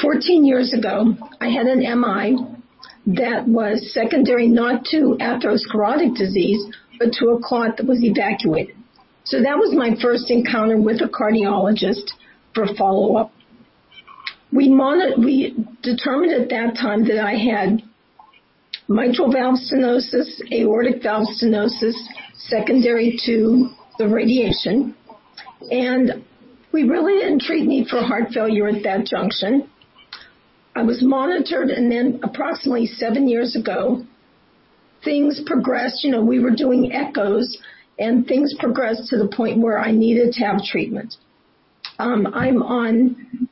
P: 14 years ago, I had an MI that was secondary, not to atherosclerotic disease, but to a clot that was evacuated. That was my first encounter with a cardiologist for follow-up. We determined at that time that I had mitral valve stenosis, aortic valve stenosis, secondary to the radiation, and we really didn't treat me for heart failure at that junction. I was monitored, then approximately seven years ago, things progressed. We were doing echoes, things progressed to the point where I needed to have treatment. I'm on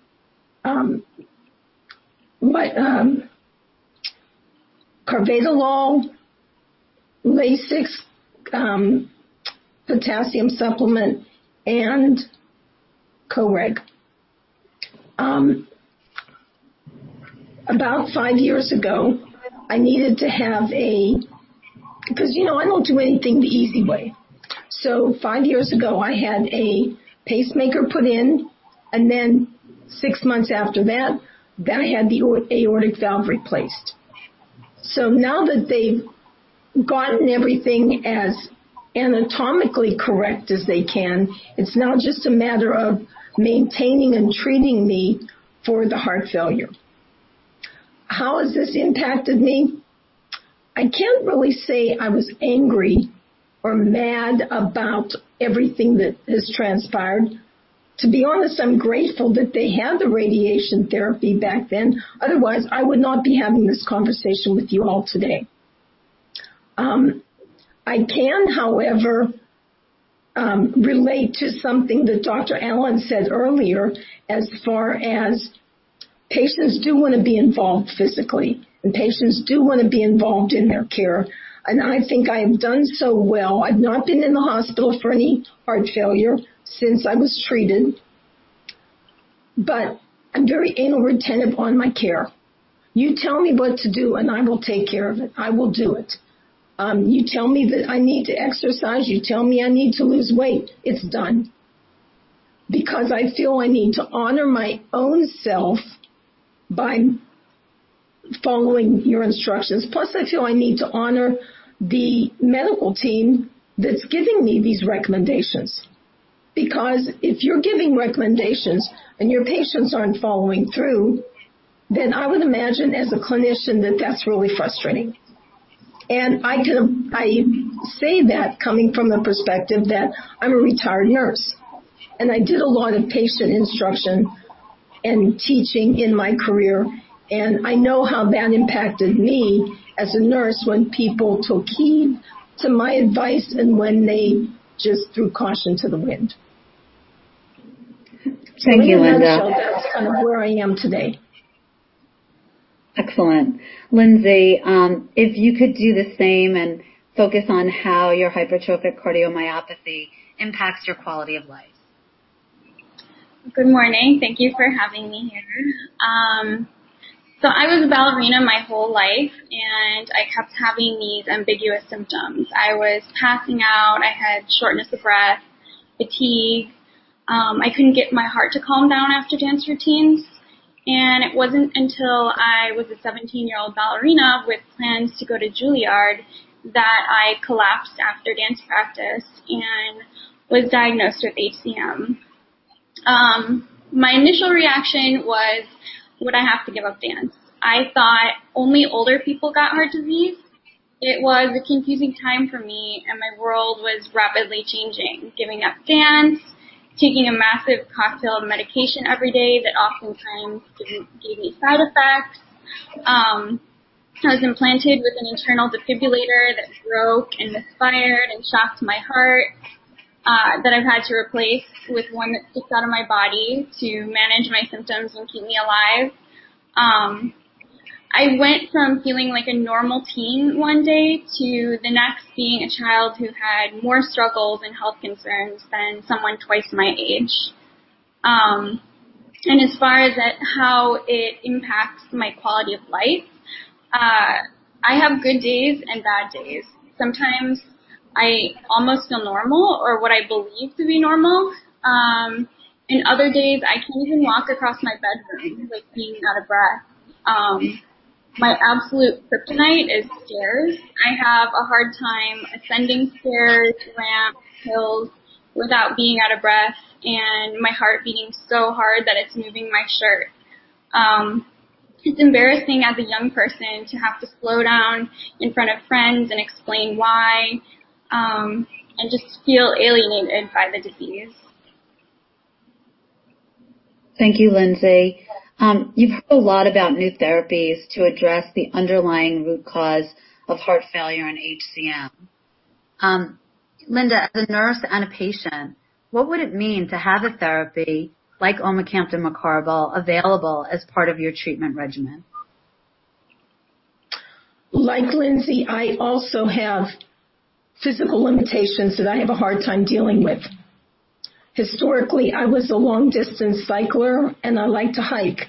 P: carvedilol, Lasix, potassium supplement, and Coreg. Because I don't do anything the easy way. Five years ago, I had a pacemaker put in, and then six months after that, then I had the aortic valve replaced. Now that they've gotten everything as anatomically correct as they can, it's now just a matter of maintaining and treating me for the heart failure. How has this impacted me? I can't really say I was angry or mad about everything that has transpired. To be honest, I'm grateful that they had the radiation therapy back then. Otherwise, I would not be having this conversation with you all today. I can, however, relate to something that Dr. Allen said earlier as far as patients do want to be involved physically, and patients do want to be involved in their care, and I think I have done so well. I've not been in the hospital for any heart failure since I was treated, but I'm very anal retentive on my care. You tell me what to do, and I will take care of it. I will do it. You tell me that I need to exercise. You tell me I need to lose weight. It's done. Because I feel I need to honor my own self by following your instructions. Plus, I feel I need to honor the medical team that's giving me these recommendations. Because if you're giving recommendations and your patients aren't following through, then I would imagine as a clinician that that's really frustrating. I say that coming from a perspective that I'm a retired nurse, and I did a lot of patient instruction and teaching in my career, and I know how that impacted me as a nurse when people took heed to my advice and when they just threw caution to the wind.
A: Thank you, Linda.
P: That's where I am today.
A: Excellent. Lindsay, if you could do the same and focus on how your hypertrophic cardiomyopathy impacts your quality of life.
Q: Good morning. Thank you for having me here. I was a ballerina my whole life, and I kept having these ambiguous symptoms. I was passing out. I had shortness of breath, fatigue. I couldn't get my heart to calm down after dance routines. It wasn't until I was a 17-year-old ballerina with plans to go to Juilliard that I collapsed after dance practice and was diagnosed with HCM. My initial reaction was: Would I have to give up dance? I thought only older people got heart disease. It was a confusing time for me, and my world was rapidly changing, giving up dance, taking a massive cocktail of medication every day that oftentimes gave me side effects. I was implanted with an internal defibrillator that broke and misfired and shocked my heart, that I've had to replace with one that sticks out of my body to manage my symptoms and keep me alive. I went from feeling like a normal teen one day to the next, being a child who had more struggles and health concerns than someone twice my age. As far as how it impacts my quality of life, I have good days and bad days. Sometimes I almost feel normal or what I believe to be normal. Other days, I can't even walk across my bedroom with being out of breath. My absolute kryptonite is stairs. I have a hard time ascending stairs, ramps, hills without being out of breath and my heart beating so hard that it's moving my shirt. It's embarrassing as a young person to have to slow down in front of friends and explain why, and just feel alienated by the disease.
A: Thank you, Lindsay. You've heard a lot about new therapies to address the underlying root cause of heart failure in HCM. Linda, as a nurse and a patient, what would it mean to have a therapy like omecamtiv mecarbil available as part of your treatment regimen?
P: Like Lindsay, I also have physical limitations that I have a hard time dealing with. Historically, I was a long-distance cycler, and I like to hike.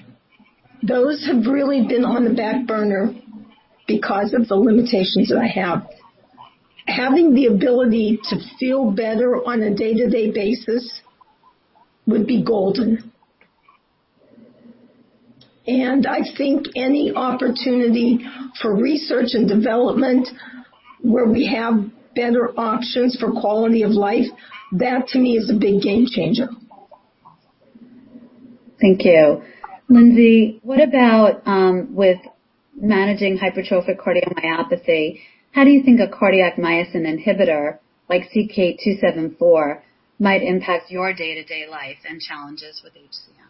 P: Those have really been on the back burner because of the limitations that I have. Having the ability to feel better on a day-to-day basis would be golden. I think any opportunity for research and development where we have better options for quality of life, that to me is a big game changer.
A: Thank you. Lindsay, what about with managing hypertrophic cardiomyopathy, how do you think a cardiac myosin inhibitor like CK-274 might impact your day-to-day life and challenges with HCM?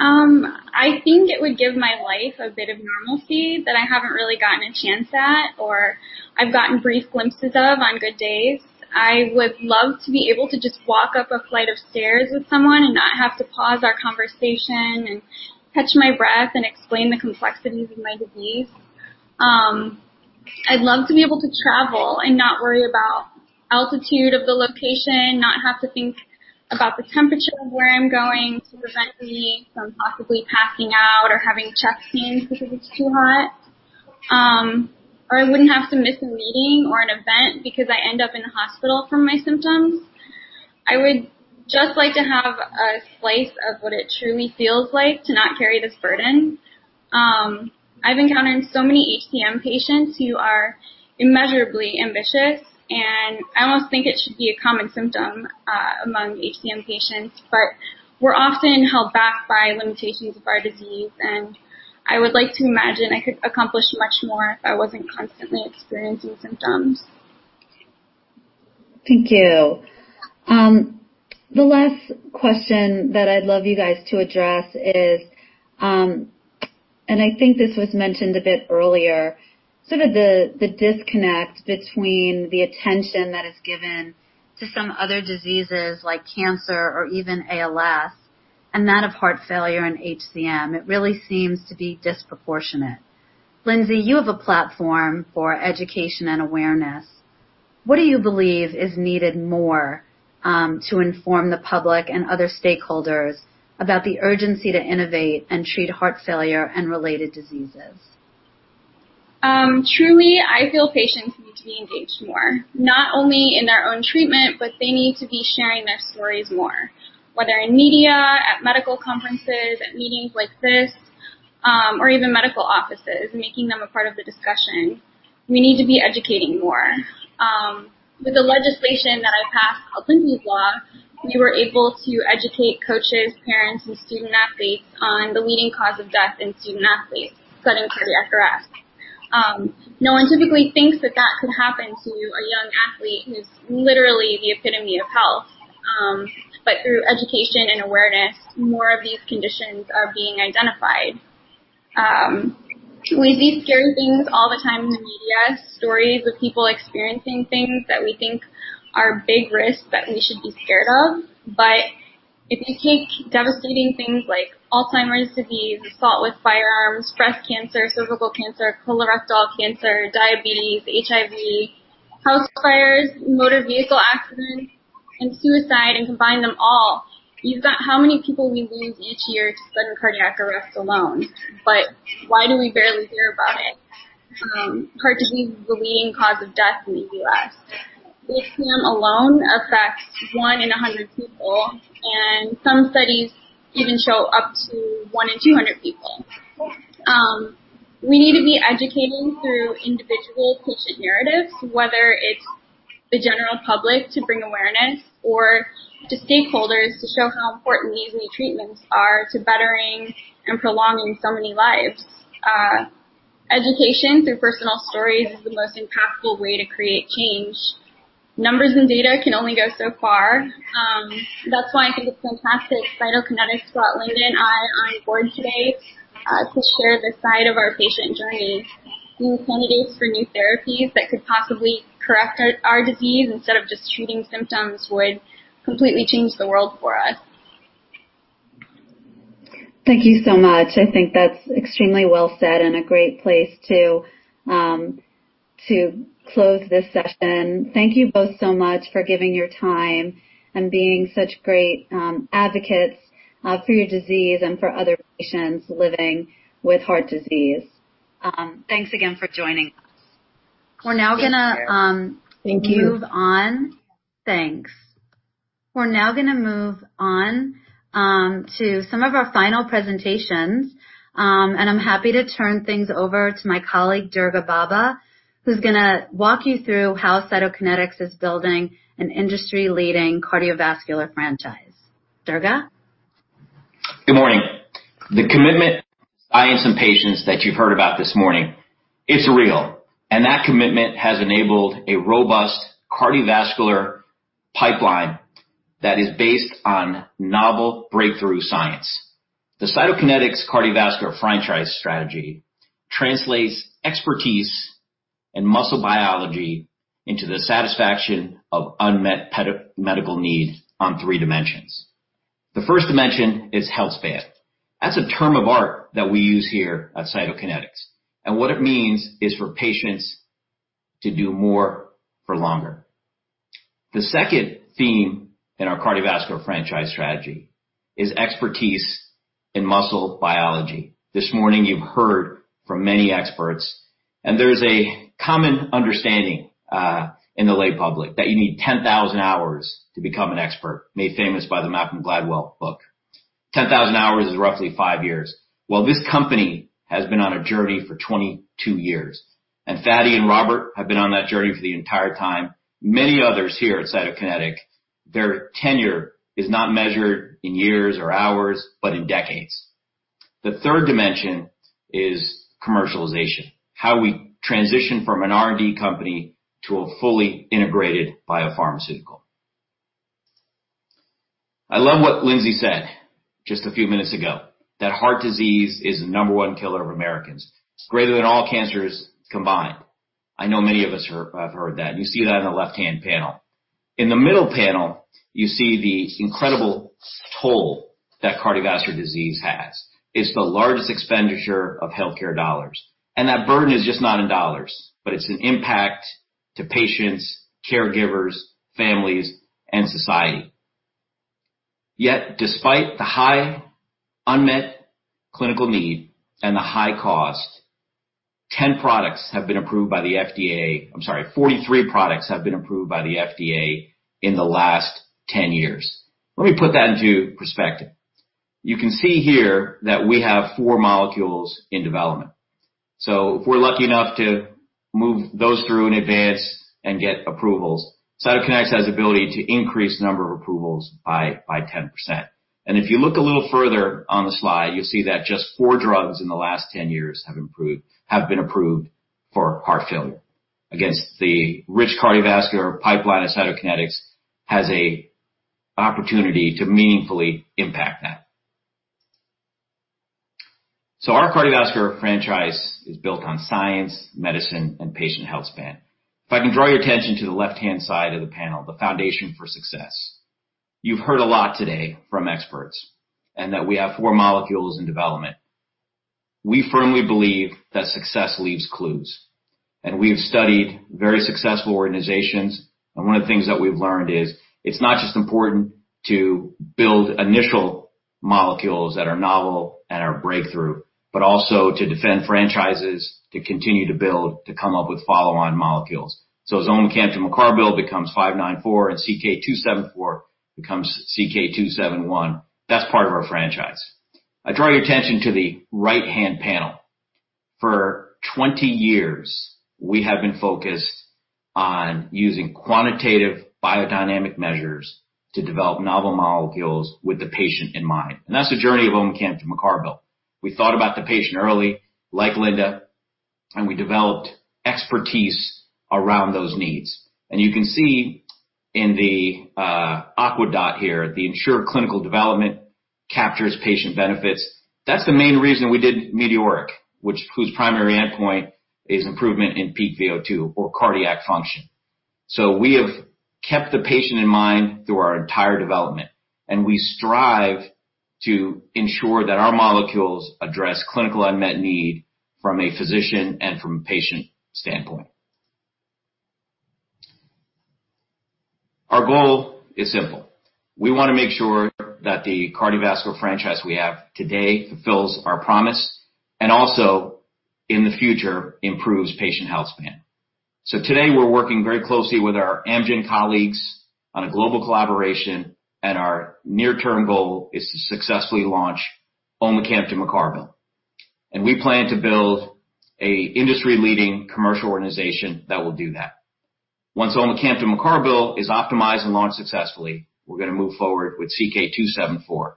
Q: I think it would give my life a bit of normalcy that I haven't really gotten a chance at, or I've gotten brief glimpses of on good days. I would love to be able to just walk up a flight of stairs with someone and not have to pause our conversation and catch my breath and explain the complexities of my disease. I'd love to be able to travel and not worry about altitude of the location, not have to think about the temperature of where I'm going to prevent me from possibly passing out or having chest pains because it's too hot. I wouldn't have to miss a meeting or an event because I end up in the hospital from my symptoms. I would just like to have a slice of what it truly feels like to not carry this burden. I've encountered so many HCM patients who are immeasurably ambitious, and I almost think it should be a common symptom among HCM patients. We're often held back by limitations of our disease, and I would like to imagine I could accomplish much more if I wasn't constantly experiencing symptoms.
A: Thank you. The last question that I'd love you guys to address is, and I think this was mentioned a bit earlier, the disconnect between the attention that is given to some other diseases like cancer or even ALS, and that of heart failure and HCM. It really seems to be disproportionate. Lindsay, you have a platform for education and awareness. What do you believe is needed more, to inform the public and other stakeholders about the urgency to innovate and treat heart failure and related diseases?
Q: Truly, I feel patients need to be engaged more, not only in their own treatment, but they need to be sharing their stories more, whether in media, at medical conferences, at meetings like this, or even medical offices, making them a part of the discussion. We need to be educating more. With the legislation that I passed called Lindsay's Law, we were able to educate coaches, parents, and student athletes on the leading cause of death in student athletes, Sudden Cardiac Arrest. No one typically thinks that that could happen to a young athlete who's literally the epitome of health. Through education and awareness, more of these conditions are being identified. We see scary things all the time in the media, stories of people experiencing things that we think are big risks that we should be scared of. If you take devastating things like Alzheimer's disease, assault with firearms, breast cancer, cervical cancer, colorectal cancer, diabetes, HIV, house fires, motor vehicle accidents, and suicide, and combine them all, you've got how many people we lose each year to sudden cardiac arrest alone. Why do we barely hear about it? Heart disease is the leading cause of death in the U.S. HCM alone affects one in 100 people, and some studies even show up to one in 200 people. We need to be educating through individual patient narratives, whether it's the general public to bring awareness or to stakeholders to show how important these new treatments are to bettering and prolonging so many lives. Education through personal stories is the most impactful way to create change. Numbers and data can only go so far. That's why I think it's fantastic Cytokinetics brought Linda and I onboard today to share this side of our patient journeys. New candidates for new therapies that could possibly correct our disease instead of just treating symptoms would completely change the world for us.
A: Thank you so much. I think that's extremely well said and a great place to close this session. Thank you both so much for giving your time and being such great advocates for your disease and for other patients living with heart disease. Thanks again for joining us. Thank you. Move on. Thanks. We're now gonna move on to some of our final presentations. I'm happy to turn things over to my colleague, Durga Bobba, who's gonna walk you through how Cytokinetics is building an industry-leading cardiovascular franchise. Durga?
R: Good morning. The commitment I and some patients that you've heard about this morning, it's real. That commitment has enabled a robust cardiovascular pipeline that is based on novel breakthrough science. The Cytokinetics cardiovascular franchise strategy translates expertise and muscle biology into the satisfaction of unmet medical needs on three dimensions. The first dimension is health span. That's a term of art that we use here at Cytokinetics, and what it means is for patients to do more for longer. The second theme in our cardiovascular franchise strategy is expertise in muscle biology. This morning, you've heard from many experts, and there's a common understanding in the lay public that you need 10,000 hours to become an expert, made famous by the Malcolm Gladwell book. 10,000 hours is roughly five years. Well, this company has been on a journey for 22 years, and Fady and Robert have been on that journey for the entire time. Many others here at Cytokinetics, their tenure is not measured in years or hours, but in decades. The third dimension is commercialization, how we transition from an R&D company to a fully integrated biopharmaceutical. I love what Lindsay said just a few minutes ago, that heart disease is the number one killer of Americans. It's greater than all cancers combined. I know many of us have heard that, and you see that on the left-hand panel. In the middle panel, you see the incredible toll that cardiovascular disease has. It's the largest expenditure of healthcare dollars. That burden is just not in dollars, but it's an impact to patients, caregivers, families, and society. Yet, despite the high unmet clinical need and the high cost, 10 products have been approved by the FDA. I'm sorry, 43 products have been approved by the FDA in the last 10 years. Let me put that into perspective. If we're lucky enough to move those through in advance and get approvals, Cytokinetics has ability to increase number of approvals by 10%. If you look a little further on the slide, you'll see that just four drugs in the last 10 years have been approved for heart failure. Against the rich cardiovascular pipeline of Cytokinetics, has a opportunity to meaningfully impact that. Our cardiovascular franchise is built on science, medicine, and patient health span. If I can draw your attention to the left-hand side of the panel, the foundation for success. You've heard a lot today from experts, that we have four molecules in development. We firmly believe that success leaves clues, we've studied very successful organizations, one of the things that we've learned is it's not just important to build initial molecules that are novel and are breakthrough, but also to defend franchises, to continue to build, to come up with follow-on molecules. As omecamtiv mecarbil becomes AMG 594 and CK-274 becomes CK-271, that's part of our franchise. I draw your attention to the right-hand panel. For 20 years, we have been focused on using quantitative biodynamic measures to develop novel molecules with the patient in mind, that's the journey of omecamtiv mecarbil. We thought about the patient early, like Linda, we developed expertise around those needs. You can see in the aqua dot here, the ensured clinical development captures patient benefits. That's the main reason we did METEORIC-HF, whose primary endpoint is improvement in peak VO2 or cardiac function. We have kept the patient in mind through our entire development, and we strive to ensure that our molecules address clinical unmet need from a physician and from a patient standpoint. Our goal is simple. We want to make sure that the cardiovascular franchise we have today fulfills our promise, and also in the future, improves patient health span. Today, we're working very closely with our Amgen colleagues on a global collaboration, and our near-term goal is to successfully launch omecamtiv mecarbil. We plan to build a industry-leading commercial organization that will do that. Once omecamtiv mecarbil is optimized and launched successfully, we're going to move forward with CK-274.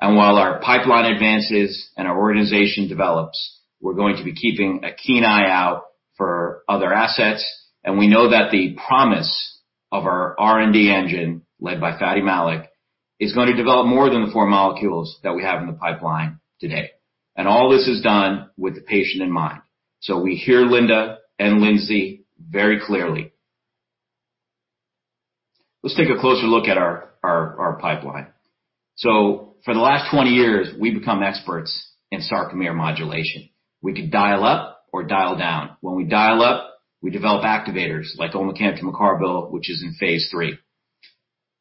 R: While our pipeline advances and our organization develops, we're going to be keeping a keen eye out for other assets, we know that the promise of our R&D engine, led by Fady Malik, is going to develop more than the four molecules that we have in the pipeline today. All this is done with the patient in mind. We hear Linda and Lindsay very clearly. Let's take a closer look at our pipeline. For the last 20 years, we've become experts in sarcomere modulation. We could dial up or dial down. When we dial up, we develop activators like omecamtiv mecarbil, which is in phase III.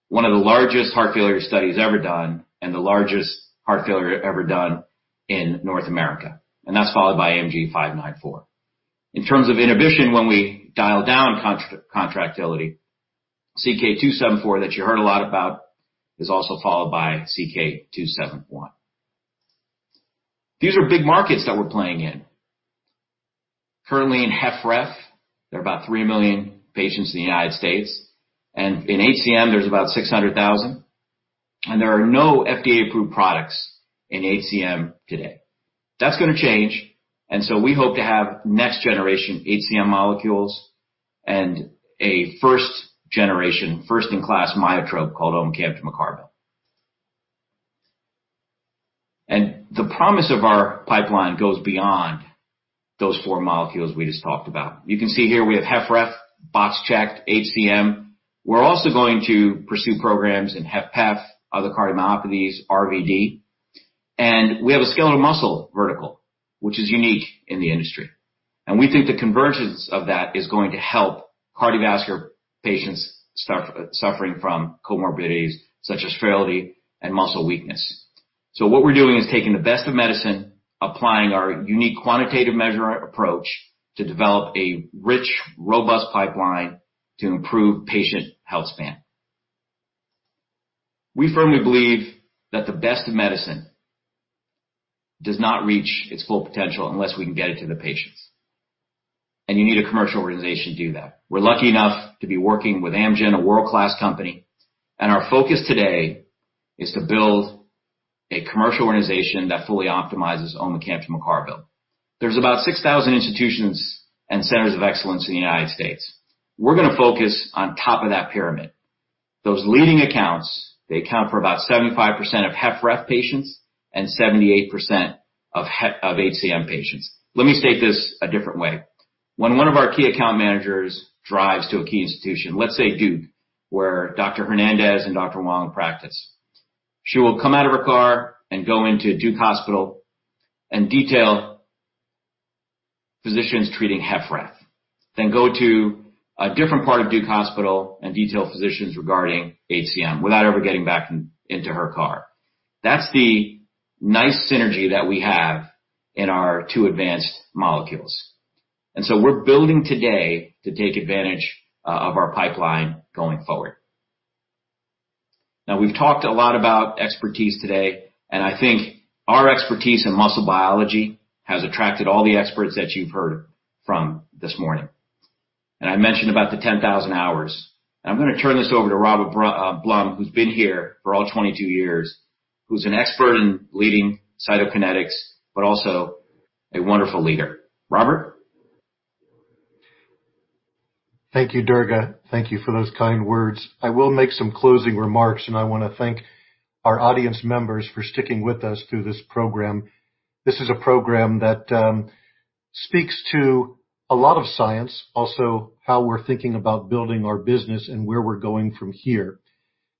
R: One of the largest heart failure studies ever done and the largest heart failure ever done in North America, that's followed by AMG 594. In terms of inhibition, when we dial down contractility, CK-274 that you heard a lot about is also followed by CK-271. These are big markets that we're playing in. Currently in HFpEF, there are about 3 million patients in the U.S., and in HCM, there's about 600,000, and there are no FDA-approved products in HCM today. That's going to change. We hope to have next-generation HCM molecules and a first-generation, first-in-class myotrope called omecamtiv mecarbil. The promise of our pipeline goes beyond those four molecules we just talked about. You can see here we have HFrEF, box checked, HCM. We're also going to pursue programs in HFpEF, other cardiomyopathies, RVD. We have a skeletal muscle vertical, which is unique in the industry. We think the convergence of that is going to help cardiovascular patients suffering from comorbidities such as frailty and muscle weakness. What we're doing is taking the best of medicine, applying our unique quantitative measure approach to develop a rich, robust pipeline to improve patient health span. We firmly believe that the best of medicine does not reach its full potential unless we can get it to the patients, and you need a commercial organization to do that. We're lucky enough to be working with Amgen, a world-class company, and our focus today is to build a commercial organization that fully optimizes omecamtiv mecarbil. There's about 6,000 institutions and centers of excellence in the U.S. We're going to focus on top of that pyramid. Those leading accounts, they account for about 75% of HFpEF patients and 78% of HCM patients. Let me state this a different way. When one of our key account managers drives to a key institution, let's say Duke, where Dr. Hernandez and Dr. Wang practice. She will come out of her car and go into Duke Hospital and detail physicians treating HFpEF, then go to a different part of Duke Hospital and detail physicians regarding HCM without ever getting back into her car. That's the nice synergy that we have in our two advanced molecules. We're building today to take advantage of our pipeline going forward. Now, we've talked a lot about expertise today, and I think our expertise in muscle biology has attracted all the experts that you've heard from this morning. I mentioned about the 10,000 hours. I'm going to turn this over to Robert Blum, who's been here for all 22 years, who's an expert in leading Cytokinetics, but also a wonderful leader. Robert?
B: Thank you, Durga. Thank you for those kind words. I will make some closing remarks, and I want to thank our audience members for sticking with us through this program. This is a program that speaks to a lot of science, also how we're thinking about building our business and where we're going from here.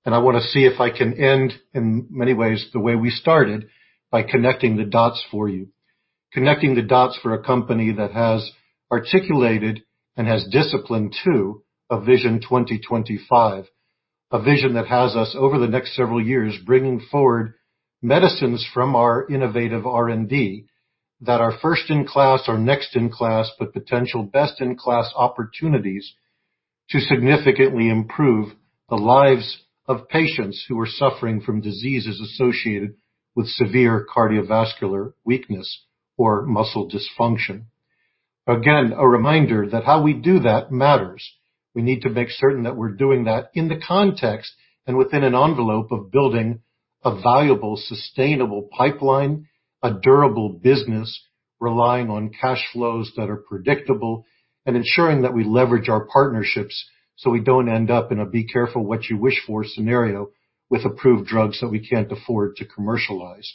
B: I want to see if I can end in many ways the way we started, by connecting the dots for you. Connecting the dots for a company that has articulated and has discipline to a Vision 2025, a vision that has us over the next several years bringing forward medicines from our innovative R&D that are first-in-class or next-in-class, but potential best-in-class opportunities to significantly improve the lives of patients who are suffering from diseases associated with severe cardiovascular weakness or muscle dysfunction. Again, a reminder that how we do that matters. We need to make certain that we're doing that in the context and within an envelope of building a valuable, sustainable pipeline, a durable business relying on cash flows that are predictable and ensuring that we leverage our partnerships so we don't end up in a be-careful-what-you-wish-for scenario with approved drugs that we can't afford to commercialize.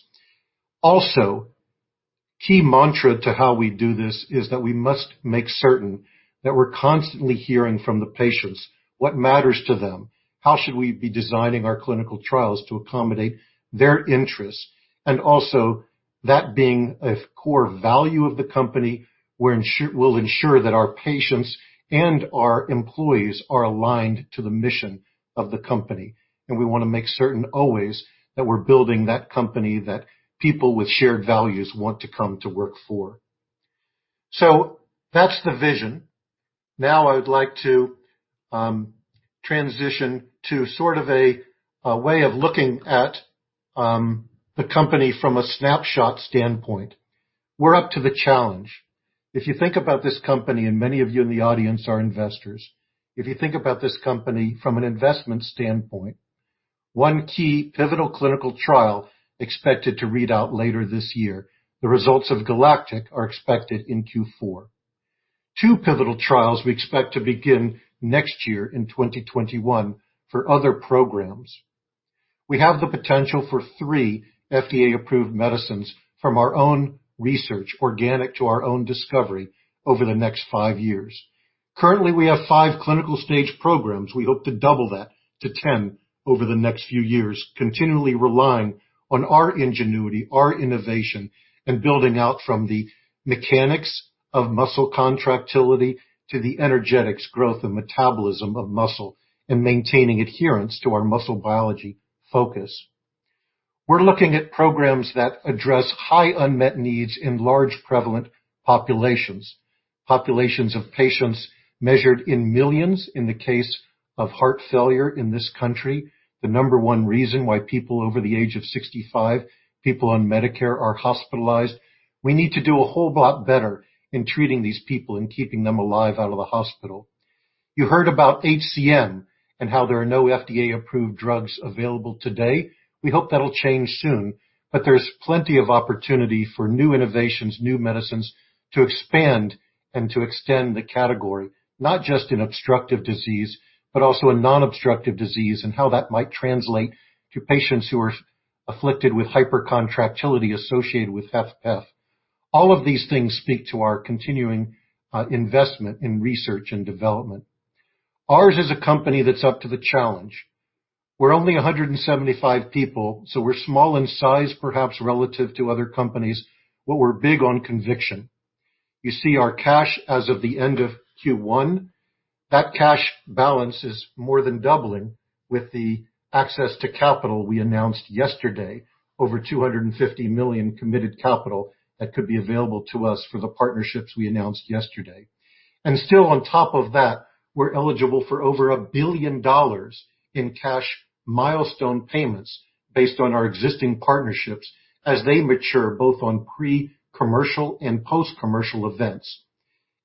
B: Key mantra to how we do this is that we must make certain that we're constantly hearing from the patients what matters to them, how should we be designing our clinical trials to accommodate their interests, and also that being a core value of the company will ensure that our patients and our employees are aligned to the mission of the company. We want to make certain always that we're building that company that people with shared values want to come to work for. That's the vision. I would like to transition to sort of a way of looking at the company from a snapshot standpoint. We're up to the challenge. If you think about this company, many of you in the audience are investors. If you think about this company from an investment standpoint, one key pivotal clinical trial expected to read out later this year. The results of GALACTIC-HF are expected in Q4. Two pivotal trials we expect to begin next year in 2021 for other programs. We have the potential for three FDA-approved medicines from our own research, organic to our own discovery over the next five years. Currently, we have five clinical stage programs. We hope to double that to 10 over the next few years, continually relying on our ingenuity, our innovation, and building out from the mechanics of muscle contractility to the energetics growth and metabolism of muscle, and maintaining adherence to our muscle biology focus. We are looking at programs that address high unmet needs in large prevalent populations. Populations of patients measured in millions in the case of heart failure in this country, the number one reason why people over the age of 65, people on Medicare are hospitalized. We need to do a whole lot better in treating these people and keeping them alive out of the hospital. You heard about HCM and how there are no FDA-approved drugs available today. We hope that'll change soon, but there's plenty of opportunity for new innovations, new medicines to expand and to extend the category, not just in obstructive disease, but also in non-obstructive disease and how that might translate to patients who are afflicted with hypercontractility associated with HFpEF. All of these things speak to our continuing investment in research and development. Ours is a company that's up to the challenge. We're only 175 people, so we're small in size perhaps relative to other companies, but we're big on conviction. You see our cash as of the end of Q1. That cash balance is more than doubling with the access to capital we announced yesterday, over $250 million committed capital that could be available to us for the partnerships we announced yesterday. Still on top of that, we're eligible for over $1 billion in cash milestone payments based on our existing partnerships as they mature both on pre-commercial and post-commercial events.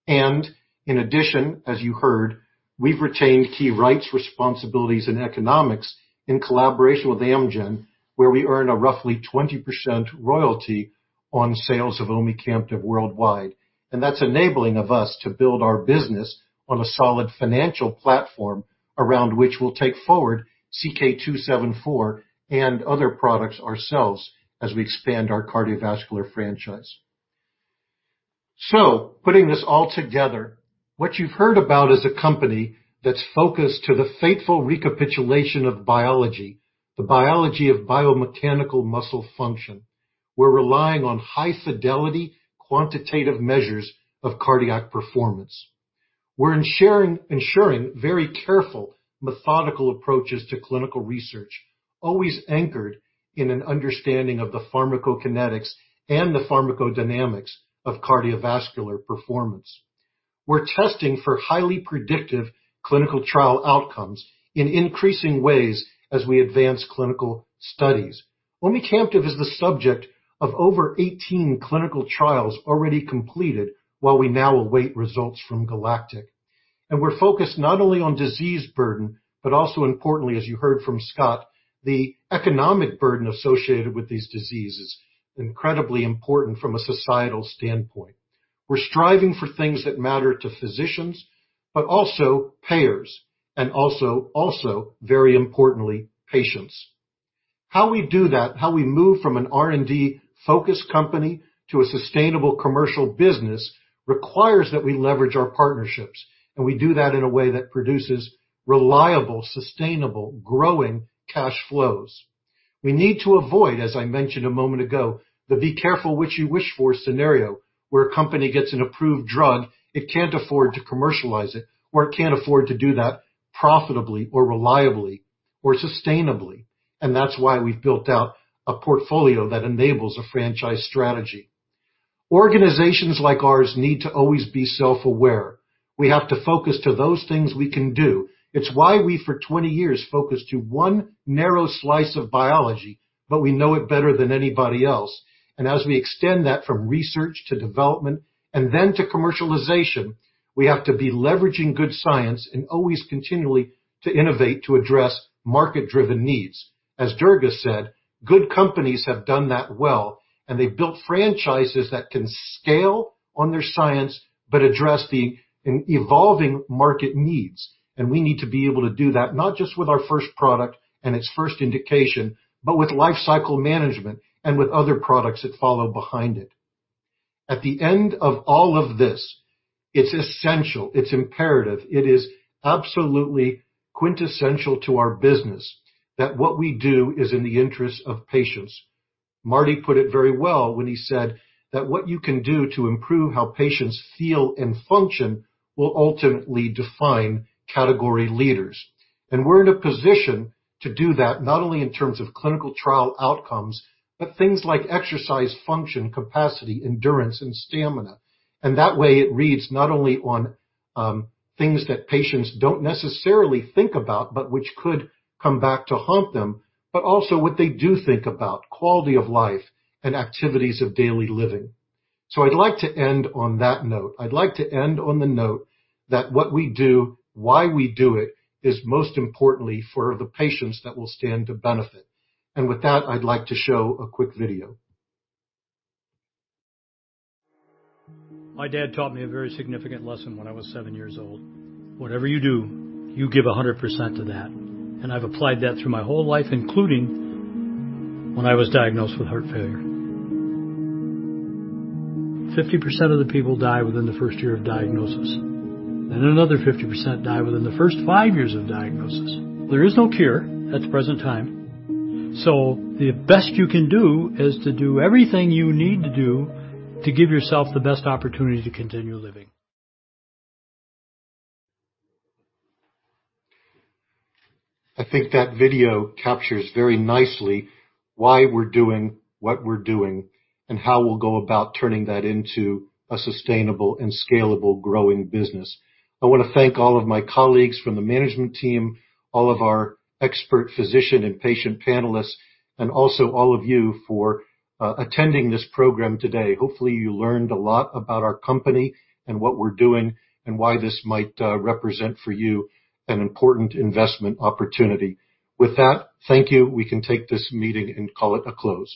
B: In addition, as you heard, we've retained key rights, responsibilities, and economics in collaboration with Amgen, where we earn a roughly 20% royalty on sales of omecamtiv worldwide. That's enabling of us to build our business on a solid financial platform around which we'll take forward CK-274 and other products ourselves as we expand our cardiovascular franchise. Putting this all together, what you've heard about is a company that's focused to the faithful recapitulation of biology, the biology of biomechanical muscle function. We're relying on high fidelity, quantitative measures of cardiac performance. We're ensuring very careful methodical approaches to clinical research, always anchored in an understanding of the pharmacokinetics and the pharmacodynamics of cardiovascular performance. We're testing for highly predictive clinical trial outcomes in increasing ways as we advance clinical studies. Omecamtiv is the subject of over 18 clinical trials already completed, while we now await results from GALACTIC-HF. We're focused not only on disease burden, but also importantly, as you heard from Scott, the economic burden associated with these diseases, incredibly important from a societal standpoint. We're striving for things that matter to physicians, but also payers and also very importantly, patients. How we do that, how we move from an R&D focused company to a sustainable commercial business requires that we leverage our partnerships, we do that in a way that produces reliable, sustainable, growing cash flows. We need to avoid, as I mentioned a moment ago, the be careful what you wish for scenario, where a company gets an approved drug, it can't afford to commercialize it, or it can't afford to do that profitably or reliably or sustainably. That's why we've built out a portfolio that enables a franchise strategy. Organizations like ours need to always be self-aware. We have to focus to those things we can do. It's why we for 20 years focused to one narrow slice of biology, but we know it better than anybody else. As we extend that from research to development and then to commercialization, we have to be leveraging good science and always continually to innovate to address market-driven needs. As Durga said, good companies have done that well, and they've built franchises that can scale on their science, but address the evolving market needs. We need to be able to do that, not just with our first product and its first indication, but with lifecycle management and with other products that follow behind it. At the end of all of this, it's essential, it's imperative, it is absolutely quintessential to our business that what we do is in the interest of patients. Marty put it very well when he said that what you can do to improve how patients feel and function will ultimately define category leaders. We're in a position to do that, not only in terms of clinical trial outcomes, but things like exercise function, capacity, endurance, and stamina. That way it reads not only on things that patients don't necessarily think about, but which could come back to haunt them, but also what they do think about, quality of life and activities of daily living. I'd like to end on that note. I'd like to end on the note that what we do, why we do it, is most importantly for the patients that will stand to benefit. With that, I'd like to show a quick video.
S: My dad taught me a very significant lesson when I was seven years old. Whatever you do, you give 100% to that. I've applied that through my whole life, including when I was diagnosed with heart failure. 50% of the people die within the first year of diagnosis, and another 50% die within the first five years of diagnosis. There is no cure at the present time. The best you can do is to do everything you need to do to give yourself the best opportunity to continue living.
B: I think that video captures very nicely why we're doing what we're doing and how we'll go about turning that into a sustainable and scalable growing business. I want to thank all of my colleagues from the management team, all of our expert physician and patient panelists, and also all of you for attending this program today. Hopefully, you learned a lot about our company and what we're doing, and why this might represent for you an important investment opportunity. With that, thank you. We can take this meeting and call it a close.